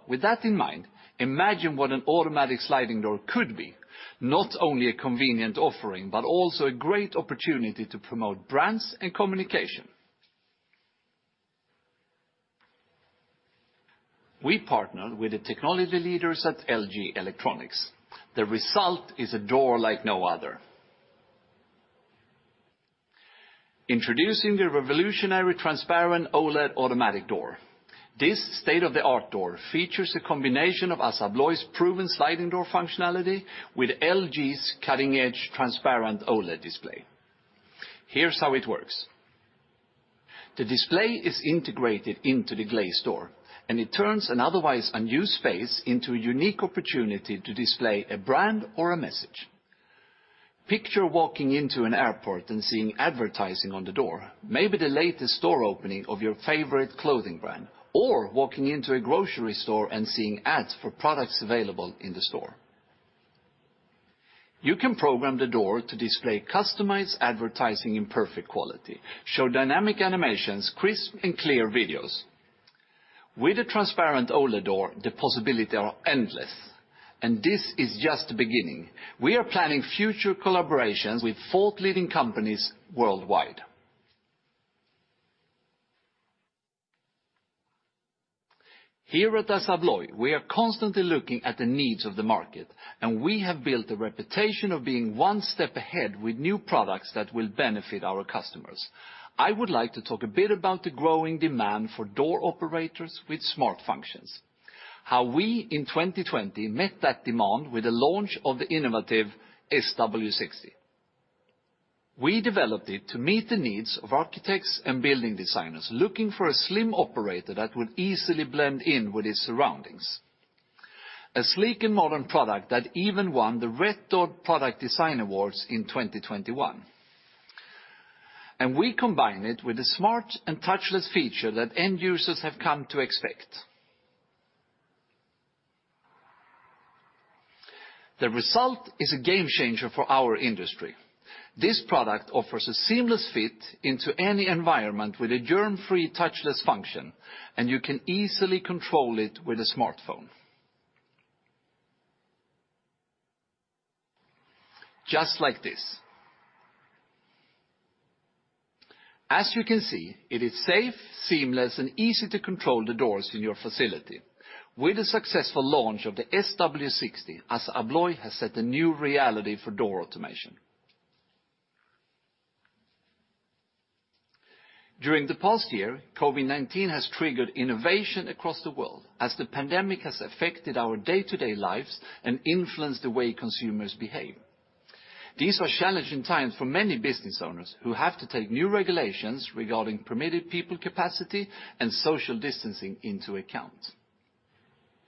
With that in mind, imagine what an automatic sliding door could be, not only a convenient offering, but also a great opportunity to promote brands and communication. We partnered with the technology leaders at LG Electronics. The result is a door like no other. Introducing the revolutionary transparent OLED automatic door. This state-of-the-art door features a combination of ASSA ABLOY's proven sliding door functionality with LG's cutting-edge transparent OLED display. Here's how it works. The display is integrated into the glazed door, and it turns an otherwise unused space into a unique opportunity to display a brand or a message. Picture walking into an airport and seeing advertising on the door, maybe the latest store opening of your favorite clothing brand, or walking into a grocery store and seeing ads for products available in the store. You can program the door to display customized advertising in perfect quality, show dynamic animations, crisp and clear videos. With a transparent OLED door, the possibility are endless, and this is just the beginning. We are planning future collaborations with thought-leading companies worldwide. Here at ASSA ABLOY, we are constantly looking at the needs of the market, and we have built a reputation of being one step ahead with new products that will benefit our customers. I would like to talk a bit about the growing demand for door operators with smart functions, how we, in 2020, met that demand with the launch of the innovative SW60. We developed it to meet the needs of architects and building designers looking for a slim operator that would easily blend in with its surroundings. A sleek and modern product that even won the Red Dot Product Design Awards in 2021. We combine it with a smart and touchless feature that end users have come to expect. The result is a game changer for our industry. This product offers a seamless fit into any environment with a germ-free touchless function, and you can easily control it with a smartphone. Just like this. As you can see, it is safe, seamless, and easy to control the doors in your facility. With the successful launch of the SW60, ASSA ABLOY has set a new reality for door automation. During the past year, COVID-19 has triggered innovation across the world, as the pandemic has affected our day-to-day lives and influenced the way consumers behave. These are challenging times for many business owners, who have to take new regulations regarding permitted people capacity and social distancing into account.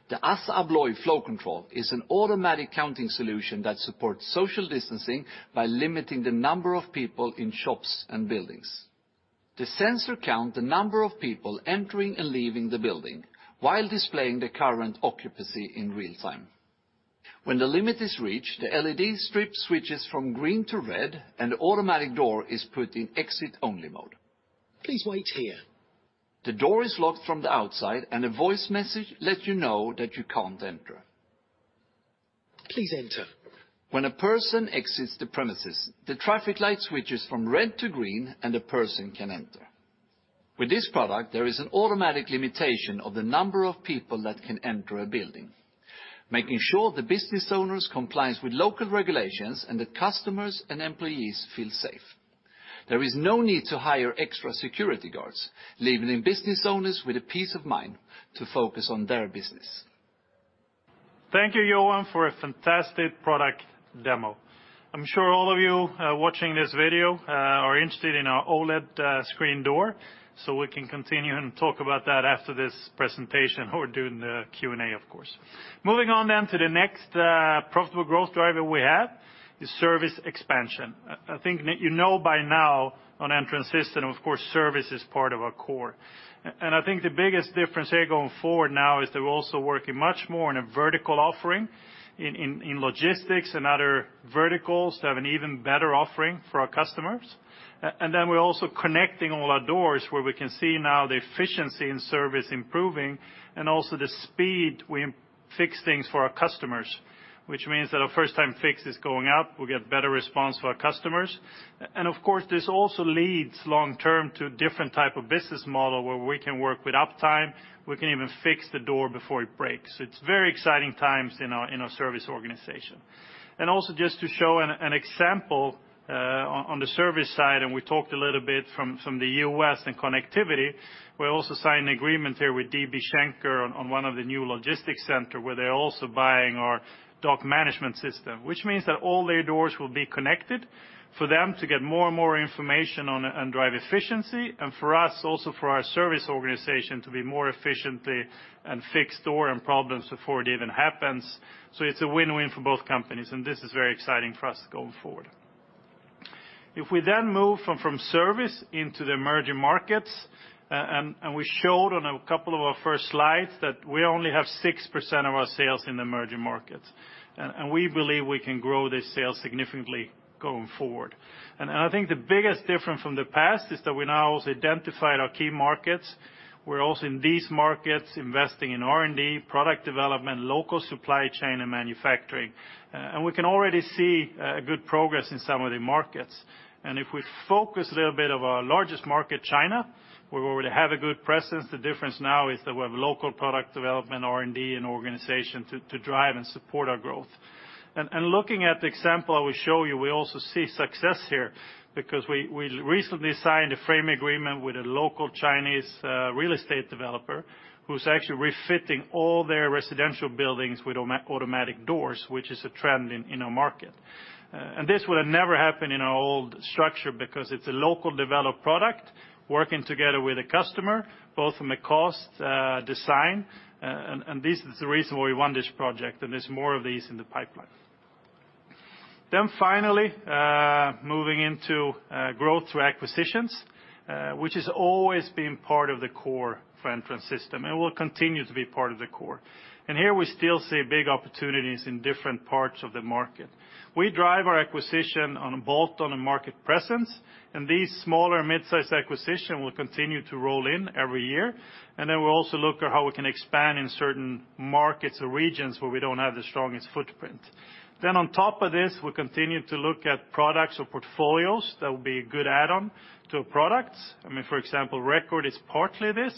The ASSA ABLOY Flow Control is an automatic counting solution that supports social distancing by limiting the number of people in shops and buildings. The sensor count the number of people entering and leaving the building while displaying the current occupancy in real time. When the limit is reached, the LED strip switches from green to red, and automatic door is put in exit only mode. Please wait here. The door is locked from the outside, and a voice message let you know that you can't enter. Please enter. When a person exits the premises, the traffic light switches from red to green, and a person can enter. With this product, there is an automatic limitation of the number of people that can enter a building, making sure the business owner's compliance with local regulations and the customers and employees feel safe. There is no need to hire extra security guards, leaving the business owners with a peace of mind to focus on their business. Thank you, Johan, for a fantastic product demo. I'm sure all of you watching this video are interested in our OLED screen door, we can continue and talk about that after this presentation or during the Q&A, of course. Moving on to the next profitable growth driver we have is service expansion. I think that you know by now on Entrance Systems, of course, service is part of our core. I think the biggest difference here going forward now is we're also working much more on a vertical offering in logistics and other verticals to have an even better offering for our customers. We're also connecting all our doors, where we can see now the efficiency in service improving and also the speed we fix things for our customers, which means that our first time fix is going up, we get better response to our customers. Of course, this also leads long-term to a different type of business model where we can work with uptime, we can even fix the door before it breaks. It's very exciting times in our service organization. Also just to show an example on the service side, and we talked a little bit from the U.S. and connectivity, we also signed an agreement here with DB Schenker on one of the new logistics center, where they're also buying our dock management system, which means that all their doors will be connected for them to get more and more information and drive efficiency, and for us also for our service organization to be more efficiently and fix door problems before it even happens. It's a win-win for both companies, and this is very exciting for us going forward. We then move from service into the emerging markets, and we showed on a couple of our first slides that we only have 6% of our sales in emerging markets, and we believe we can grow this sale significantly going forward. I think the biggest difference from the past is that we now also identified our key markets. We're also in these markets investing in R&D, product development, local supply chain, and manufacturing. We can already see a good progress in some of the markets. If we focus a little bit of our largest market, China, where we already have a good presence, the difference now is that we have local product development, R&D, and organization to drive and support our growth. Looking at the example I will show you, we also see success here because we recently signed a frame agreement with a local Chinese real estate developer who's actually refitting all their residential buildings with automatic doors, which is a trend in our market. This would have never happened in our old structure because it's a local developed product, working together with a customer, both on the cost, design, and this is the reason we won this project, and there's more of these in the pipeline. Finally, moving into growth through acquisitions, which has always been part of the core for Entrance Systems, and will continue to be part of the core. Here we still see big opportunities in different parts of the market. We drive our acquisition on both a market presence, and these smaller mid-size acquisition will continue to roll in every year. Then we'll also look at how we can expand in certain markets or regions where we don't have the strongest footprint. On top of this, we continue to look at products or portfolios that will be a good add-on to our products. For example, agta record is partly this,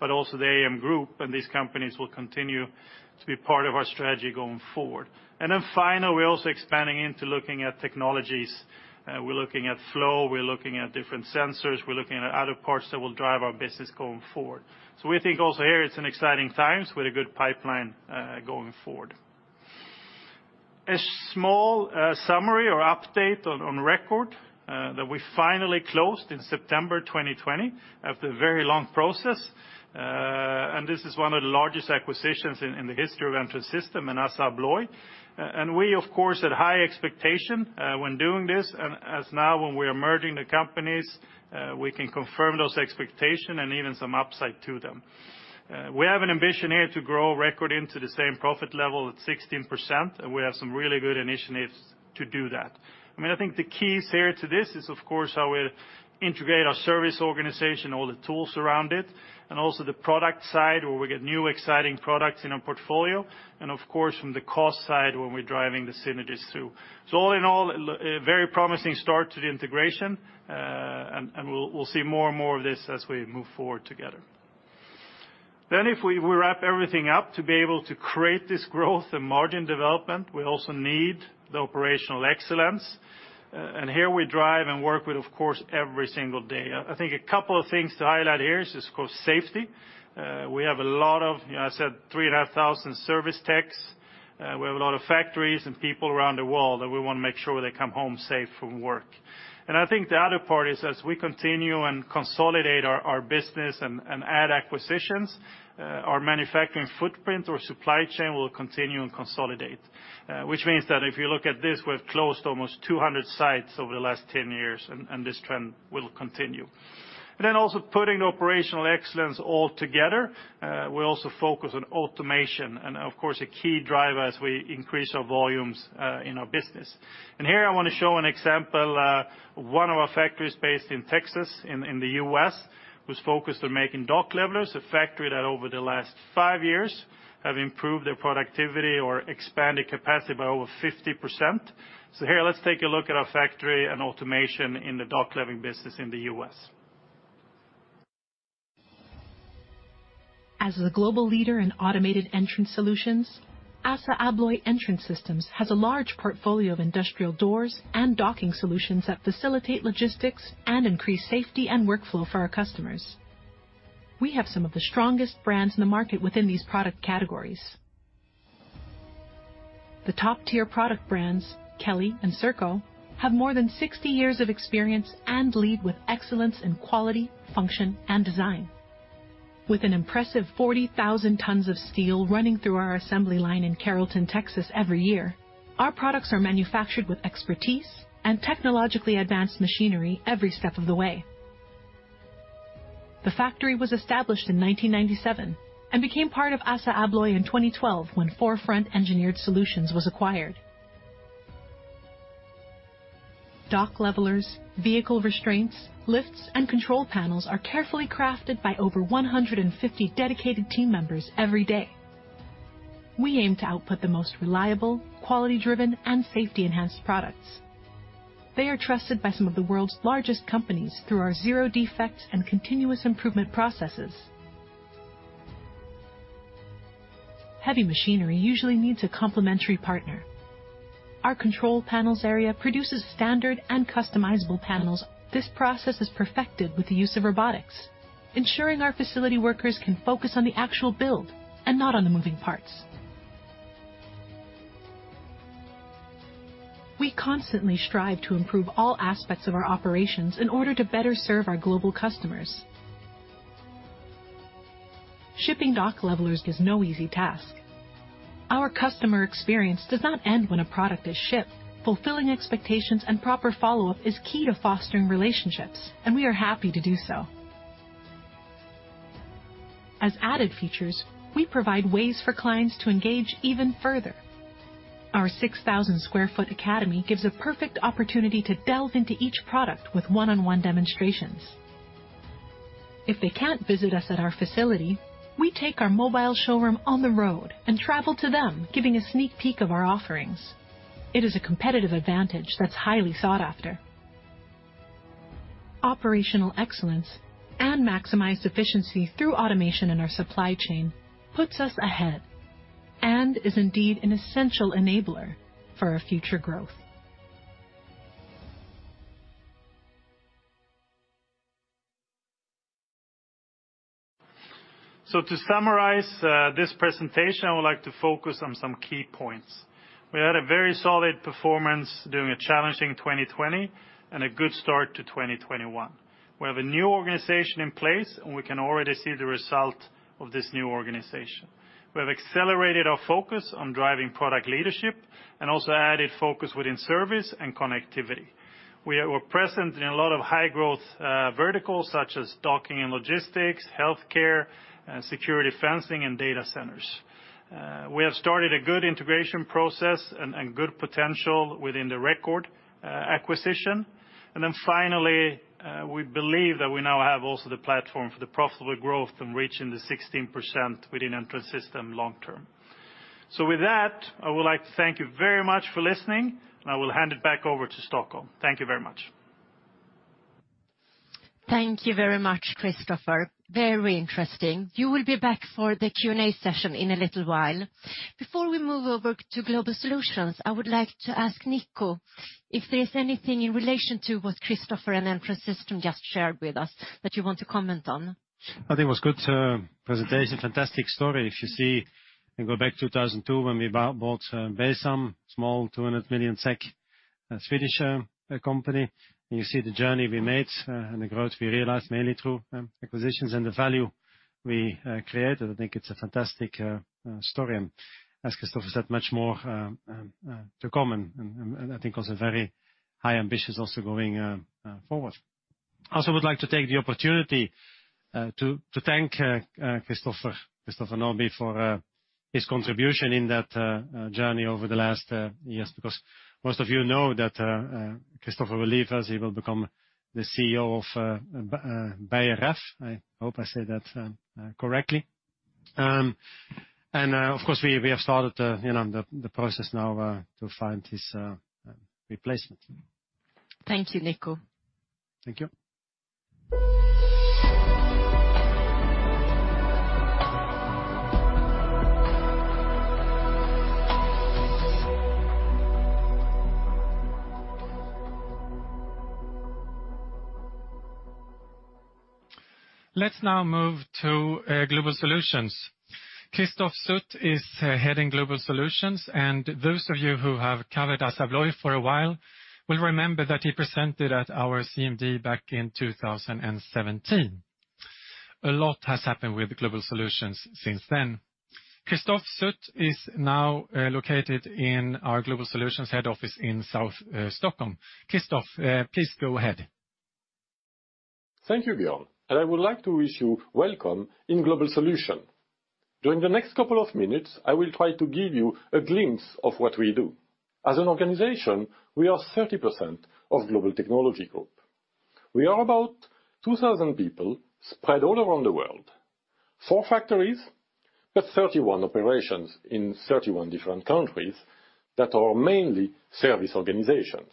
but also the AM Group, these companies will continue to be part of our strategy going forward. Final, we're also expanding into looking at technologies. We're looking at flow, we're looking at different sensors, we're looking at other parts that will drive our business going forward. We think also here it's an exciting times with a good pipeline going forward. A small summary or update on agta record that we finally closed in September 2020 after a very long process. This is one of the largest acquisitions in the history of Entrance Systems and ASSA ABLOY. We, of course, had high expectation when doing this. As now, when we are merging the companies, we can confirm those expectation and even some upside to them. We have an ambition here to grow agta record into the same profit level at 16%. We have some really good initiatives to do that. I think the keys here to this is, of course, how we integrate our service organization, all the tools around it, and also the product side, where we get new exciting products in our portfolio, and of course, from the cost side, when we're driving the synergies through. All in all, a very promising start to the integration. We'll see more and more of this as we move forward together. If we wrap everything up to be able to create this growth and margin development, we also need the operational excellence. Here we drive and work with, of course, every single day. I think a couple of things to highlight here is, of course, safety. We have a lot of, I said 3,500 service techs. We have a lot of factories and people around the world that we want to make sure they come home safe from work. I think the other part is as we continue and consolidate our business and add acquisitions, our manufacturing footprint or supply chain will continue and consolidate. Which means that if you look at this, we've closed almost 200 sites over the last 10 years, and this trend will continue. Also putting the operational excellence all together, we also focus on automation, and of course, a key driver as we increase our volumes in our business. Here I want to show an example. One of our factories based in Texas, in the U.S., was focused on making dock levelers, a factory that over the last five years have improved their productivity or expanded capacity by over 50%. Here, let's take a look at our factory and automation in the dock leveling business in the U.S. As the global leader in automated entrance solutions, ASSA ABLOY Entrance Systems has a large portfolio of industrial doors and docking solutions that facilitate logistics and increase safety and workflow for our customers. We have some of the strongest brands in the market within these product categories. The top-tier product brands, Kelley and Serco, have more than 60 years of experience and lead with excellence in quality, function, and design. With an impressive 40,000 tons of steel running through our assembly line in Carrollton, Texas every year, our products are manufactured with expertise and technologically advanced machinery every step of the way. The factory was established in 1997 and became part of ASSA ABLOY in 2012 when 4Front Engineered Solutions was acquired. Dock levelers, vehicle restraints, lifts, and control panels are carefully crafted by over 150 dedicated team members every day. We aim to output the most reliable, quality-driven, and safety-enhanced products. They are trusted by some of the world's largest companies through our zero-defect and continuous improvement processes. Heavy machinery usually needs a complementary partner. Our control panels area produces standard and customizable panels. This process is perfected with the use of robotics, ensuring our facility workers can focus on the actual build and not on the moving parts. We constantly strive to improve all aspects of our operations in order to better serve our global customers. Shipping dock levelers is no easy task. Our customer experience does not end when a product is shipped. Fulfilling expectations and proper follow-up is key to fostering relationships, and we are happy to do so. As added features, we provide ways for clients to engage even further. Our 6,000 sq ft academy gives a perfect opportunity to delve into each product with one-on-one demonstrations. If they can't visit us at our facility, we take our mobile showroom on the road and travel to them, giving a sneak peek of our offerings. It is a competitive advantage that's highly sought after. Operational excellence and maximized efficiency through automation in our supply chain puts us ahead and is indeed an essential enabler for our future growth. To summarize this presentation, I would like to focus on some key points. We had a very solid performance during a challenging 2020 and a good start to 2021. We have a new organization in place, and we can already see the result of this new organization. We have accelerated our focus on driving product leadership and also added focus within service and connectivity. We are present in a lot of high-growth verticals, such as docking and logistics, healthcare, and security fencing, and data centers. We have started a good integration process and good potential within the agta record acquisition. Finally, we believe that we now have also the platform for the profitable growth and reaching the 16% within Entrance Systems long term. With that, I would like to thank you very much for listening, and I will hand it back over to Stockholm. Thank you very much. Thank you very much, Christopher. Very interesting. You will be back for the Q&A session in a little while. Before we move over to Global Solutions, I would like to ask Nico if there's anything in relation to what Christopher and Francis just shared with us that you want to comment on. I think it was a good presentation, fantastic story. If you see and go back 2002 when we bought Besam, small, 200 million SEK Swedish company, you see the journey we made and the growth we realized mainly through acquisitions and the value we created. I think it's a fantastic story, and as Christopher said, much more to come, and I think also very high ambitions also going forward. I also would like to take the opportunity to thank Christopher Norbye for his contribution in that journey over the last years, because most of you know that Christopher will leave us. He will become the CEO of Beijer Ref. I hope I say that correctly. Of course, we have started the process now to find his replacement. Thank you, Nico. Thank you. Let's now move to Global Solutions. Christophe Sut is heading Global Solutions, and those of you who have covered ASSA ABLOY for a while will remember that he presented at our CMD back in 2017. A lot has happened with Global Solutions since then. Christophe Sut is now located in our Global Solutions head office in South Stockholm. Christophe, please go ahead. Thank you, Bjorn. I would like to wish you welcome in Global Solutions. During the next couple of minutes, I will try to give you a glimpse of what we do. As an organization, we are 30% of Global Technologies. We are about 2,000 people spread all around the world, four factories, but 31 operations in 31 different countries that are mainly service organizations.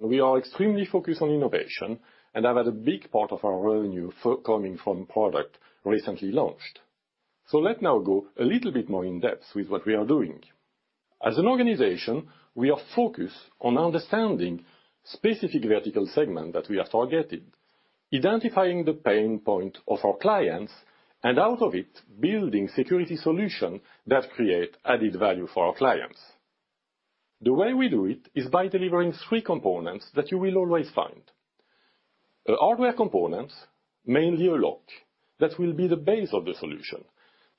We are extremely focused on innovation and have a big part of our revenue coming from product recently launched. Let now go a little bit more in depth with what we are doing. As an organization, we are focused on understanding specific vertical segment that we are targeting, identifying the pain point of our clients, and out of it, building security solution that create added value for our clients. The way we do it is by delivering three components that you will always find. The hardware components, mainly a lock, that will be the base of the solution.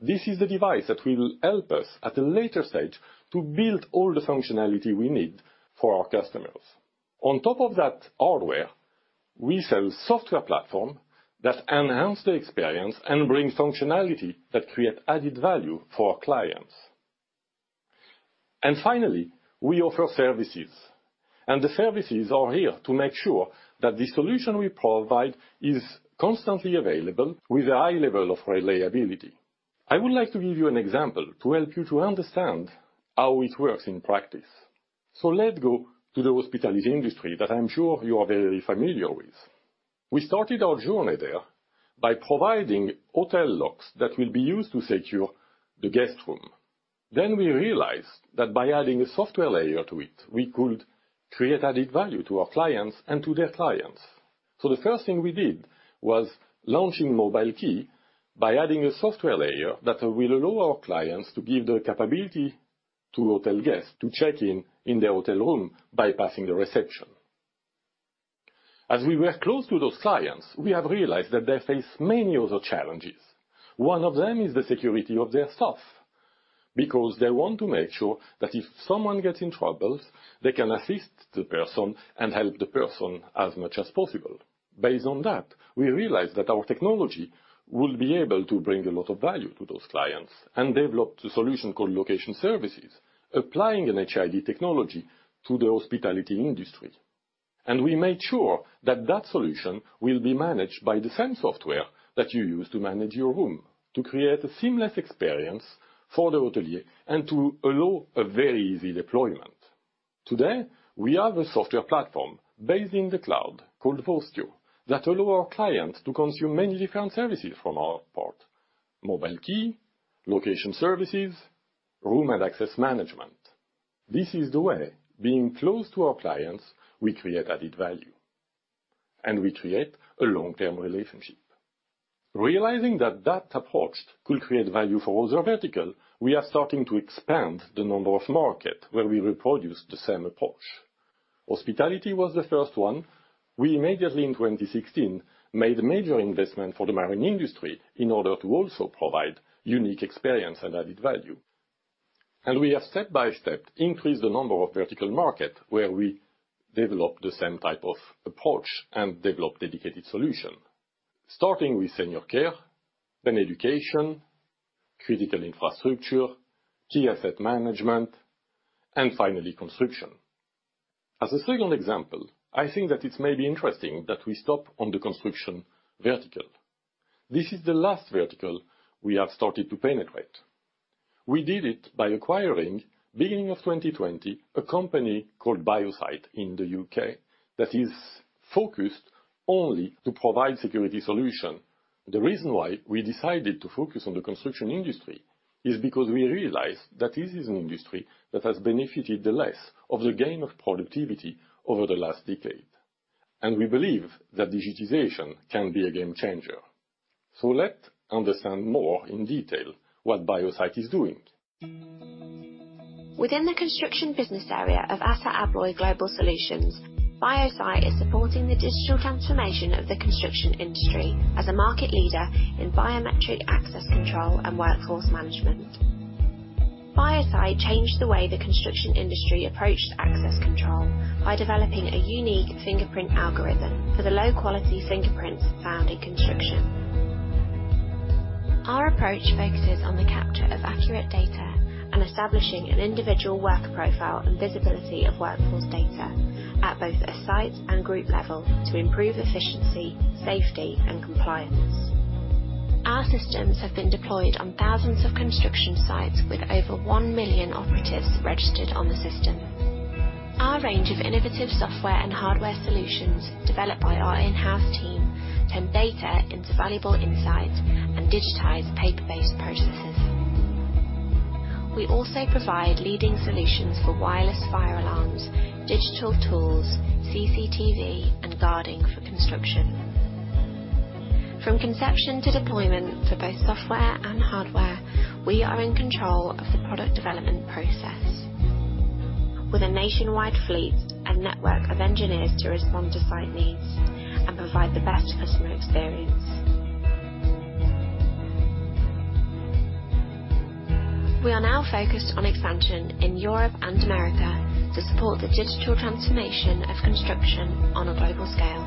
This is the device that will help us at a later stage to build all the functionality we need for our customers. On top of that hardware, we sell software platform that enhance the experience and bring functionality that create added value for our clients. Finally, we offer services, and the services are here to make sure that the solution we provide is constantly available with a high level of reliability. I would like to give you an example to help you to understand how it works in practice. Let's go to the hospitality industry that I'm sure you are very familiar with. We started our journey there by providing hotel locks that will be used to secure the guest room. We realized that by adding a software layer to it, we could create added value to our clients and to their clients. The first thing we did was launching mobility by adding a software layer that will allow our clients to give the capability to hotel guests to check-in in their hotel room, bypassing the reception. As we were close to those clients, we have realized that they face many other challenges. One of them is the security of their staff, because they want to make sure that if someone gets in trouble, they can assist the person and help the person as much as possible. Based on that, we realized that our technology would be able to bring a lot of value to those clients and developed a solution called Location Services, applying an HID technology to the hospitality industry. We made sure that that solution will be managed by the same software that you use to manage your room, to create a seamless experience for the hotelier and to allow a very easy deployment. Today, we have a software platform based in the cloud called Vostio that allow our clients to consume many different services from our portfolio: mobile key, Location Services, room and access management. This is the way, being close to our clients, we create added value. We create a long-term relationship. Realizing that that approach could create value for other vertical, we are starting to expand the number of market where we will produce the same approach. Hospitality was the first one. We majorly in 2016, made a major investment for the marine industry in order to also provide unique experience and added value. We have step-by-step increased the number of vertical market where we develop the same type of approach and develop dedicated solution, starting with senior care, then education, critical infrastructure, key asset management, and finally, construction. As a second example, I think that it may be interesting that we stop on the construction vertical. This is the last vertical we have started to penetrate. We did it by acquiring beginning of 2020 a company called Biosite in the U.K. that is focused only to provide security solution. The reason why we decided to focus on the construction industry is because we realized that this is an industry that has benefited the less of the gain of productivity over the last decade. We believe that digitization can be a game changer. Let's understand more in detail what Biosite is doing. Within the construction business area of ASSA ABLOY Global Solutions, Biosite is supporting the digital transformation of the construction industry as a market leader in biometric access control and workforce management. Biosite changed the way the construction industry approached access control by developing a unique fingerprint algorithm for the low-quality fingerprints found in construction. Our approach focuses on the capture of accurate data and establishing an individual work profile and visibility of workforce data at both a site and group level to improve efficiency, safety, and compliance. Our systems have been deployed on thousands of construction sites with over 1 million operatives registered on the system. Our range of innovative software and hardware solutions developed by our in-house team turn data into valuable insights and digitize paper-based processes. We also provide leading solutions for wireless fire alarms, digital tools, CCTV, and guarding for construction. From conception to deployment for both software and hardware, we are in control of the product development process. With a nationwide fleet and network of engineers to respond to site needs and provide the best customer experience. We are now focused on expansion in Europe and Americas to support the digital transformation of construction on a global scale.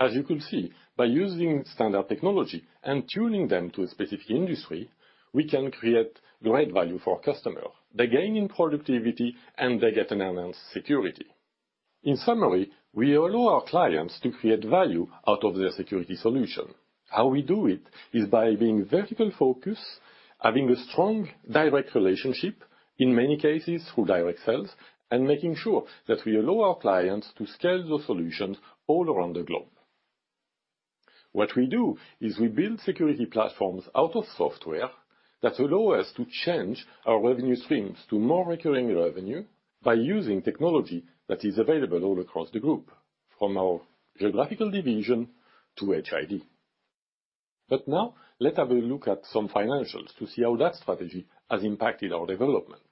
As you could see, by using standard technology and tuning them to a specific industry, we can create great value for our customer. They gain in productivity, and they get enhanced security. In summary, we allow our clients to create value out of their security solution. How we do it is by being vertical-focused, having a strong direct relationship, in many cases through direct sales, and making sure that we allow our clients to scale the solutions all around the globe. What we do is we build security platforms out of software that allow us to change our revenue streams to more recurring revenue by using technology that is available all across the group, from our geographical division to HID. Now let have a look at some financials to see how that strategy has impacted our development.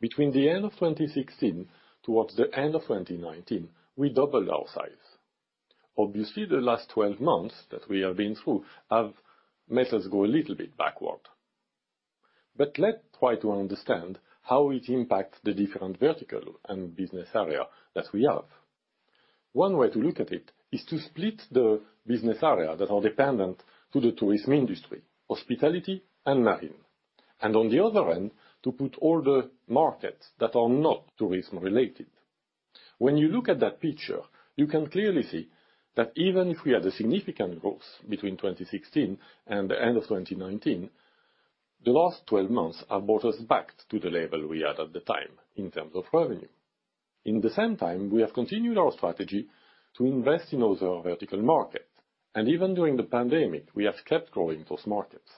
Between the end of 2016 towards the end of 2019, we doubled our size. Obviously, the last 12 months that we have been through have made us go a little bit backward. Let's try to understand how it impacts the different vertical and business area that we have. One way to look at it is to split the business area that are dependent to the tourism industry, hospitality and marine, and on the other end, to put all the markets that are not tourism-related. When you look at that picture, you can clearly see that even if we had a significant growth between 2016 and the end of 2019, the last 12 months have brought us back to the level we had at the time in terms of revenue. In the same time, we have continued our strategy to invest in other vertical market, even during the pandemic, we have kept growing those markets.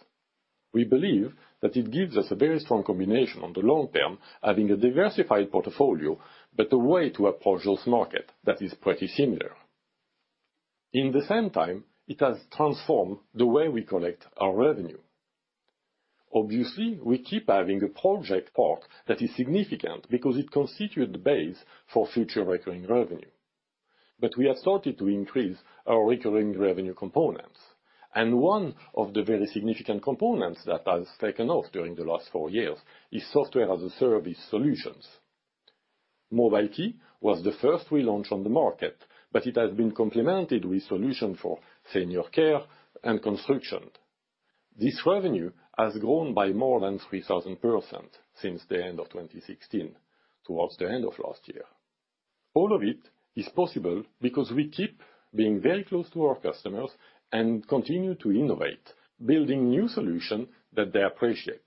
We believe that it gives us a very strong combination on the long term, having a diversified portfolio, but a way to approach those market that is pretty similar. In the same time, it has transformed the way we collect our revenue. Obviously, we keep having a project part that is significant because it constitutes the base for future recurring revenue. We have started to increase our recurring revenue components. One of the very significant components that has taken off during the last four years is Software as a Service solutions. Mobility was the first we launched on the market, but it has been complemented with solution for senior care and construction. This revenue has grown by more than 3,000% since the end of 2016 towards the end of last year. All of it is possible because we keep being very close to our customers and continue to innovate, building new solutions that they appreciate.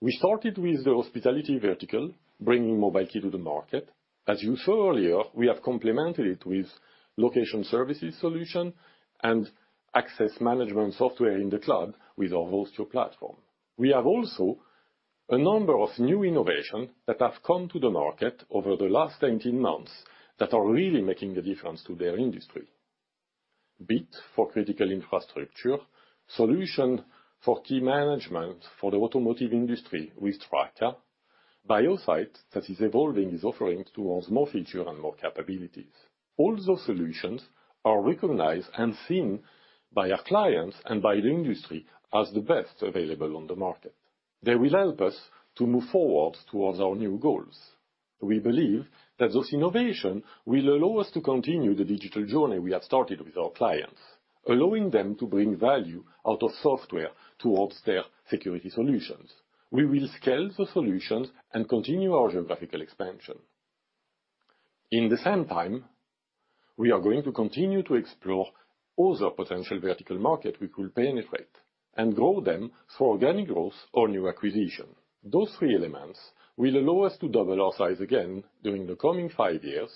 We started with the hospitality vertical, bringing Mobile Key to the market. As you saw earlier, we have complemented it with location services solution and access management software in the cloud with our Vostio platform. We have also a number of new innovations that have come to the market over the last 18 months that are really making the difference to their industry. Bit for critical infrastructure, solution for key management for the automotive industry with Traka. Biosite that is evolving its offerings towards more feature and more capabilities. All those solutions are recognized and seen by our clients and by the industry as the best available on the market. They will help us to move forward towards our new goals. We believe that those innovations will allow us to continue the digital journey we have started with our clients, allowing them to bring value out of software towards their security solutions. We will scale the solutions and continue our geographical expansion. At the same time, we are going to continue to explore other potential vertical markets we could penetrate and grow them through organic growth or new acquisition. Those three elements will allow us to double our size again during the coming five years,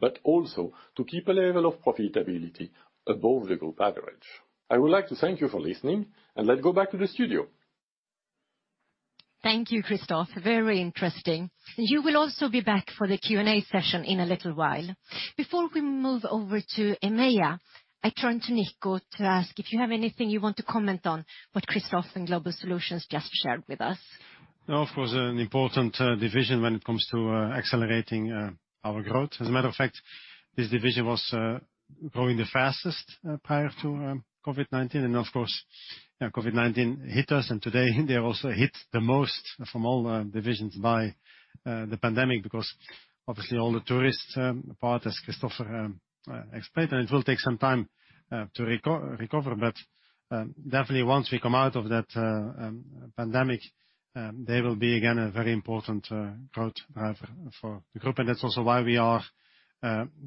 but also to keep a level of profitability above the group average. I would like to thank you for listening, and let's go back to the studio. Thank you, Christophe. Very interesting. You will also be back for the Q&A session in a little while. Before we move over to EMEIA, I turn to Nico to ask if you have anything you want to comment on what Christophe and Global Solutions just shared with us. No, it was an important division when it comes to accelerating our growth. As a matter of fact, this division was growing the fastest prior to COVID-19. Of course, COVID-19 hit us, and today they also hit the most from all the divisions by the pandemic because obviously all the tourists part, as Christophe explained, and it will take some time to recover. Definitely once we come out of that pandemic, they will be again a very important growth driver for the group. That's also why we are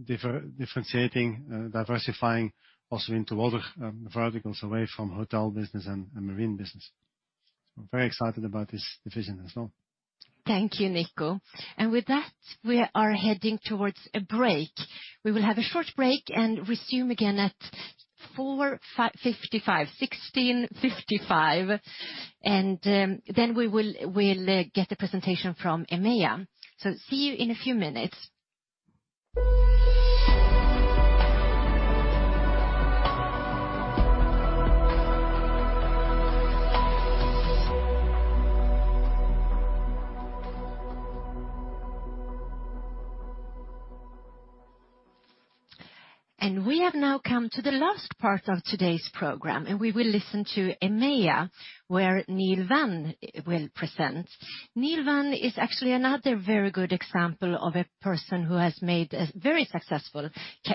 differentiating, diversifying also into other verticals away from hotel business and marine business. I'm very excited about this division as well. Thank you, Nico. With that, we are heading towards a break. We will have a short break and resume again at 4:55 P.M., 4:55 P.M., and then we'll get a presentation from EMEIA. See you in a few minutes. We have now come to the last part of today's program, and we will listen to EMEIA, where Neil Vann will present. Neil Vann is actually another very good example of a person who has made a very successful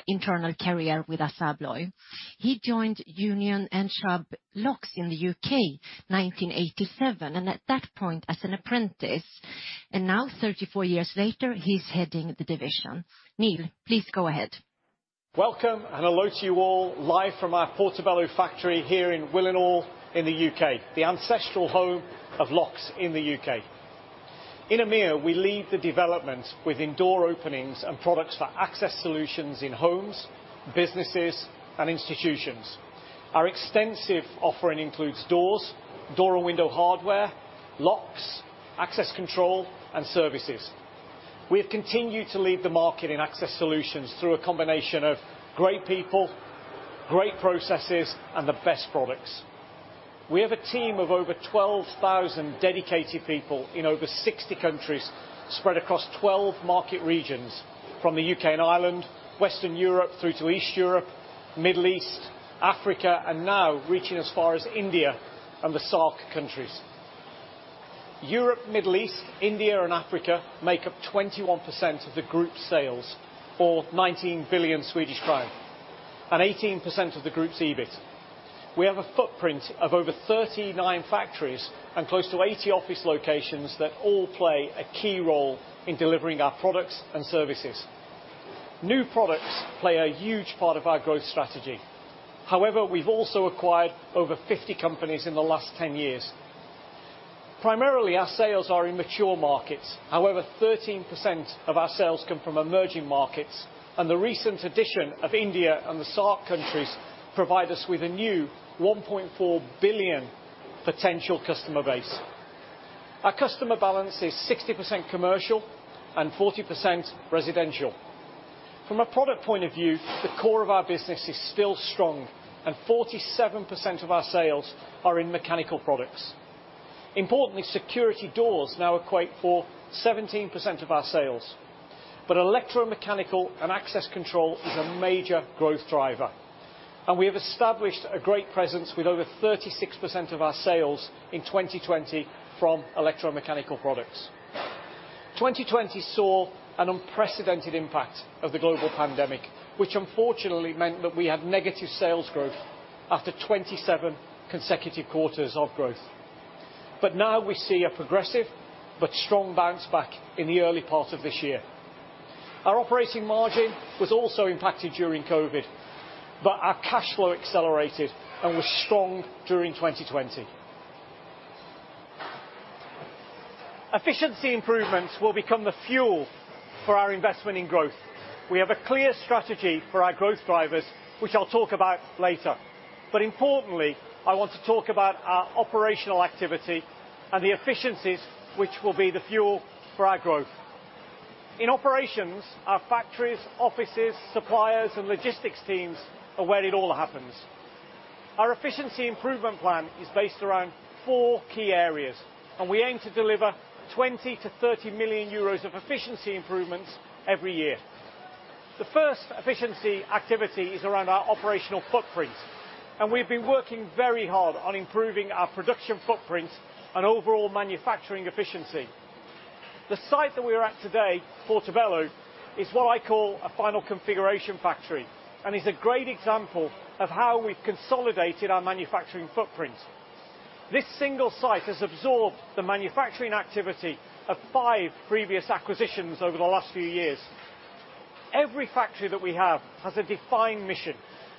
internal career with ASSA ABLOY. He joined Union and Chubb Locks in the U.K., 1987, and at that point as an apprentice. Now 34 years later, he's heading the division. Neil, please go ahead. Welcome, and hello to you all live from our Portobello factory here in Willenhall in the U.K., the ancestral home of locks in the U.K. In EMEIA, we lead the development within door openings and products for access solutions in homes, businesses, and institutions. Our extensive offering includes doors, door and window hardware, locks, access control, and services. We have continued to lead the market in access solutions through a combination of great people, great processes, and the best products. We have a team of over 12,000 dedicated people in over 60 countries spread across 12 market regions from the U.K. and Ireland, Western Europe through to East Europe, Middle East, Africa, and now reaching as far as India and the SAARC countries. Europe, Middle East, India, and Africa make up 21% of the group's sales, or 19 billion Swedish crown, and 18% of the group's EBIT. We have a footprint of over 39 factories and close to 80 office locations that all play a key role in delivering our products and services. New products play a huge part of our growth strategy. However, we've also acquired over 50 companies in the last 10 years. Primarily, our sales are in mature markets. However, 13% of our sales come from emerging markets, and the recent addition of India and the SAARC countries provide us with a new 1.4 billion potential customer base. Our customer balance is 60% commercial and 40% residential. From a product point of view, the core of our business is still strong, and 47% of our sales are in mechanical products. Importantly, security doors now equate for 17% of our sales. Electromechanical and access control is a major growth driver, and we have established a great presence with over 36% of our sales in 2020 from electromechanical products. 2020 saw an unprecedented impact of the global pandemic, which unfortunately meant that we had negative sales growth after 27 consecutive quarters of growth. Now we see a progressive but strong bounce back in the early part of this year. Our operating margin was also impacted during COVID, our cash flow accelerated and was strong during 2020. Efficiency improvements will become the fuel for our investment in growth. We have a clear strategy for our growth drivers, which I'll talk about later, importantly, I want to talk about our operational activity and the efficiencies which will be the fuel for our growth. In operations, our factories, offices, suppliers, and logistics teams are where it all happens. Our efficiency improvement plan is based around four key areas. We aim to deliver 20 million-30 million euros of efficiency improvements every year. The first efficiency activity is around our operational footprint. We've been working very hard on improving our production footprint and overall manufacturing efficiency. The site that we're at today, Portobello, is what I call a final configuration factory and is a great example of how we've consolidated our manufacturing footprint. This single site has absorbed the manufacturing activity of five previous acquisitions over the last few years. Every factory that we have has a defined mission,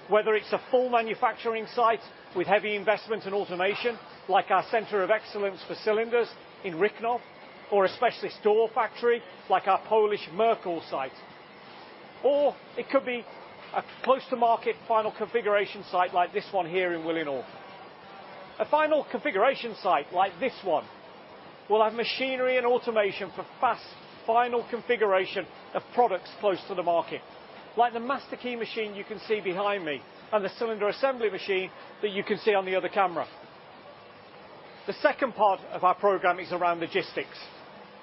whether it's a full manufacturing site with heavy investment in automation, like our center of excellence for cylinders in Rychnov, or a specialist door factory like our Polish Mercor site. It could be a close-to-market final configuration site like this one here in Willenhall. A final configuration site like this one will have machinery and automation for fast final configuration of products close to the market, like the master key machine you can see behind me and the cylinder assembly machine that you can see on the other camera. The second part of our program is around logistics.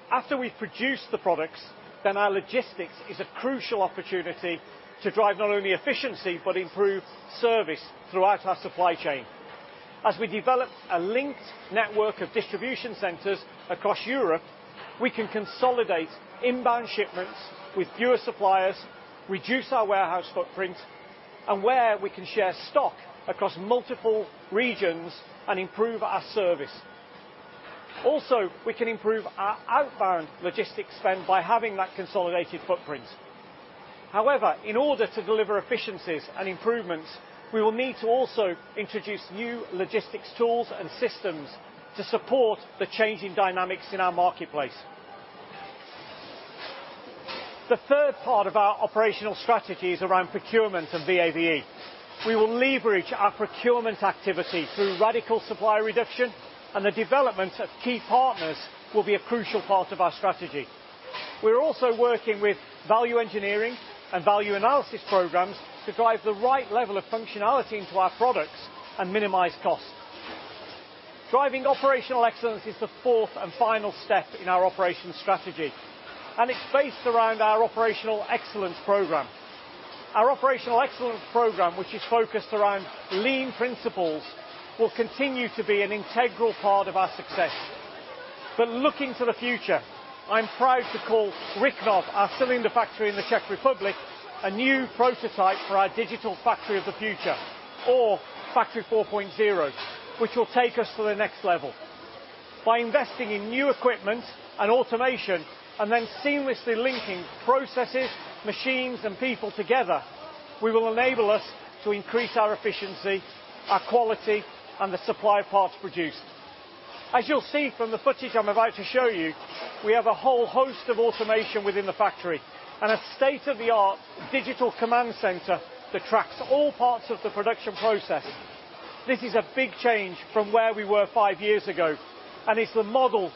After we've produced the products, then our logistics is a crucial opportunity to drive not only efficiency but improved service throughout our supply chain. As we develop a linked network of distribution centers across Europe, we can consolidate inbound shipments with fewer suppliers, reduce our warehouse footprint, and where we can share stock across multiple regions and improve our service. We can improve our outbound logistics spend by having that consolidated footprint. However, in order to deliver efficiencies and improvements, we will need to also introduce new logistics tools and systems to support the changing dynamics in our marketplace. The third part of our operational strategy is around procurement and VAVE. We will leverage our procurement activity through radical supplier reduction, and the development of key partners will be a crucial part of our strategy. We're also working with value engineering and value analysis programs to drive the right level of functionality into our products and minimize costs. Driving operational excellence is the fourth and final step in our operations strategy, and it's based around our Operational Excellence Program. Our Operational Excellence Program, which is focused around lean principles, will continue to be an integral part of our success. Looking to the future, I'm proud to call Rychnov, our cylinder factory in the Czech Republic, a new prototype for our digital factory of the future or Factory 4.0, which will take us to the next level. By investing in new equipment and automation and then seamlessly linking processes, machines, and people together, we will enable us to increase our efficiency, our quality, and the supply parts produced. As you'll see from the footage I'm about to show you, we have a whole host of automation within the factory and a state-of-the-art digital command center that tracks all parts of the production process. This is a big change from where we were five years ago, and it's the model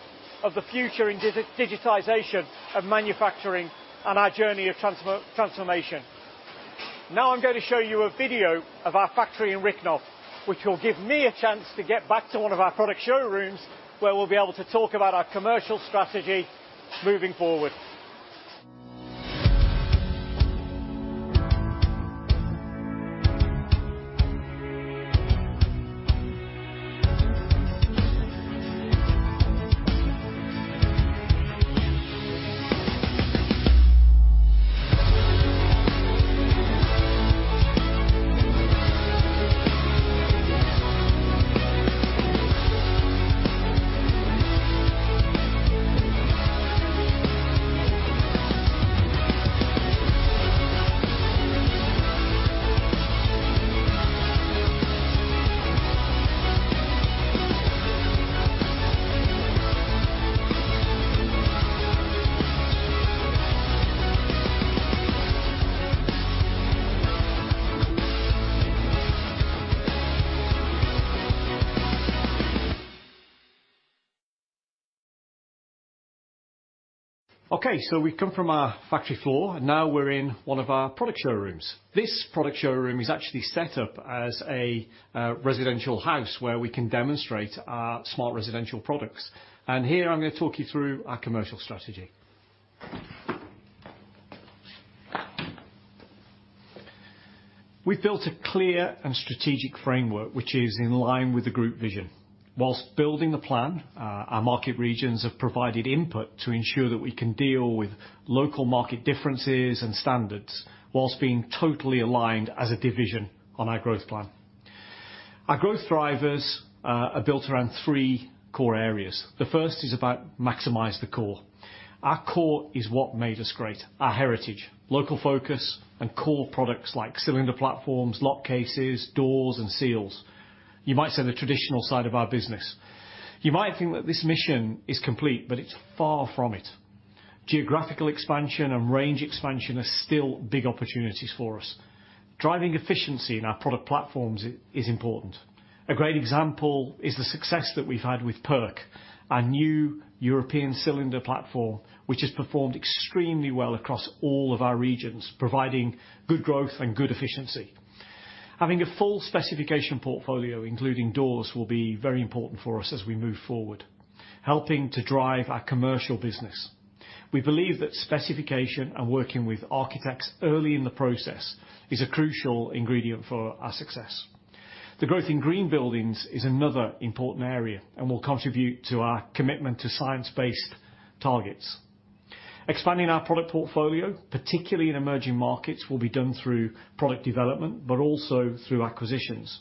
of the future in digitization of manufacturing and our journey of transformation. I'm going to show you a video of our factory in Rychnov, which will give me a chance to get back to one of our product showrooms where we'll be able to talk about our commercial strategy moving forward. We've come from our factory floor. We're in one of our product showrooms. This product showroom is actually set up as a residential house where we can demonstrate our smart residential products. Here I'm going to talk you through our commercial strategy. We built a clear and strategic framework which is in line with the group vision. Whilst building the plan, our market regions have provided input to ensure that we can deal with local market differences and standards whilst being totally aligned as a division on our growth plan. Our growth drivers are built around three core areas. The first is about maximize the core. Our core is what made us great, our heritage, local focus, and core products like cylinder platforms, lock cases, doors, and seals. You might say the traditional side of our business. You might think that this mission is complete, but it's far from it. Geographical expansion and range expansion are still big opportunities for us. Driving efficiency in our product platforms is important. A great example is the success that we've had with PERK, our new European cylinder platform, which has performed extremely well across all of our regions, providing good growth and good efficiency. Having a full specification portfolio, including doors, will be very important for us as we move forward, helping to drive our commercial business. We believe that specification and working with architects early in the process is a crucial ingredient for our success. The growth in green buildings is another important area and will contribute to our commitment to science-based targets. Expanding our product portfolio, particularly in emerging markets, will be done through product development, but also through acquisitions.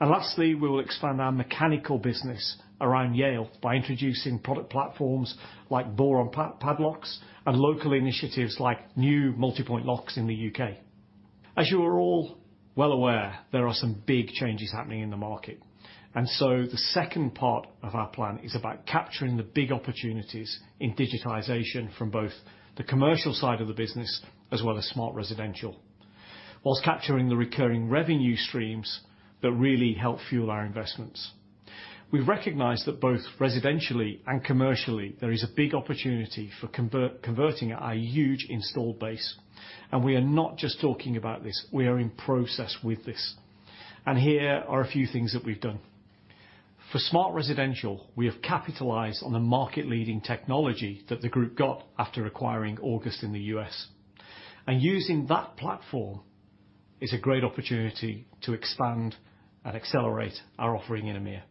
Lastly, we'll expand our mechanical business around Yale by introducing product platforms like Boron padlocks and local initiatives like new multi-point locks in the U.K. As you are all well aware, there are some big changes happening in the market, the second part of our plan is about capturing the big opportunities in digitization from both the commercial side of the business as well as smart residential, whilst capturing the recurring revenue streams that really help fuel our investments. We recognize that both residentially and commercially, there is a big opportunity for converting our huge installed base, we are not just talking about this, we are in process with this. Here are a few things that we've done. For smart residential, we have capitalized on the market-leading technology that the group got after acquiring August in the U.S., using that platform is a great opportunity to expand and accelerate our offering in EMEIA.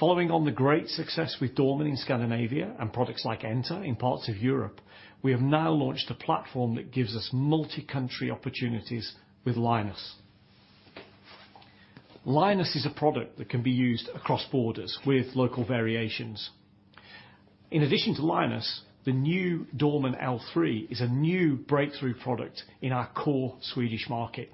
Following on the great success with Yale Doorman in Scandinavia and products like ENTR in parts of Europe, we have now launched a platform that gives us multi-country opportunities with Linus. Linus is a product that can be used across borders with local variations. In addition to Linus, the new Yale Doorman L3 is a new breakthrough product in our core Swedish market.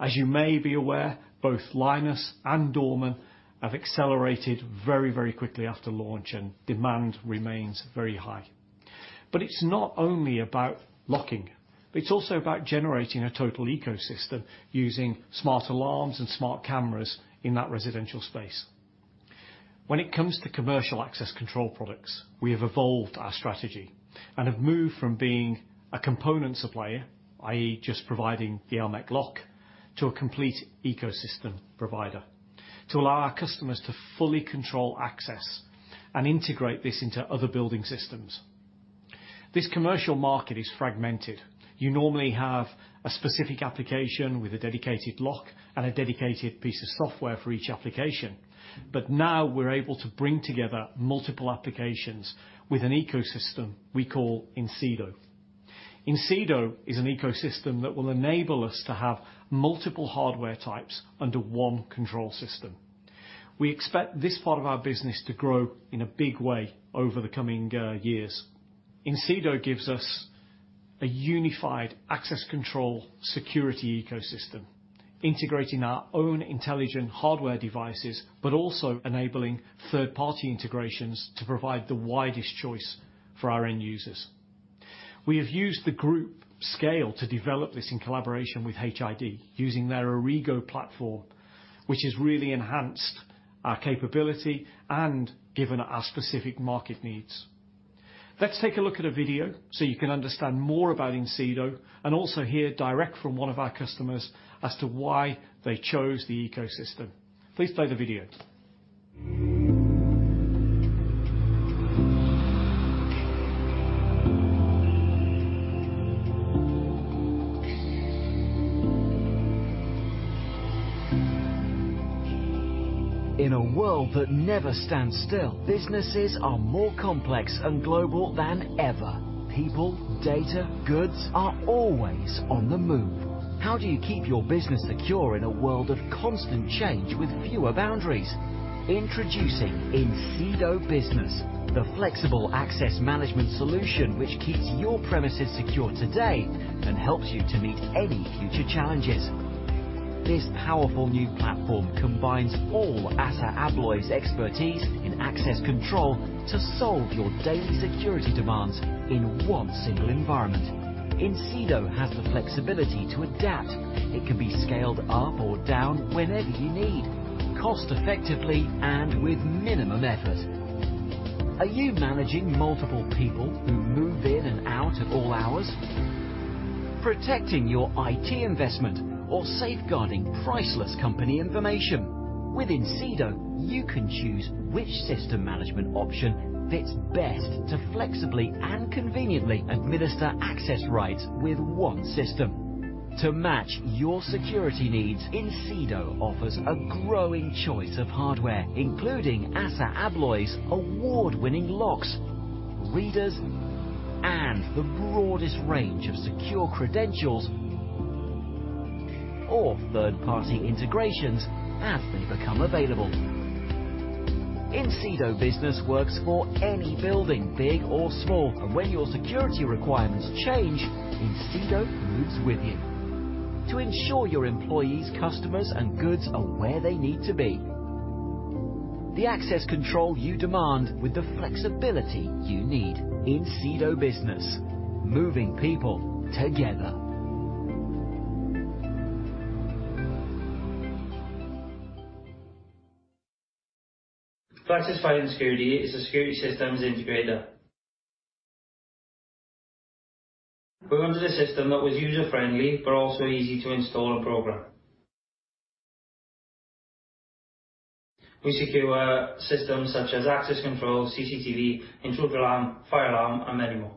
As you may be aware, both Linus and Yale Doorman have accelerated very, very quickly after launch, demand remains very high. It's not only about locking, it's also about generating a total ecosystem using smart alarms and smart cameras in that residential space. When it comes to commercial access control products, we have evolved our strategy and have moved from being a component supplier, i.e., just providing the electromechanical lock, to a complete ecosystem provider to allow our customers to fully control access and integrate this into other building systems. This commercial market is fragmented. You normally have a specific application with a dedicated lock and a dedicated piece of software for each application. Now we're able to bring together multiple applications with an ecosystem we call Incedo. Incedo is an ecosystem that will enable us to have multiple hardware types under one control system. We expect this part of our business to grow in a big way over the coming years. Incedo gives us a unified access control security ecosystem, integrating our own intelligent hardware devices, but also enabling third-party integrations to provide the widest choice for our end users. We have used the group scale to develop this in collaboration with HID, using their Origo platform, which has really enhanced our capability and given our specific market needs. Let's take a look at a video so you can understand more about Incedo and also hear direct from one of our customers as to why they chose the ecosystem. Please play the video. In a world that never stands still, businesses are more complex and global than ever. People, data, goods are always on the move. How do you keep your business secure in a world of constant change with fewer boundaries? Introducing Incedo Business, the flexible access management solution which keeps your premises secure today and helps you to meet any future challenges. This powerful new platform combines all ASSA ABLOY's expertise in access control to solve your daily security demands in one single environment. Incedo has the flexibility to adapt. It can be scaled up or down whenever you need, cost effectively and with minimum effort. Are you managing multiple people who move in and out at all hours? Protecting your IT investment or safeguarding priceless company information? With Incedo, you can choose which system management option fits best to flexibly and conveniently administer access rights with one system. To match your security needs, Incedo offers a growing choice of hardware, including ASSA ABLOY's award-winning locks, readers, and the broadest range of secure credentials or third-party integrations as they become available. Incedo Business works for any building, big or small, and when your security requirements change, Incedo moves with you to ensure your employees, customers, and goods are where they need to be. The access control you demand with the flexibility you need, Incedo Business, moving people together. Classic Sign Security is a security systems integrator. We wanted a system that was user-friendly but also easy to install and program. We secure systems such as access control, CCTV, intruder alarm, fire alarm, and many more.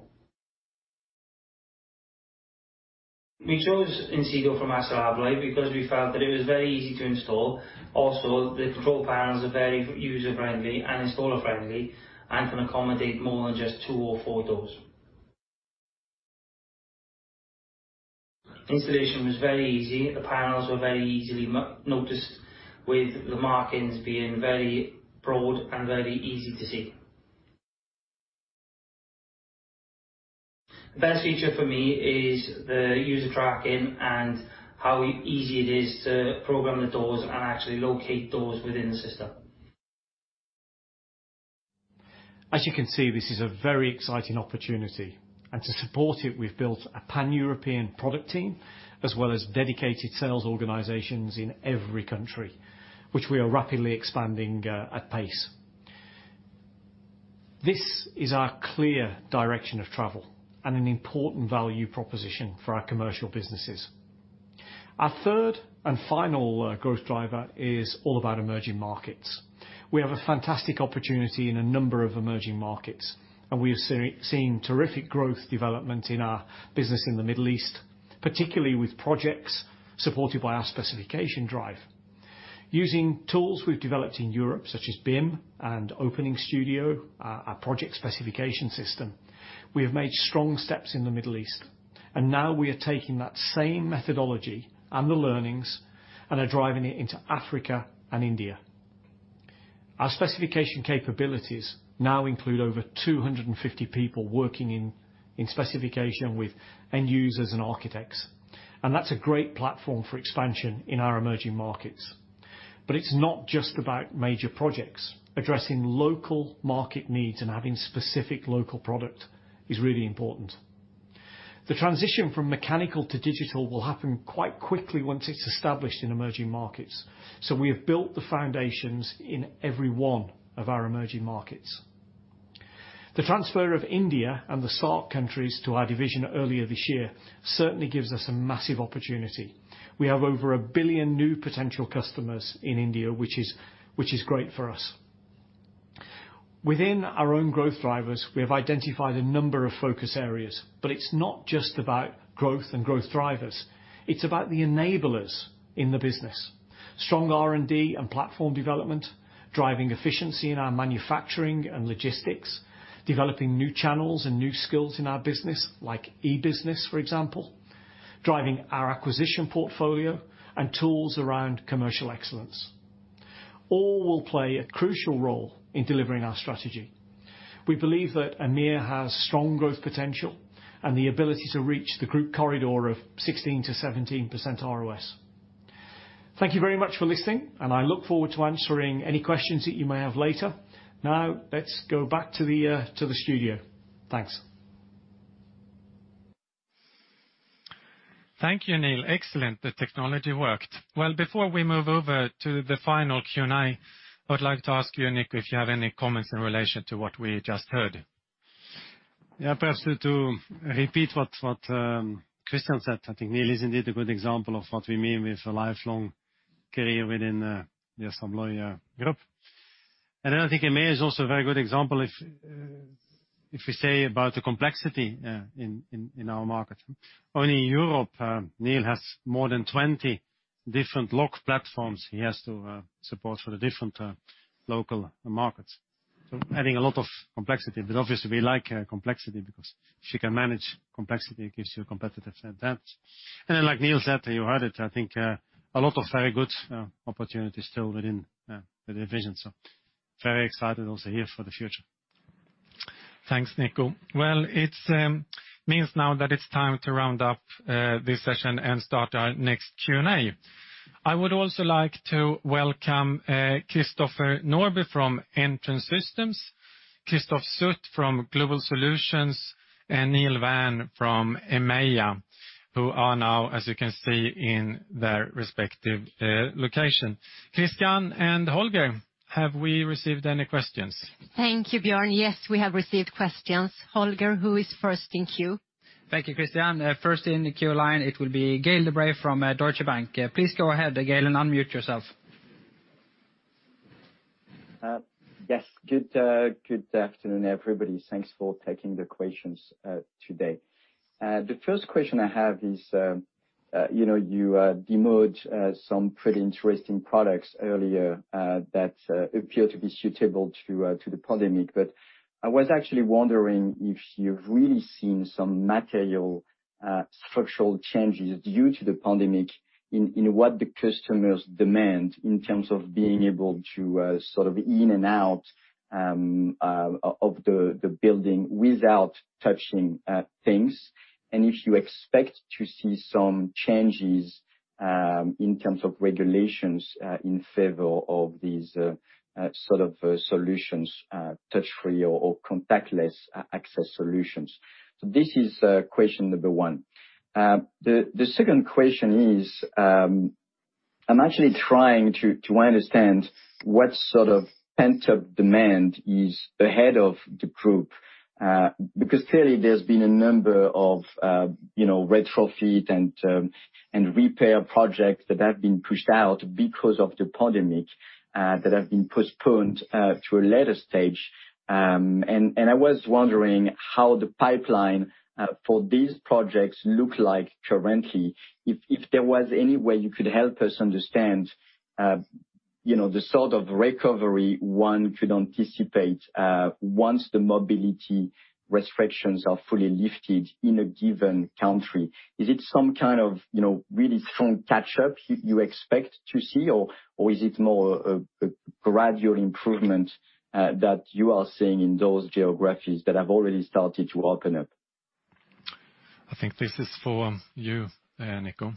We chose Incedo from ASSA ABLOY because we felt that it was very easy to install. The control panels are very user-friendly and installer-friendly and can accommodate more than just two or four doors. Installation was very easy. The panels were very easily noticed, with the markings being very broad and very easy to see. The best feature for me is the user tracking and how easy it is to program the doors and actually locate doors within the system. As you can see, this is a very exciting opportunity, and to support it, we've built a pan-European product team, as well as dedicated sales organizations in every country, which we are rapidly expanding at pace. This is our clear direction of travel and an important value proposition for our commercial businesses. Our third and final growth driver is all about emerging markets. We have a fantastic opportunity in a number of emerging markets, and we have seen terrific growth development in our business in the Middle East, particularly with projects supported by our specification drive. Using tools we've developed in Europe, such as BIM and Openings Studio, our project specification system, we have made strong steps in the Middle East, and now we are taking that same methodology and the learnings and are driving it into Africa and India. Our specification capabilities now include over 250 people working in specification with end users and architects. That's a great platform for expansion in our emerging markets. It's not just about major projects. Addressing local market needs and having specific local product is really important. The transition from mechanical to digital will happen quite quickly once it's established in emerging markets. We have built the foundations in every one of our emerging markets. The transfer of India and the SAARC countries to our division earlier this year certainly gives us a massive opportunity. We have over 1 billion new potential customers in India, which is great for us. Within our own growth drivers, we have identified a number of focus areas, but it's not just about growth and growth drivers. It's about the enablers in the business. Strong R&D and platform development, driving efficiency in our manufacturing and logistics, developing new channels and new skills in our business, like e-business, for example, driving our acquisition portfolio, and tools around commercial excellence. All will play a crucial role in delivering our strategy. We believe that EMEIA has strong growth potential and the ability to reach the group corridor of 16%-17% ROS. Thank you very much for listening, and I look forward to answering any questions that you may have later. Now, let's go back to the studio. Thanks. Thank you, Neil. Excellent. The technology worked. Well, before we move over to the final Q&A, I would like to ask you, Nico, if you have any comments in relation to what we just heard? Personally, to repeat what Christiane said, I think Neil Vann is indeed a good example of what we mean with a lifelong career within the ASSA ABLOY Group. I think EMEIA is also a very good example if we say about the complexity in our market. Only in Europe, Neil Vann has more than 20 different lock platforms he has to support for the different local markets. Adding a lot of complexity, but obviously we like complexity because if you can manage complexity, it gives you a competitive advantage. Then, like Neil said to you, I think a lot of very good opportunities still within the division. Very excited also here for the future. Thanks, Nico. Well, it means now that it's time to round up this session and start our next Q&A. I would also like to welcome Christopher Norbye from Entrance Systems, Christophe Sut from Global Solutions, and Neil Vann from EMEIA, who are now, as you can see, in their respective location. Christiane and Holger, have we received any questions? Thank you, Björn. We have received questions. Holger, who is first in queue? Thank you, Christiane. First in the queue line, it will be Gael de-Bray from Deutsche Bank. Please go ahead, Gael, and unmute yourself. Yes. Good afternoon, everybody. Thanks for taking the questions today. The first question I have is. You demoed some pretty interesting products earlier that appear to be suitable to the pandemic, I was actually wondering if you've really seen some material structural changes due to the pandemic in what the customers demand in terms of being able to in and out of the building without touching things, and if you expect to see some changes in terms of regulations in favor of these sort of solutions touch-free or contactless access solutions. This is question number one. The second question is, I'm actually trying to understand what sort of pent-up demand is ahead of the group. Clearly there's been a number of retrofit and repair projects that have been pushed out because of the pandemic that have been postponed to a later stage. I was wondering how the pipeline for these projects look like currently. If there was any way you could help us understand the sort of recovery one could anticipate once the mobility restrictions are fully lifted in a given country? Is it some kind of really strong catch-up you expect to see or is it more a gradual improvement that you are seeing in those geographies that have already started to open up? I think this is for you, Nico.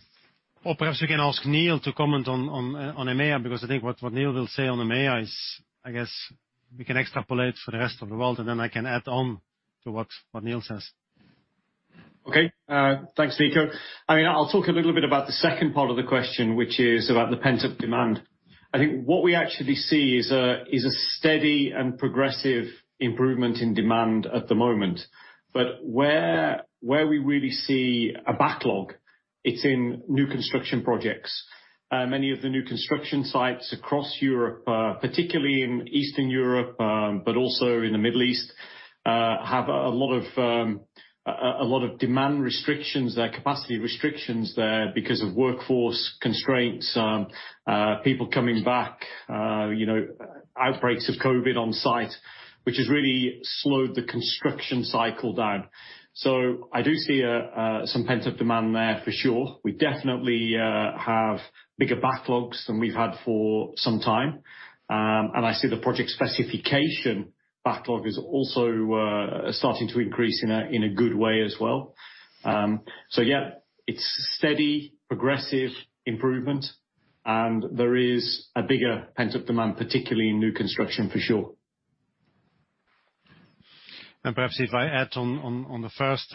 Perhaps we can ask Neil to comment on EMEIA because I think what Neil will say on EMEIA is, I guess we can extrapolate for the rest of the world, and then I can add on to what Neil says. Okay, thanks Nico. I'll talk a little bit about the second part of the question, which is about the pent-up demand. I think what we actually see is a steady and progressive improvement in demand at the moment. Where we really see a backlog, it's in new construction projects. Many of the new construction sites across Europe, particularly in Eastern Europe, but also in the Middle East have a lot of demand restrictions there, capacity restrictions there because of workforce constraints, people coming back, outbreaks of COVID-19 on site, which has really slowed the construction cycle down. I do see some pent-up demand there for sure. We definitely have bigger backlogs than we've had for some time. I see the project specification backlog is also starting to increase in a good way as well. Yeah, it's steady progressive improvement, and there is a bigger pent-up demand, particularly in new construction for sure. Perhaps if I add on the first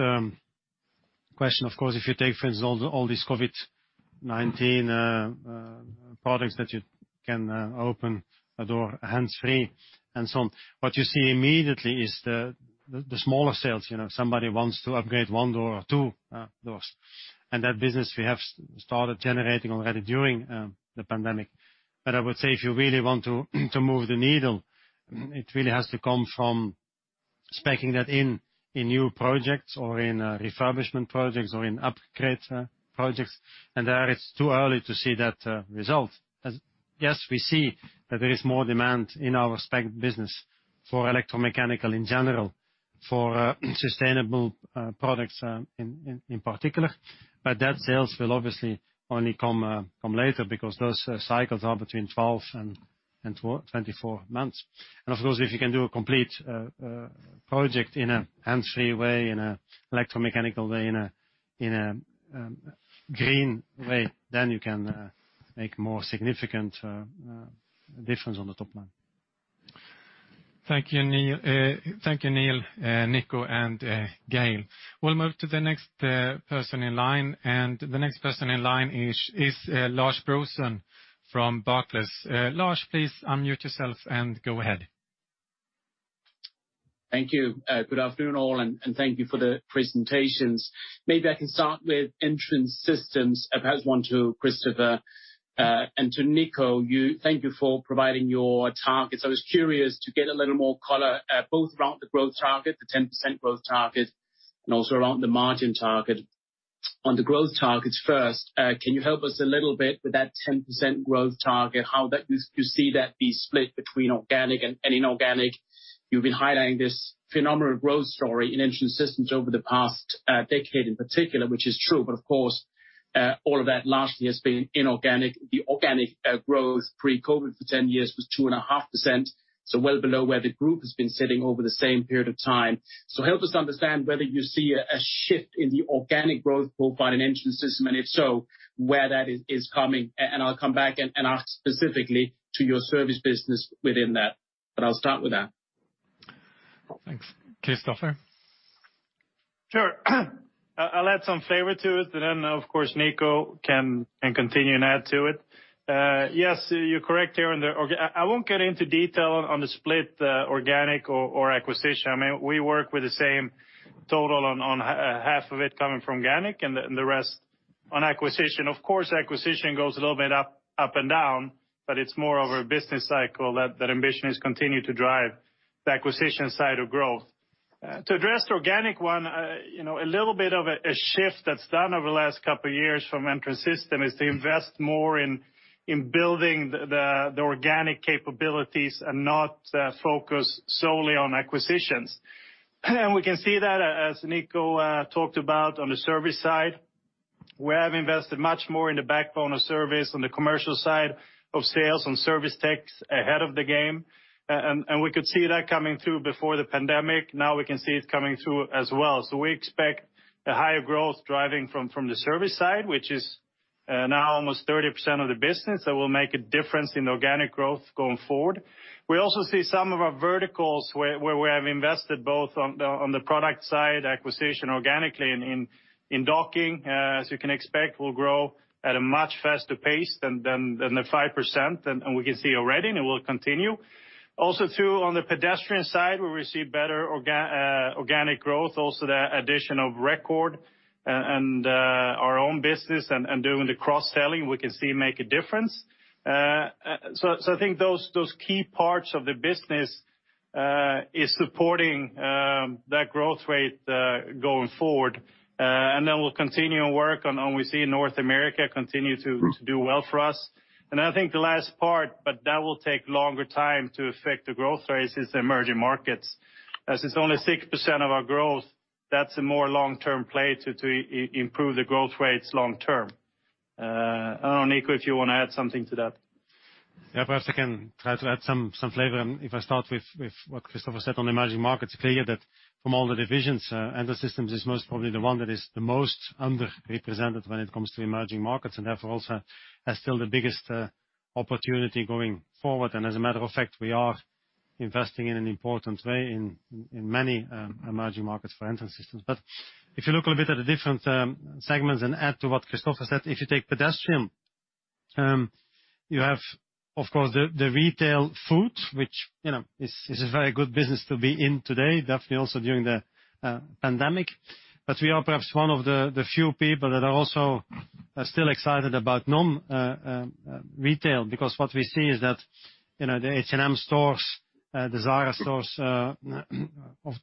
question, of course, if you take for instance, all these COVID-19 products that you can open a door hands-free and so on, what you see immediately is the smaller sales. Somebody wants to upgrade one door or two doors, that business we have started generating already during the pandemic. I would say if you really want to move the needle, it really has to come from speccing that in new projects or in refurbishment projects or in upgrade projects. There it's too early to see that result. Yes, we see that there is more demand in our spec business for electromechanical in general, for sustainable products in particular. That sales will obviously only come later because those cycles are between 12 and 24 months. Of course, if you can do a complete project in a hands-free way, in a electromechanical way, in a green way, you can make more significant difference on the top line. Thank you, Neil, Nico, and Gael. We'll move to the next person in line. The next person in line is Lars Brorson from Barclays. Lars, please unmute yourself and go ahead. Thank you. Good afternoon, all, and thank you for the presentations. Maybe I can start with Entrance Systems, perhaps one to Christopher. To Nico, thank you for providing your targets. I was curious to get a little more color both around the growth target, the 10% growth target, and also around the margin target. On the growth targets first, can you help us a little bit with that 10% growth target, how you see that be split between organic and inorganic? You've been highlighting this phenomenal growth story in Entrance Systems over the past decade in particular, which is true. Of course, all of that largely has been inorganic. The organic growth pre-COVID-19 for 10 years was 2.5%, so well below where the group has been sitting over the same period of time. Help us understand whether you see a shift in the organic growth profile in Entrance Systems, if so, where that is coming. I'll come back and ask specifically to your service business within that. I'll start with that. Thanks. Christopher? Sure. I'll add some flavor to it, and then of course, Nico can continue and add to it. Yes, you're correct there. I won't get into detail on the split organic or acquisition. I mean, we work with the same total on half of it coming from organic and the rest on acquisition. Of course, acquisition goes a little bit up and down, but it's more of a business cycle that Ambition is continuing to drive the acquisition side of growth. To address the organic one, a little bit of a shift that's done over the last couple of years from Entrance Systems is to invest more in building the organic capabilities and not focus solely on acquisitions. We can see that, as Nico talked about on the service side, we have invested much more in the backbone of service on the commercial side of sales and service techs ahead of the game. We could see that coming through before the pandemic, now we can see it coming through as well. We expect the high growth driving from the service side, which is now almost 30% of the business. That will make a difference in organic growth going forward. We also see some of our verticals where we have invested both on the product side, acquisition organically and in docking, as you can expect, will grow at a much faster pace than the 5%, and we can see already and it will continue. Also too, on the pedestrian side, where we see better organic growth, also the addition of agta record in our own business and doing the cross-selling, we can see make a difference. I think those key parts of the business is supporting that growth rate going forward. We'll continue to work on OC North America, continue to do well for us. I think the last part, but that will take longer time to affect the growth rate, is the emerging markets. As it's only 6% of our growth, that's a more long-term play to improve the growth rates long term. I don't know, Nico, do you want to add something to that? Yeah. Perhaps I can try to add some flavor if I start with what Christopher said on emerging markets. It's clear that from all the divisions, Entrance Systems is most probably the one that is the most underrepresented when it comes to emerging markets, and therefore also has still the biggest opportunity going forward. As a matter of fact, we are investing in an important way in many emerging markets for Entrance Systems. If you look a bit at the different segments and add to what Christopher said, if you take pedestrian, you have, of course, the retail food, which is a very good business to be in today, definitely also during the pandemic. We are perhaps one of the few people that are also still excited about non-retail, because what we see is that, the H&M stores, the Zara stores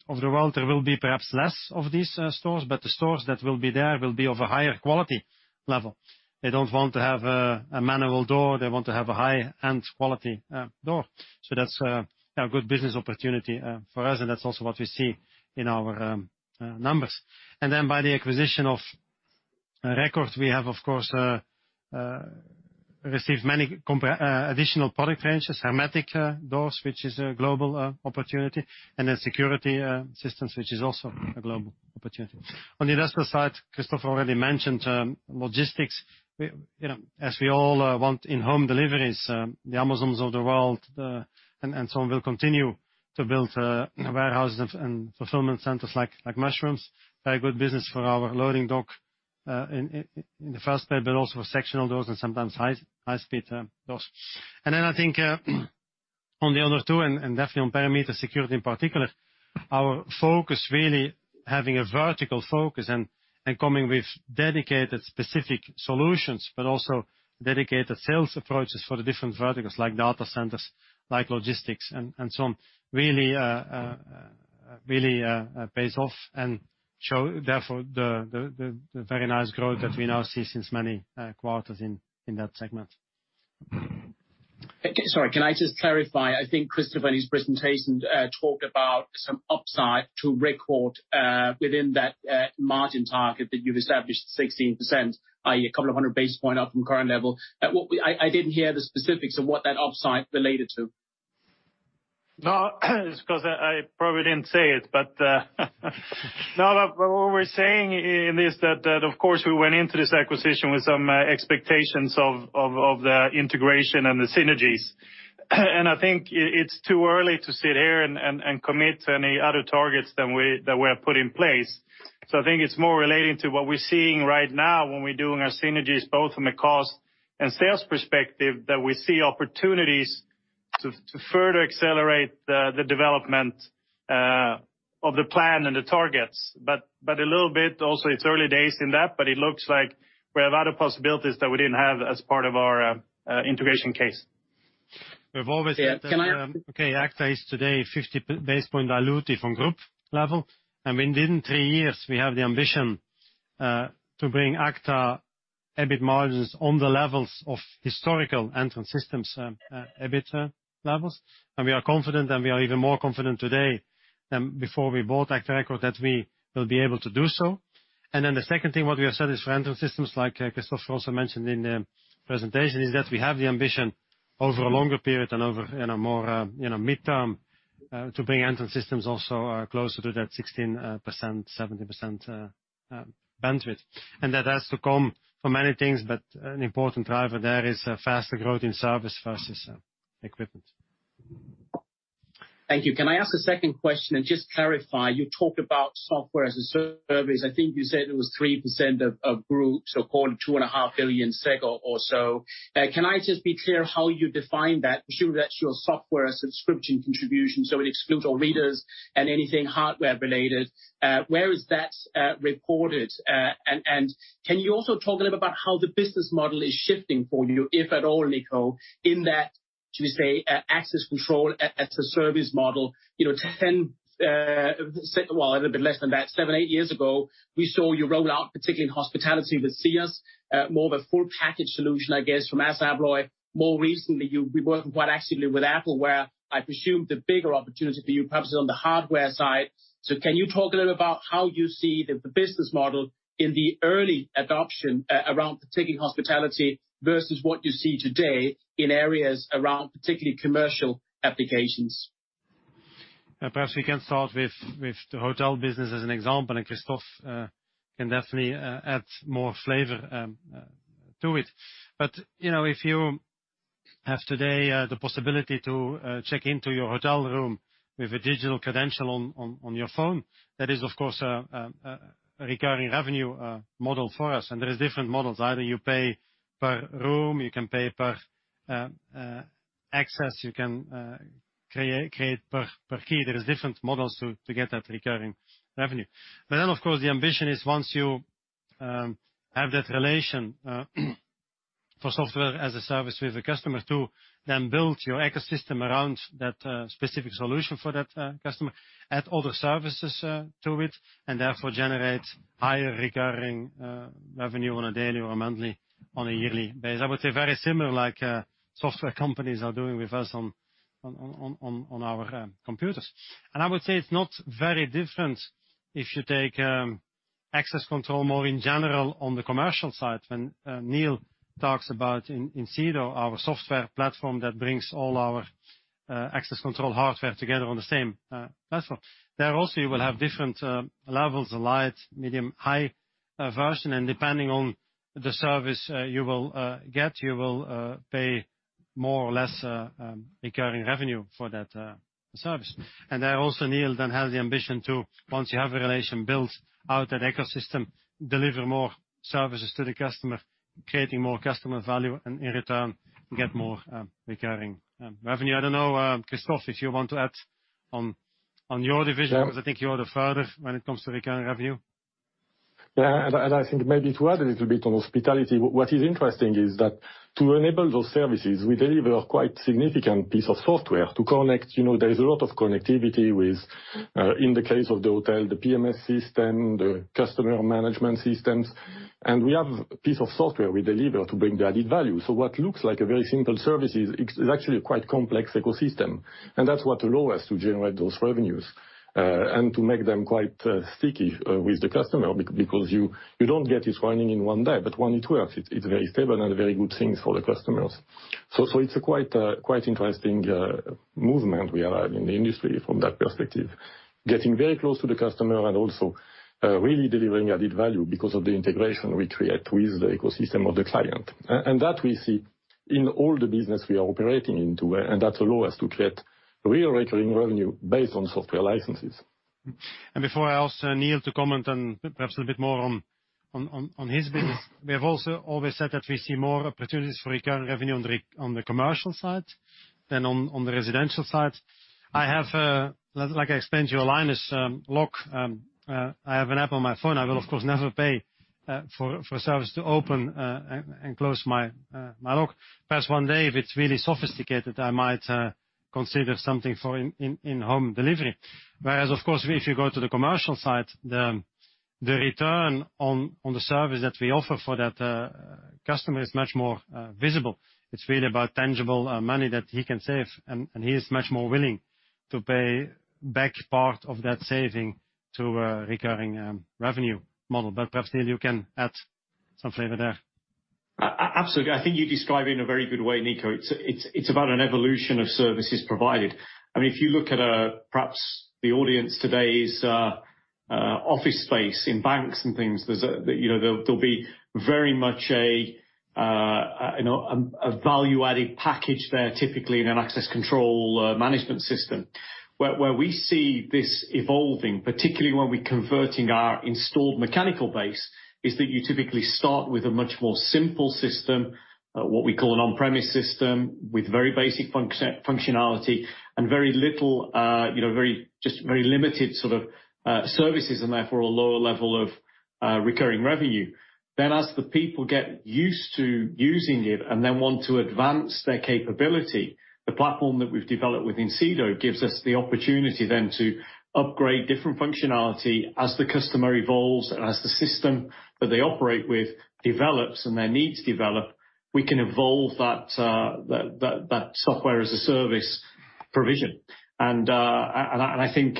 of the world, there will be perhaps less of these stores, but the stores that will be there will be of a higher quality level. They don't want to have a manual door. They want to have a high-end quality door. That's a good business opportunity for us, and that's also what we see in our numbers. By the acquisition of record, we have, of course, received many additional product ranges, hermetic doors, which is a global opportunity, and then security systems, which is also a global opportunity. On the investor side, Christopher already mentioned logistics. As we all want in-home deliveries, the Amazons of the world and so on will continue to build warehouses and fulfillment centers like mushrooms. Very good business for our loading dock in the first place, but also for sectional doors and sometimes high-speed doors. I think on the other two, and definitely on perimeter security in particular, our focus really having a vertical focus and coming with dedicated specific solutions, but also dedicated sales approaches for the different verticals like data centers, like logistics and so on, really pays off and show, therefore, the very nice growth that we now see since many quarters in that segment. Okay. Sorry, can I just clarify? I think Christopher, in his presentation, talked about some upside to record within that margin target that you've established 16%, i.e., 200 basis point up from current level. I didn't hear the specifics of what that upside related to. No. It's because I probably didn't say it, but what we're saying is that, of course, we went into this acquisition with some expectations of the integration and the synergies. I think it's too early to sit here and commit to any other targets that were put in place. I think it's more relating to what we're seeing right now when we're doing our synergies, both from the cost and sales perspective, that we see opportunities to further accelerate the development of the plan and the targets. A little bit also, it's early days in that, but it looks like we have other possibilities that we didn't have as part of our integration case. We've always said agta is today 50 basis points dilutive from group level. Within three years, we have the ambition to bring agta EBIT margins on the levels of historical Entrance Systems EBIT levels. We are even more confident today than before we bought agta record, that we will be able to do so. The second thing what you said is for Entrance Systems, like Christopher also mentioned in the presentation, is that we have the ambition over a longer period and over more midterm to bring Entrance Systems also closer to that 16%-17% bandwidth. That has to come from many things, but an important driver there is faster growth in service versus equipment. Thank you. Can I ask a second question and just clarify? You talked about Software as a Service. I think you said it was 3% of group, so 2.5 billion SEK figure or so. Can I just be clear how you define that, assuming that's your software subscription contribution, so it excludes all readers and anything hardware related? Where is that recorded? Can you also talk a little about how the business model is shifting for you, if at all, Nico. Should we say access control as a service model. A bit less than that, seven, eight years ago, we saw you roll out, particularly in hospitality, but see us more of a full package solution, I guess, from ASSA ABLOY. More recently, you've been working quite actively with Apple, where I presume the bigger opportunity for you perhaps is on the hardware side. Can you talk a little about how you see the business model in the early adoption around particular hospitality versus what you see today in areas around particularly commercial applications? Perhaps we can start with the hotel business as an example, and Christophe can definitely add more flavor to it. If you have today the possibility to check into your hotel room with a digital credential on your phone, that is of course a recurring revenue model for us, and there is different models. Either you pay per room, you can pay per access, you can create per key. There's different models to get that recurring revenue. Of course, the ambition is once you have that relation for Software as a Service with the customer to then build your ecosystem around that specific solution for that customer, add other services to it, and therefore generate higher recurring revenue on a daily or monthly, on a yearly basis. I would say very similar like software companies are doing with us on our computers. I would say it's not very different if you take access control more in general on the commercial side. When Neil talks about Incedo, our software platform that brings all our access control hardware together on the same platform. There also you will have different levels, a light, medium, high version, and depending on the service you will get, you will pay more or less recurring revenue for that service. There also, Neil, then has the ambition to, once you have a relation, build out that ecosystem, deliver more services to the customer, creating more customer value, and in return, get more recurring revenue. I don't know, Christophe, if you want to add on your division, because I think you are the father when it comes to recurring revenue. I think maybe to add a little bit on hospitality, what is interesting is that to enable those services, we deliver quite significant piece of software to connect. There is a lot of connectivity with, in the case of the hotel, the PMS system, the customer management systems. We have a piece of software we deliver to bring the added value. What looks like a very simple service, it's actually a quite complex ecosystem. That's what allows us to generate those revenues, to make them quite sticky with the customer because you don't get it running in one day, but once it works, it's very stable and very good things for the customers. It's a quite interesting movement we are in the industry from that perspective. Getting very close to the customer and also really delivering added value because of the integration which we have with the ecosystem of the client. That we see in all the business we are operating into, and that allows us to create real recurring revenue based on software licenses. Before I ask Neil to comment perhaps a bit more on his business, we have also always said that we see more opportunities for recurring revenue on the commercial side than on the residential side. I have, like I explained to you, Linus lock. I have an app on my phone. I will, of course, never pay for service to open and close my lock. Perhaps one day, if it's really sophisticated, I might consider something for in-home delivery. Whereas of course, if you go to the commercial side, the return on the service that we offer for that customer is much more visible. It's really about tangible money that he can save, and he is much more willing to pay back part of that saving to a recurring revenue model. Perhaps Neil you can add some flavor there. Absolutely. I think you described it in a very good way, Nico. It is about an evolution of services provided. If you look at perhaps the audience today's office space in banks and things, there will be very much a value-added package there, typically in an access control management system. Where we see this evolving, particularly when we are converting our installed mechanical base, is that you typically start with a much more simple system, what we call an on-premise system, with very basic functionality and very limited sort of services and therefore a lower level of recurring revenue. As the people get used to using it and then want to advance their capability, the platform that we've developed with Incedo gives us the opportunity then to upgrade different functionality as the customer evolves and as the system that they operate with develops and their needs develop, we can evolve that Software as a Service provision. I think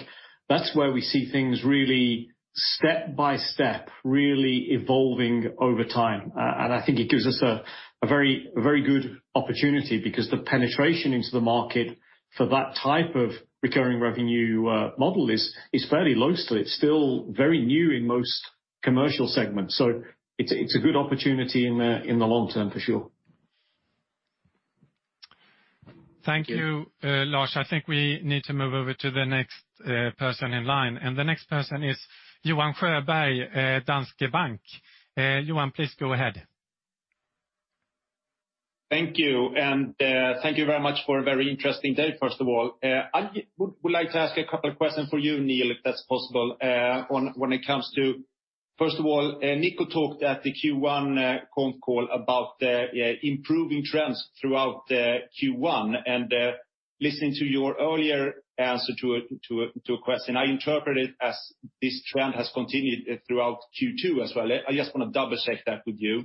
that's where we see things really step by step, really evolving over time. I think it gives us a very good opportunity because the penetration into the market for that type of recurring revenue model is fairly low still. It's still very new in most commercial segments. It's a good opportunity in the long term for sure. Thank you, Lars. I think we need to move over to the next person in line. The next person is Johan Sjöberg, Danske Bank. Johan, please go ahead. Thank you. Thank you very much for a very interesting day, first of all. I would like to ask a couple of questions for you, Neil, if that's possible. First of all, Nico talked at the Q1 comp call about the improving trends throughout the Q1, and listening to your earlier answer to a question, I interpret it as this trend has continued throughout Q2 as well. I just want to double-check that with you.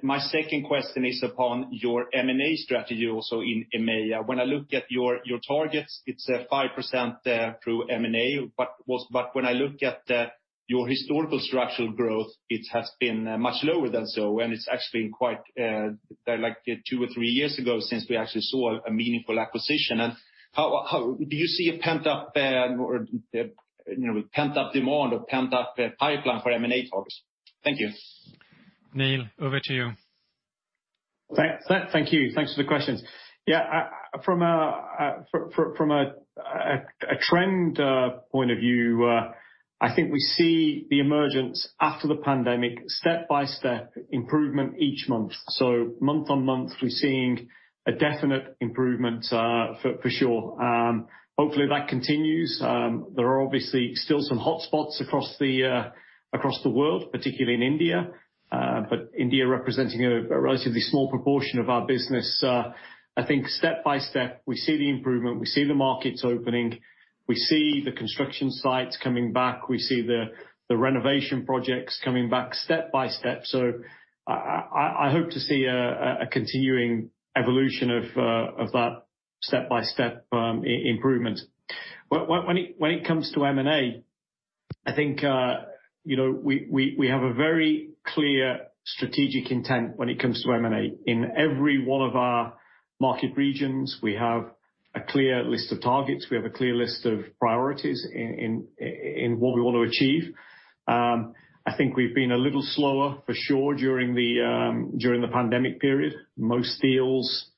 My second question is upon your M&A strategy also in EMEIA. When I look at your targets, it's 5% through M&A, but when I look at your historical structural growth, it has been much lower than so, and it's actually been quite two or three years ago since we actually saw a meaningful acquisition. Do you see a pent-up demand or pent-up pipeline for M&A targets? Thank you. Neil, over to you. Thank you. Thanks for the questions. From a trend point of view, I think we see the emergence after the pandemic step-by-step improvement each month. Month on month, we're seeing a definite improvement for sure. Hopefully, that continues. There are obviously still some hot spots across the world, particularly in India representing a relatively small proportion of our business. I think step-by-step, we see the improvement. We see the markets opening. We see the construction sites coming back. We see the renovation projects coming back step-by-step. I hope to see a continuing evolution of that step-by-step improvement. When it comes to M&A, I think we have a very clear strategic intent when it comes to M&A. In every one of our market regions, we have a clear list of targets. We have a clear list of priorities in what we want to achieve. I think we've been a little slower, for sure, during the pandemic period. Most deals,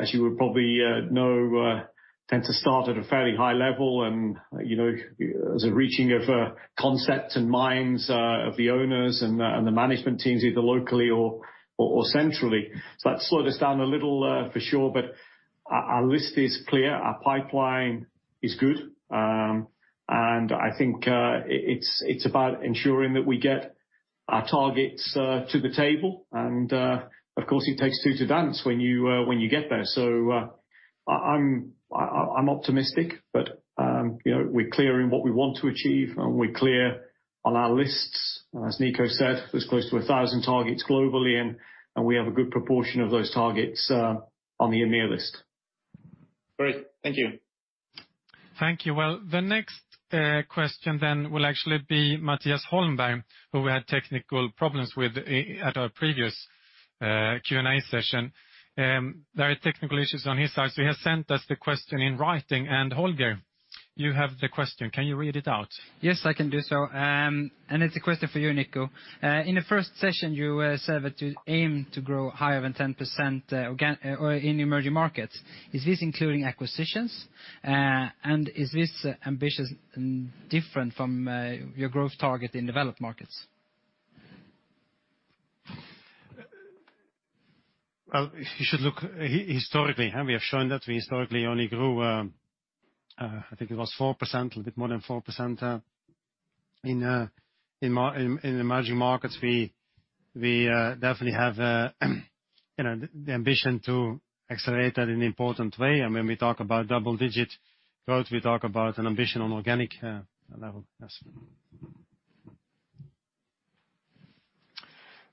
as you would probably know, tend to start at a fairly high level and as a reaching of concepts and minds of the owners and the management teams, either locally or centrally. That slowed us down a little for sure, but our list is clear, our pipeline is good, and I think it's about ensuring that we get our targets to the table, and of course, it takes two to dance when you get there. I'm optimistic, but we're clear in what we want to achieve, and we're clear on our lists. As Nico said, there's close to 1,000 targets globally, and we have a good proportion of those targets on the EMEIA list. Great. Thank you. Thank you. Well, the next question will actually be Mattias Holmberg, who we had technical problems with at our previous Q&A session. There are technical issues on his side, he has sent us the question in writing, Holger, you have the question. Can you read it out? Yes, I can do so. It's a question for you, Nico. In the first session, you said that you aim to grow higher than 10% in emerging markets. Is this including acquisitions? Is this ambition different from your growth target in developed markets? Well, if you should look historically, we have shown that we historically only grew, I think it was 4%, a bit more than 4% in emerging markets. We definitely have the ambition to accelerate that in an important way, and when we talk about double-digit growth, we talk about an ambition on organic level.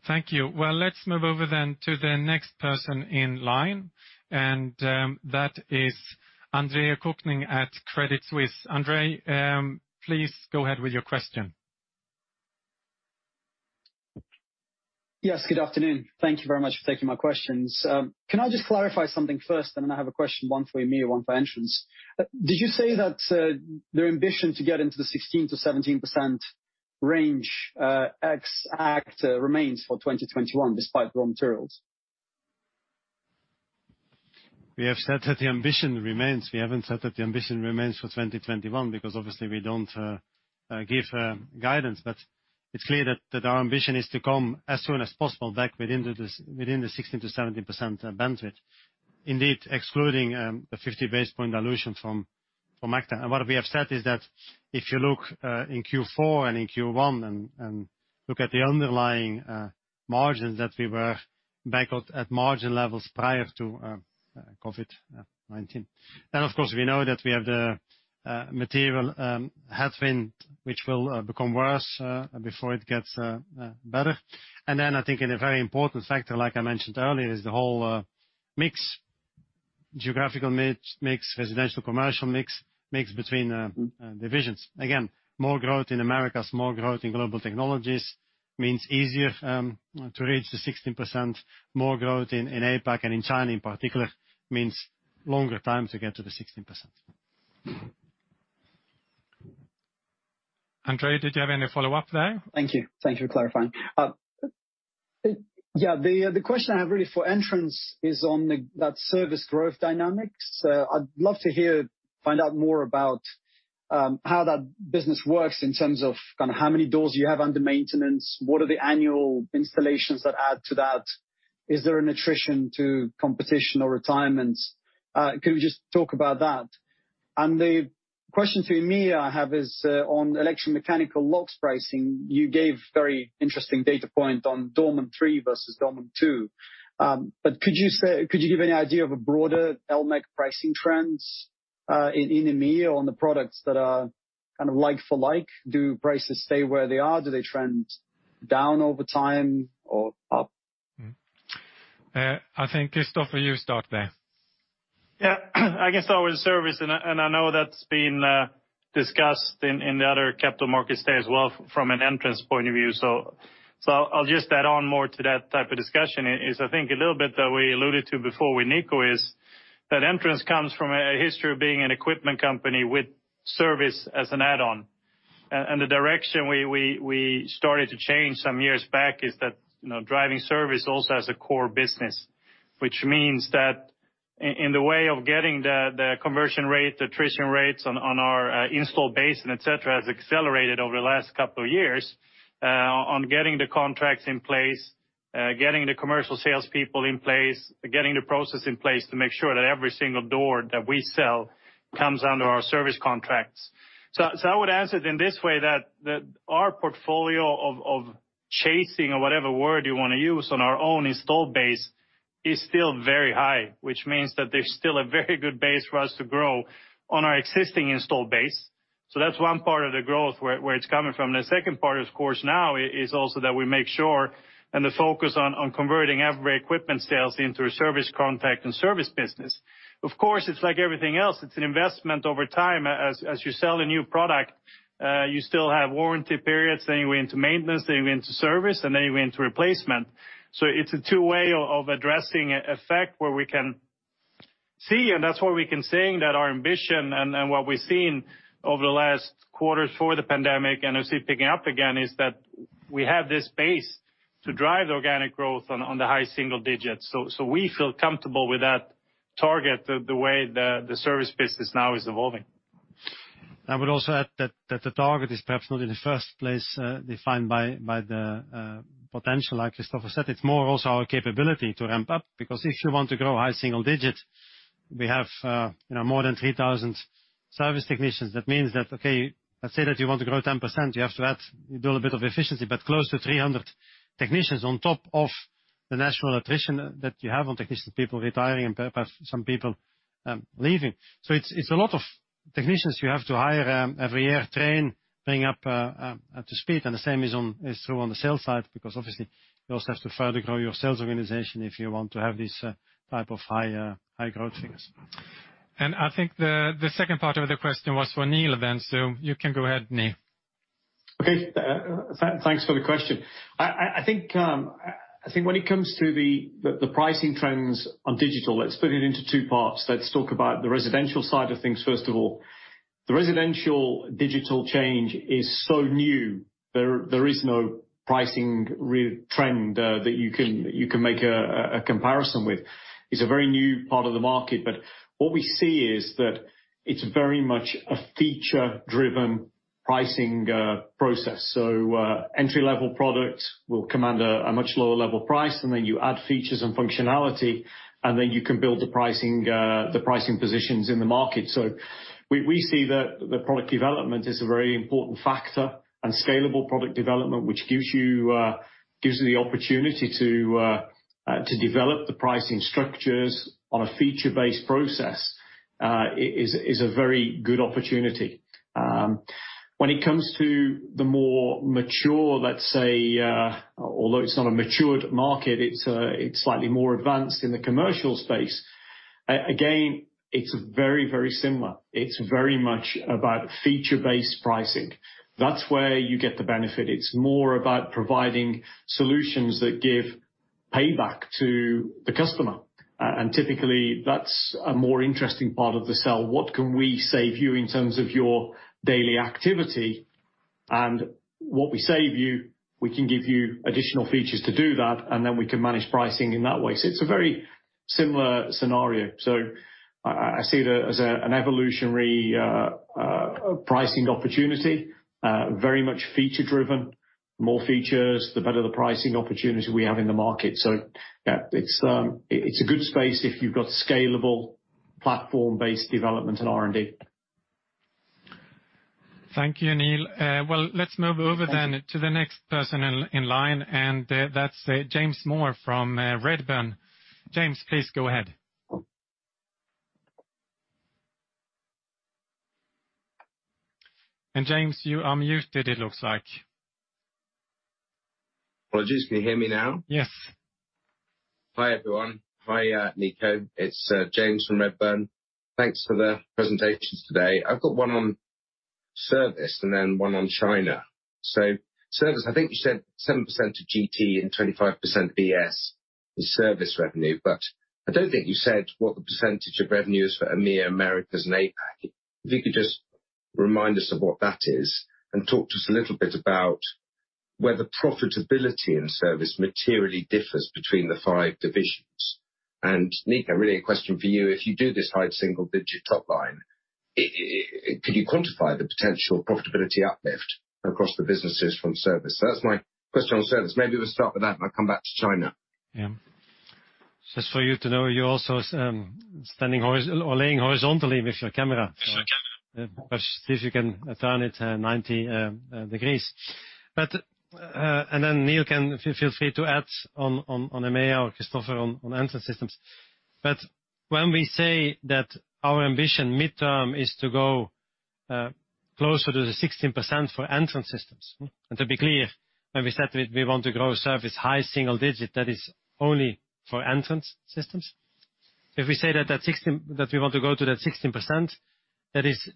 Thank you. Well, let's move over then to the next person in line, and that is Andre Kukhnin at Credit Suisse. Andre, please go ahead with your question. Yes, good afternoon. Thank you very much for taking my questions. Can I just clarify something first, and I have a question, one for EMEIA, one for Entrance. Did you say that the ambition to get into the 16%-17% range ex agta remains for 2021 despite raw materials? We have said that the ambition remains. We haven't said that the ambition remains for 2021 because obviously we don't give guidance. It's clear that our ambition is to come as soon as possible back within the 16%-17% bandwidth. Indeed, excluding a 50 basis point dilution from agta. What we have said is that if you look in Q4 and in Q1 and look at the underlying margins that we were back at margin levels prior to COVID-19. Of course, we know that we have the material headwind, which will become worse before it gets better. I think a very important factor, like I mentioned earlier, is the whole mix, geographical mix, residential commercial mix between divisions. More growth in Americas, more growth in Global Technologies means easier to reach the 16%. More growth in APAC and in China in particular means longer time to get to the 16%. Andre, did you have any follow-up there? Thank you. Thank you for clarifying. The question I have really for Entrance is on that service growth dynamics. I'd love to find out more about how that business works in terms of how many doors you have under maintenance, what are the annual installations that add to that. Is there an attrition to competition or retirements? Can we just talk about that? The question for me I have is on electrical/mechanical locks pricing. You gave a very interesting data point on Yale Doorman L3 versus Yale Doorman L2. Could you give any idea of a broader el mech pricing trends in EMEIA on the products that are like for like? Do prices stay where they are? Do they trend down over time or up? I think, Christopher, you start there. Yeah. I guess I would service, I know that's been discussed in the other capital market days well from an entrance point of view. I'll just add on more to that type of discussion is, I think a little bit that we alluded to before with Nico is that entrance comes from a history of being an equipment company with service as an add-on. The direction we started to change some years back is that driving service also has a core business, which means that in the way of getting the conversion rate, attrition rates on our install base and et cetera has accelerated over the last couple of years on getting the contracts in place, getting the commercial salespeople in place, getting the process in place to make sure that every single door that we sell comes under our service contracts. I would answer it in this way that our portfolio of chasing or whatever word you want to use on our own install base is still very high, which means that there's still a very good base for us to grow on our existing install base. That's one part of the growth where it's coming from. The second part, of course, now is also that we make sure and the focus on converting every equipment sales into a service contract and service business. Of course, it's like everything else. It's an investment over time. As you sell a new product, you still have warranty periods, then you went to maintenance, then you went to service, and then you went to replacement. It's a two-way of addressing effect where we can see, and that's why we can say that our ambition and what we've seen over the last quarter before the pandemic and as we picking up again, is that we have this base to drive the organic growth on the high single digits. We feel comfortable with that target the way the service business now is evolving. I would also add that the target is perhaps not in the first place defined by the potential, like Christopher said. It's more also our capability to ramp up because if you want to grow high single digits, we have more than 3,000 service technicians. That means that, okay, let's say that you want to grow 10%, you have to add a little bit of efficiency, but close to 300 technicians on top of the natural attrition that you have on technicians, people retiring and perhaps some people leaving. It's a lot of technicians you have to hire every year, train, bring up to speed, and the same is true on the sales side because obviously you also have to further grow your sales organization if you want to have this type of high growth figures. I think the second part of the question was for Neil then, so you can go ahead, Neil. Okay. Thanks for the question. I think when it comes to the pricing trends on digital, let's split it into two parts. Let's talk about the residential side of things, first of all. The residential digital change is so new, there is no pricing trend that you can make a comparison with. It's a very new part of the market, what we see is that it's very much a feature-driven pricing process. Entry-level product will command a much lower level price, and then you add features and functionality, and then you can build the pricing positions in the market. We see that the product development is a very important factor, and scalable product development, which gives you the opportunity to develop the pricing structures on a feature-based process, is a very good opportunity. When it comes to the more mature, let's say, although it's not a matured market, it's slightly more advanced in the commercial space. Again, it's very, very similar. It's very much about feature-based pricing. That's where you get the benefit. It's more about providing solutions that give payback to the customer. Typically, that's a more interesting part of the sell. What can we save you in terms of your daily activity? What we save you, we can give you additional features to do that, we can manage pricing in that way. It's a very similar scenario. I see it as an evolutionary pricing opportunity, very much feature-driven, the more features, the better the pricing opportunity we have in the market. Yeah, it's a good space if you've got scalable platform-based development and R&D. Thank you, Neil. Well, let's move over then to the next person in line, and that's James Moore from Redburn. James, please go ahead. James, you are muted it looks like. Well, can you hear me now? Yes. Hi, everyone. Hi, Nico. It's James from Redburn. Thanks for the presentation today. I've got one on service and then one on China. Service, I think you said 7% of GT and 25% ES is service revenue, but I don't think you said what the percentage of revenue is for EMEIA, Americas, and APAC. If you could just remind us of what that is and talk to us a little bit about where the profitability of service materially differs between the five divisions. Nico, really a question for you. If you do this high single-digit top line, can you quantify the potential profitability uplift across the businesses from service? That's my first one on service. Let's start with that and I'll come back to China. Yeah. Just for you to know, you're also standing or laying horizontally with your camera. Sorry, gentlemen. If you can turn it 90 degrees. Then Neil can feel free to add on EMEIA or Christopher on Entrance Systems. When we say that our ambition midterm is to go closer to the 16% for Entrance Systems, and to be clear, when we said that we want to grow service high single digit, that is only for Entrance Systems. If we say that we want to go to that 16%, that is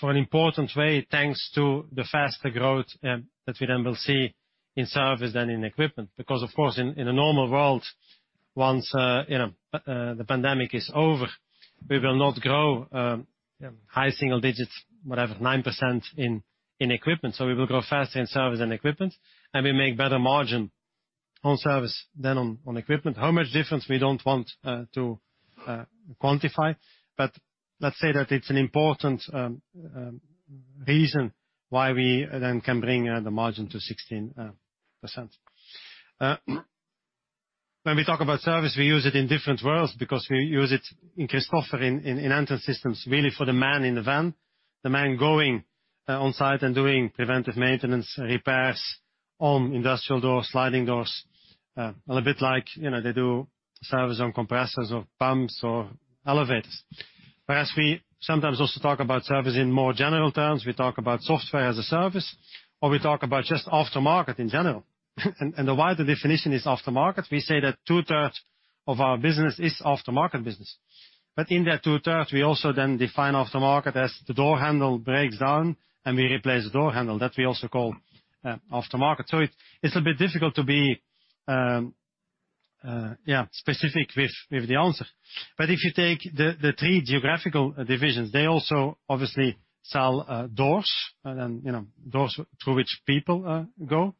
for an important way, thanks to the faster growth that we then will see in service than in equipment. Of course, in a normal world once the pandemic is over, we will not grow high single digits, whatever, 9% in equipment. We will grow faster in service than equipment, and we make better margin on service than on equipment. How much difference? We don't want to quantify, but let's say that it's an important reason why we then can bring the margin to 16%. When we talk about service, we use it in different worlds because we use it in Christopher, in Entrance Systems, really for the man in the van, the man going on site and doing preventive maintenance and repairs on industrial doors, sliding doors, a little bit like they do service on compressors or pumps or elevators. Whereas we sometimes also talk about service in more general terms. We talk about Software as a Service, or we talk about just aftermarket in general, and the wider definition is aftermarket. We say that two-thirds of our business is aftermarket business. In that two-third, we also then define aftermarket as the door handle breaks down, and we replace the door handle. That we also call aftermarket. It's a bit difficult to be specific with the answer. If you take the three geographical divisions, they also obviously sell doors, and doors through which people go.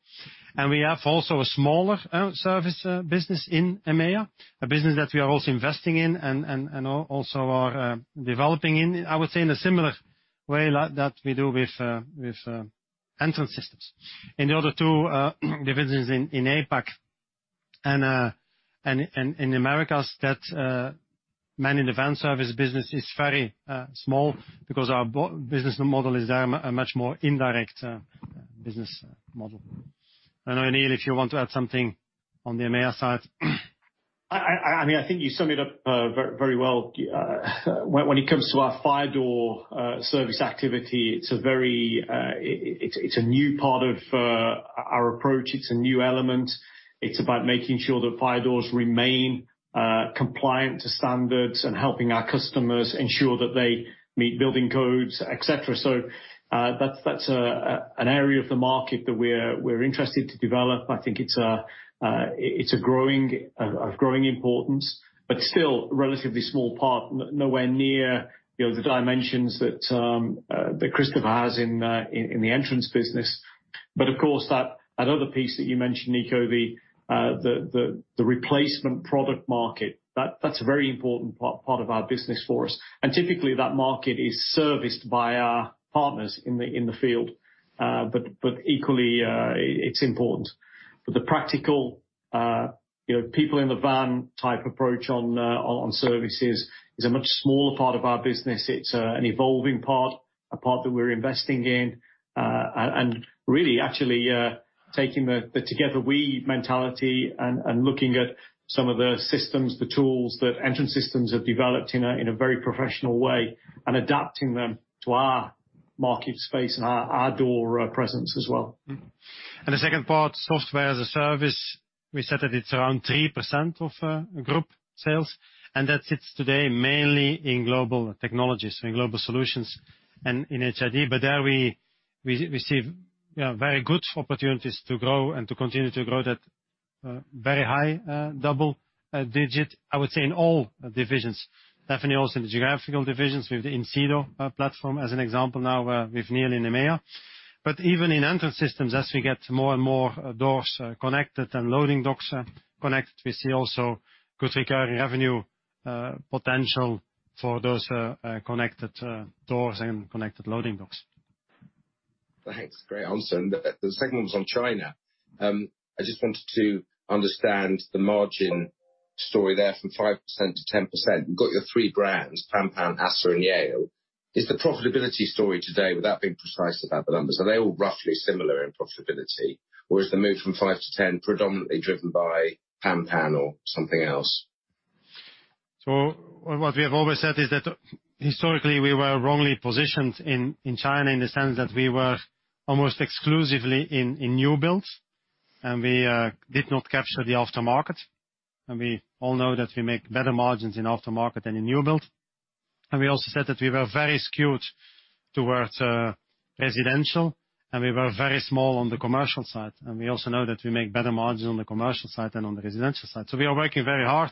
We have also a smaller service business in EMEIA, a business that we are also investing in and also are developing in. I would say in a similar way like that we do with Entrance Systems. In the other two divisions in APAC and in the Americas, that man in the van service business is very small because our business model is a much more indirect business model. I don't know, Neil, if you want to add something on the EMEIA side. I think you summed it up very well. When it comes to our fire door service activity, it's a new part of our approach. It's a new element. It's about making sure that fire doors remain compliant to standards and helping our customers ensure that they meet building codes, et cetera. That's an area of the market that we're interested to develop. I think it's of growing importance, but still a relatively small part, nowhere near the dimensions that Christopher has in the Entrance Systems business. Of course, that other piece that you mentioned, Nico, the replacement product market, that's a very important part of our business for us. Typically that market is serviced by our partners in the field. Equally, it's important. The practical people in the van type approach on services is a much smaller part of our business. It's an evolving part, a part that we're investing in, and really actually taking the Together we mentality and looking at some of the systems, the tools that Entrance Systems have developed in a very professional way, and adapting them to our market space and our door presence as well. The second part, Software as a Service, we said that it's around 3% of group sales, and that sits today mainly in Global Technologies and Global Solutions and in HID. There we see very good opportunities to grow and to continue to grow that very high double digit, I would say, in all divisions. Definitely also the geographical divisions with Incedo platform as an example now with Neil in EMEIA. Even in Entrance Systems, as we get more and more doors connected and loading docks connect, we see also good recurring revenue potential for those connected doors and connected loading docks. Thanks. Great answer. The second one's on China. I just wanted to understand the margin story there from 5% to 10%. You've got your three brands, PANPAN, ASSA, and Yale. Is the profitability story today, without being precise about the numbers, are they all roughly similar in profitability? Or is the move from 5% to 10% predominantly driven by PANPAN or something else? What we have always said is that historically, we were wrongly positioned in China in the sense that we were almost exclusively in new builds, and we did not capture the aftermarket. We all know that we make better margins in aftermarket than in new build. We also said that we were very skewed towards residential, and we were very small on the commercial side. We also know that we make better margins on the commercial side than on the residential side. We are working very hard.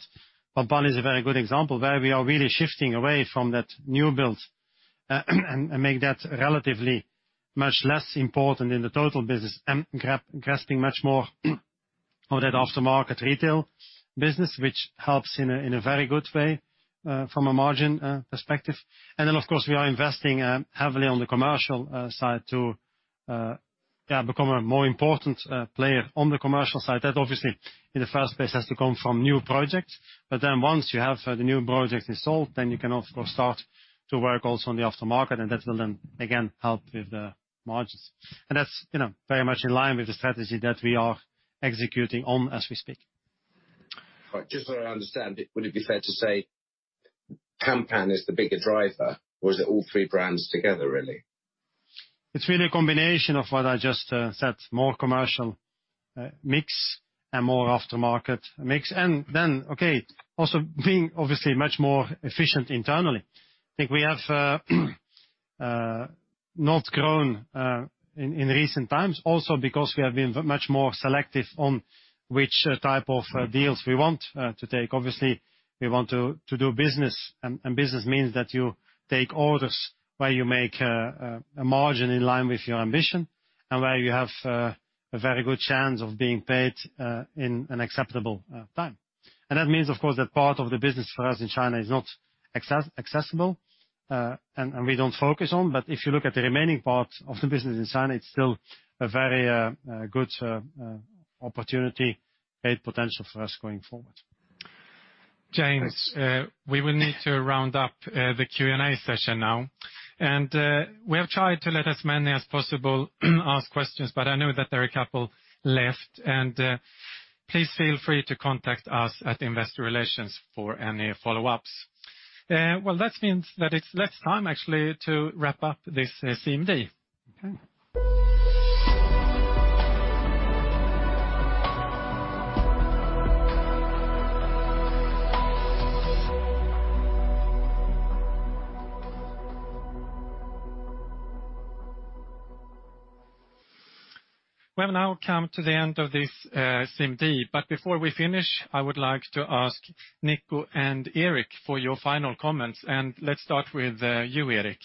PANPAN is a very good example where we are really shifting away from that new build and make that relatively much less important in the total business and grasping much more on that aftermarket retail business, which helps in a very good way from a margin perspective. Of course, we are investing heavily on the commercial side to become a more important player on the commercial side. That obviously in the first place has to come from new projects, but then once you have the new projects installed, you can of course start to work also on the aftermarket, that will then again help with the margins. That's very much in line with the strategy that we are executing on as we speak. Right, just so I understand, would it be fair to say PANPAN is the bigger driver or is it all three brands together really? It's really a combination of what I just said, more commercial mix and more aftermarket mix, also being obviously much more efficient internally. I think we have not grown in recent times also because we have been much more selective on which type of deals we want to take. Obviously, we want to do business means that you take orders where you make a margin in line with your ambition, where you have a very good chance of being paid in an acceptable time. That means, of course, that part of the business for us in China is not accessible, we don't focus on. If you look at the remaining part of the business in China, it's still a very good opportunity, great potential for us going forward. James, we will need to round up the Q&A session now. We have tried to let as many as possible ask questions, but I know that there are a couple left, and please feel free to contact us at Investor Relations for any follow-ups. That means that it's next time actually to wrap up this CMD. Now we come to the end of this CMD. Before we finish, I would like to ask Nico and Erik for your final comments, and let's start with you, Erik.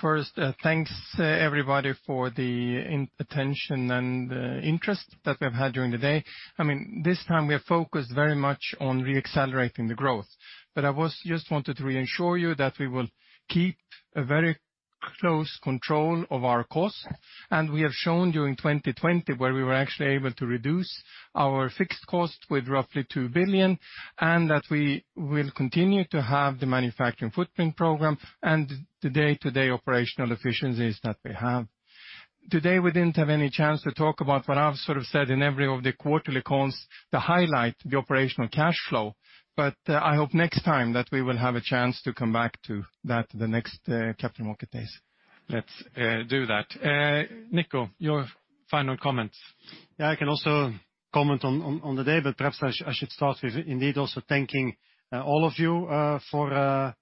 First, thanks, everybody, for the attention and interest that we've had during the day. This time we are focused very much on re-accelerating the growth. I just wanted to reassure you that we will keep a very close control of our cost. We have shown you in 2020 where we were actually able to reduce our fixed cost with roughly 2 billion, and that we will continue to have the Manufacturing Footprint Program and the day-to-day operational efficiencies that we have. Today we didn't have any chance to talk about what I've sort of said in every of the quarterly calls, the highlight, the operational cash flow. I hope next time that we will have a chance to come back to that the next Capital Market Days. Let's do that. Nico, your final comments. I can also comment on the day, but perhaps I should start with indeed also thanking all of you for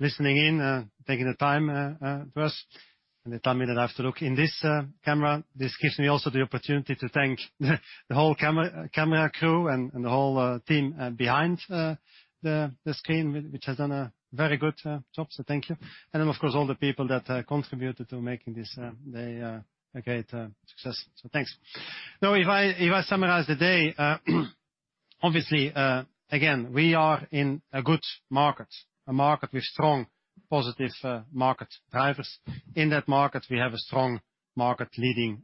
listening in, taking the time for us. The time we don't have to look in this camera, this gives me also the opportunity to thank the whole camera crew and the whole team behind the screen, which has done a very good job, so thank you. Of course, all the people that contributed to making this day a great success. Thanks. If I summarize the day, obviously, again, we are in a good market, a market with strong positive market drivers. In that market, we have a strong market leading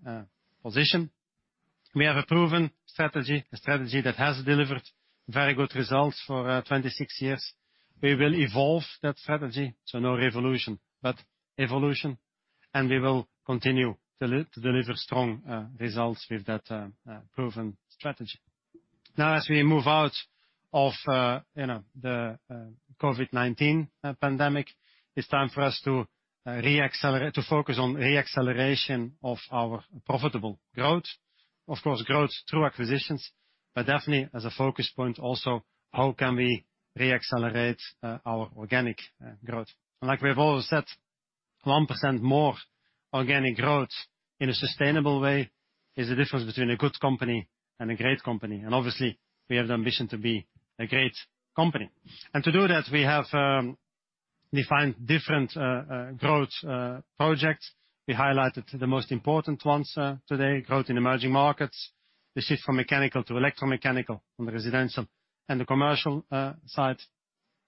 position. We have a proven strategy, a strategy that has delivered very good results for 26 years. We will evolve that strategy, no revolution, but evolution. We will continue to deliver strong results with that proven strategy. Now as we move out of the COVID-19 pandemic, it's time for us to focus on re-acceleration of our profitable growth. Of course, growth through acquisitions, definitely as a focus point also how can we re-accelerate our organic growth? Like we've always said, 1% more organic growth in a sustainable way is the difference between a good company and a great company. Obviously, we have the ambition to be a great company. To do that, we have defined different growth projects. We highlighted the most important ones today, growth in emerging markets. The shift from mechanical to electromechanical on the residential and the commercial side.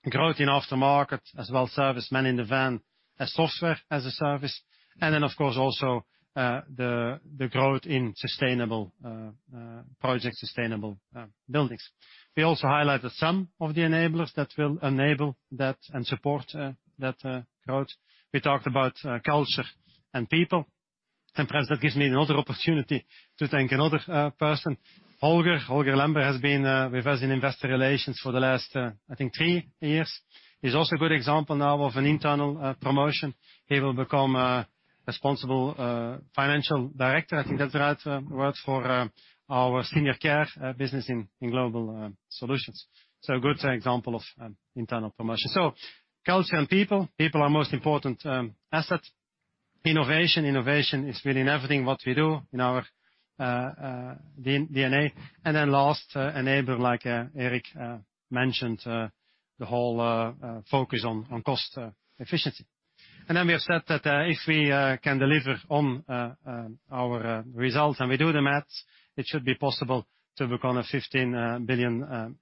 Growth in aftermarket, as well as servicemen in the van as Software as a Service. Then, of course, also the growth in sustainable buildings. We also highlighted some of the enablers that will enable that and support that growth. We talked about culture and people. Perhaps that gives me another opportunity to thank another person. Holger Lembrér has been with us in Investor Relations for the last, I think, three years. He's also a good example now of an internal promotion. He will become responsible financial director. That's the right word for our senior care business in Global Solutions. Good example of internal promotion. Culture and people are most important asset. Innovation. Innovation is really in everything, what we do in our DNA. Then last enabler, like Erik mentioned, the whole focus on cost efficiency. We have said that if we can deliver on our results and we do the math, it should be possible to become a 15 billion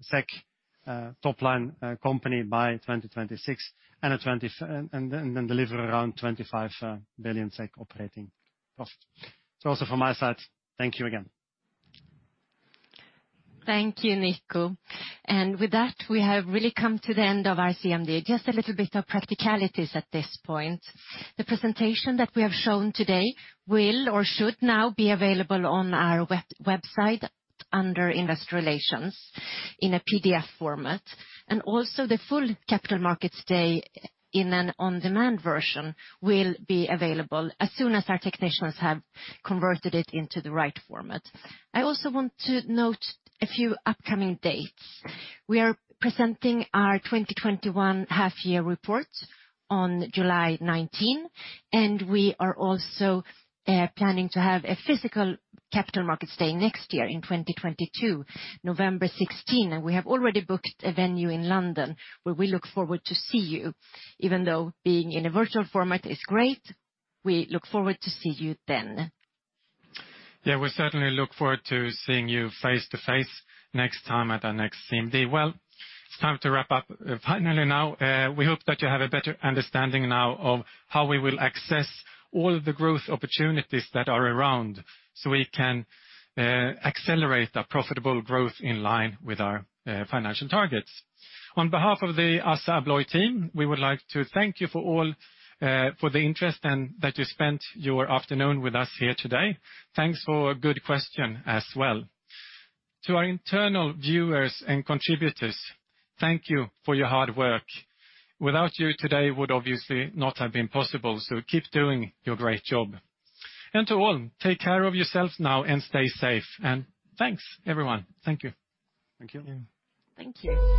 SEK top-line company by 2026, and then deliver around 25 billion SEK operating profit. Also from my side, thank you again. Thank you, Nico. With that, we have really come to the end of our CMD. Just a little bit of practicalities at this point. The presentation that we have shown today will or should now be available on our website under Investor Relations in a PDF format. Also the full Capital Markets Day in an on-demand version will be available as soon as our technicians have converted it into the right format. I also want to note a few upcoming dates. We are presenting our 2021 half year report on July 19, and we are also planning to have a physical Capital Markets Day next year in 2022, November 16. We have already booked a venue in London, where we look forward to see you. Even though being in a virtual format is great, we look forward to see you then. We certainly look forward to seeing you face-to-face next time at our next CMD. It's time to wrap up finally now. We hope that you have a better understanding now of how we will access all of the growth opportunities that are around, so we can accelerate the profitable growth in line with our financial targets. On behalf of the ASSA ABLOY team, we would like to thank you for all, for the interest and that you spent your afternoon with us here today. Thanks for a good question as well. To our internal viewers and contributors, thank you for your hard work. Without you, today would obviously not have been possible, so keep doing your great job. To all, take care of yourselves now and stay safe, and thanks everyone. Thank you. Thank you.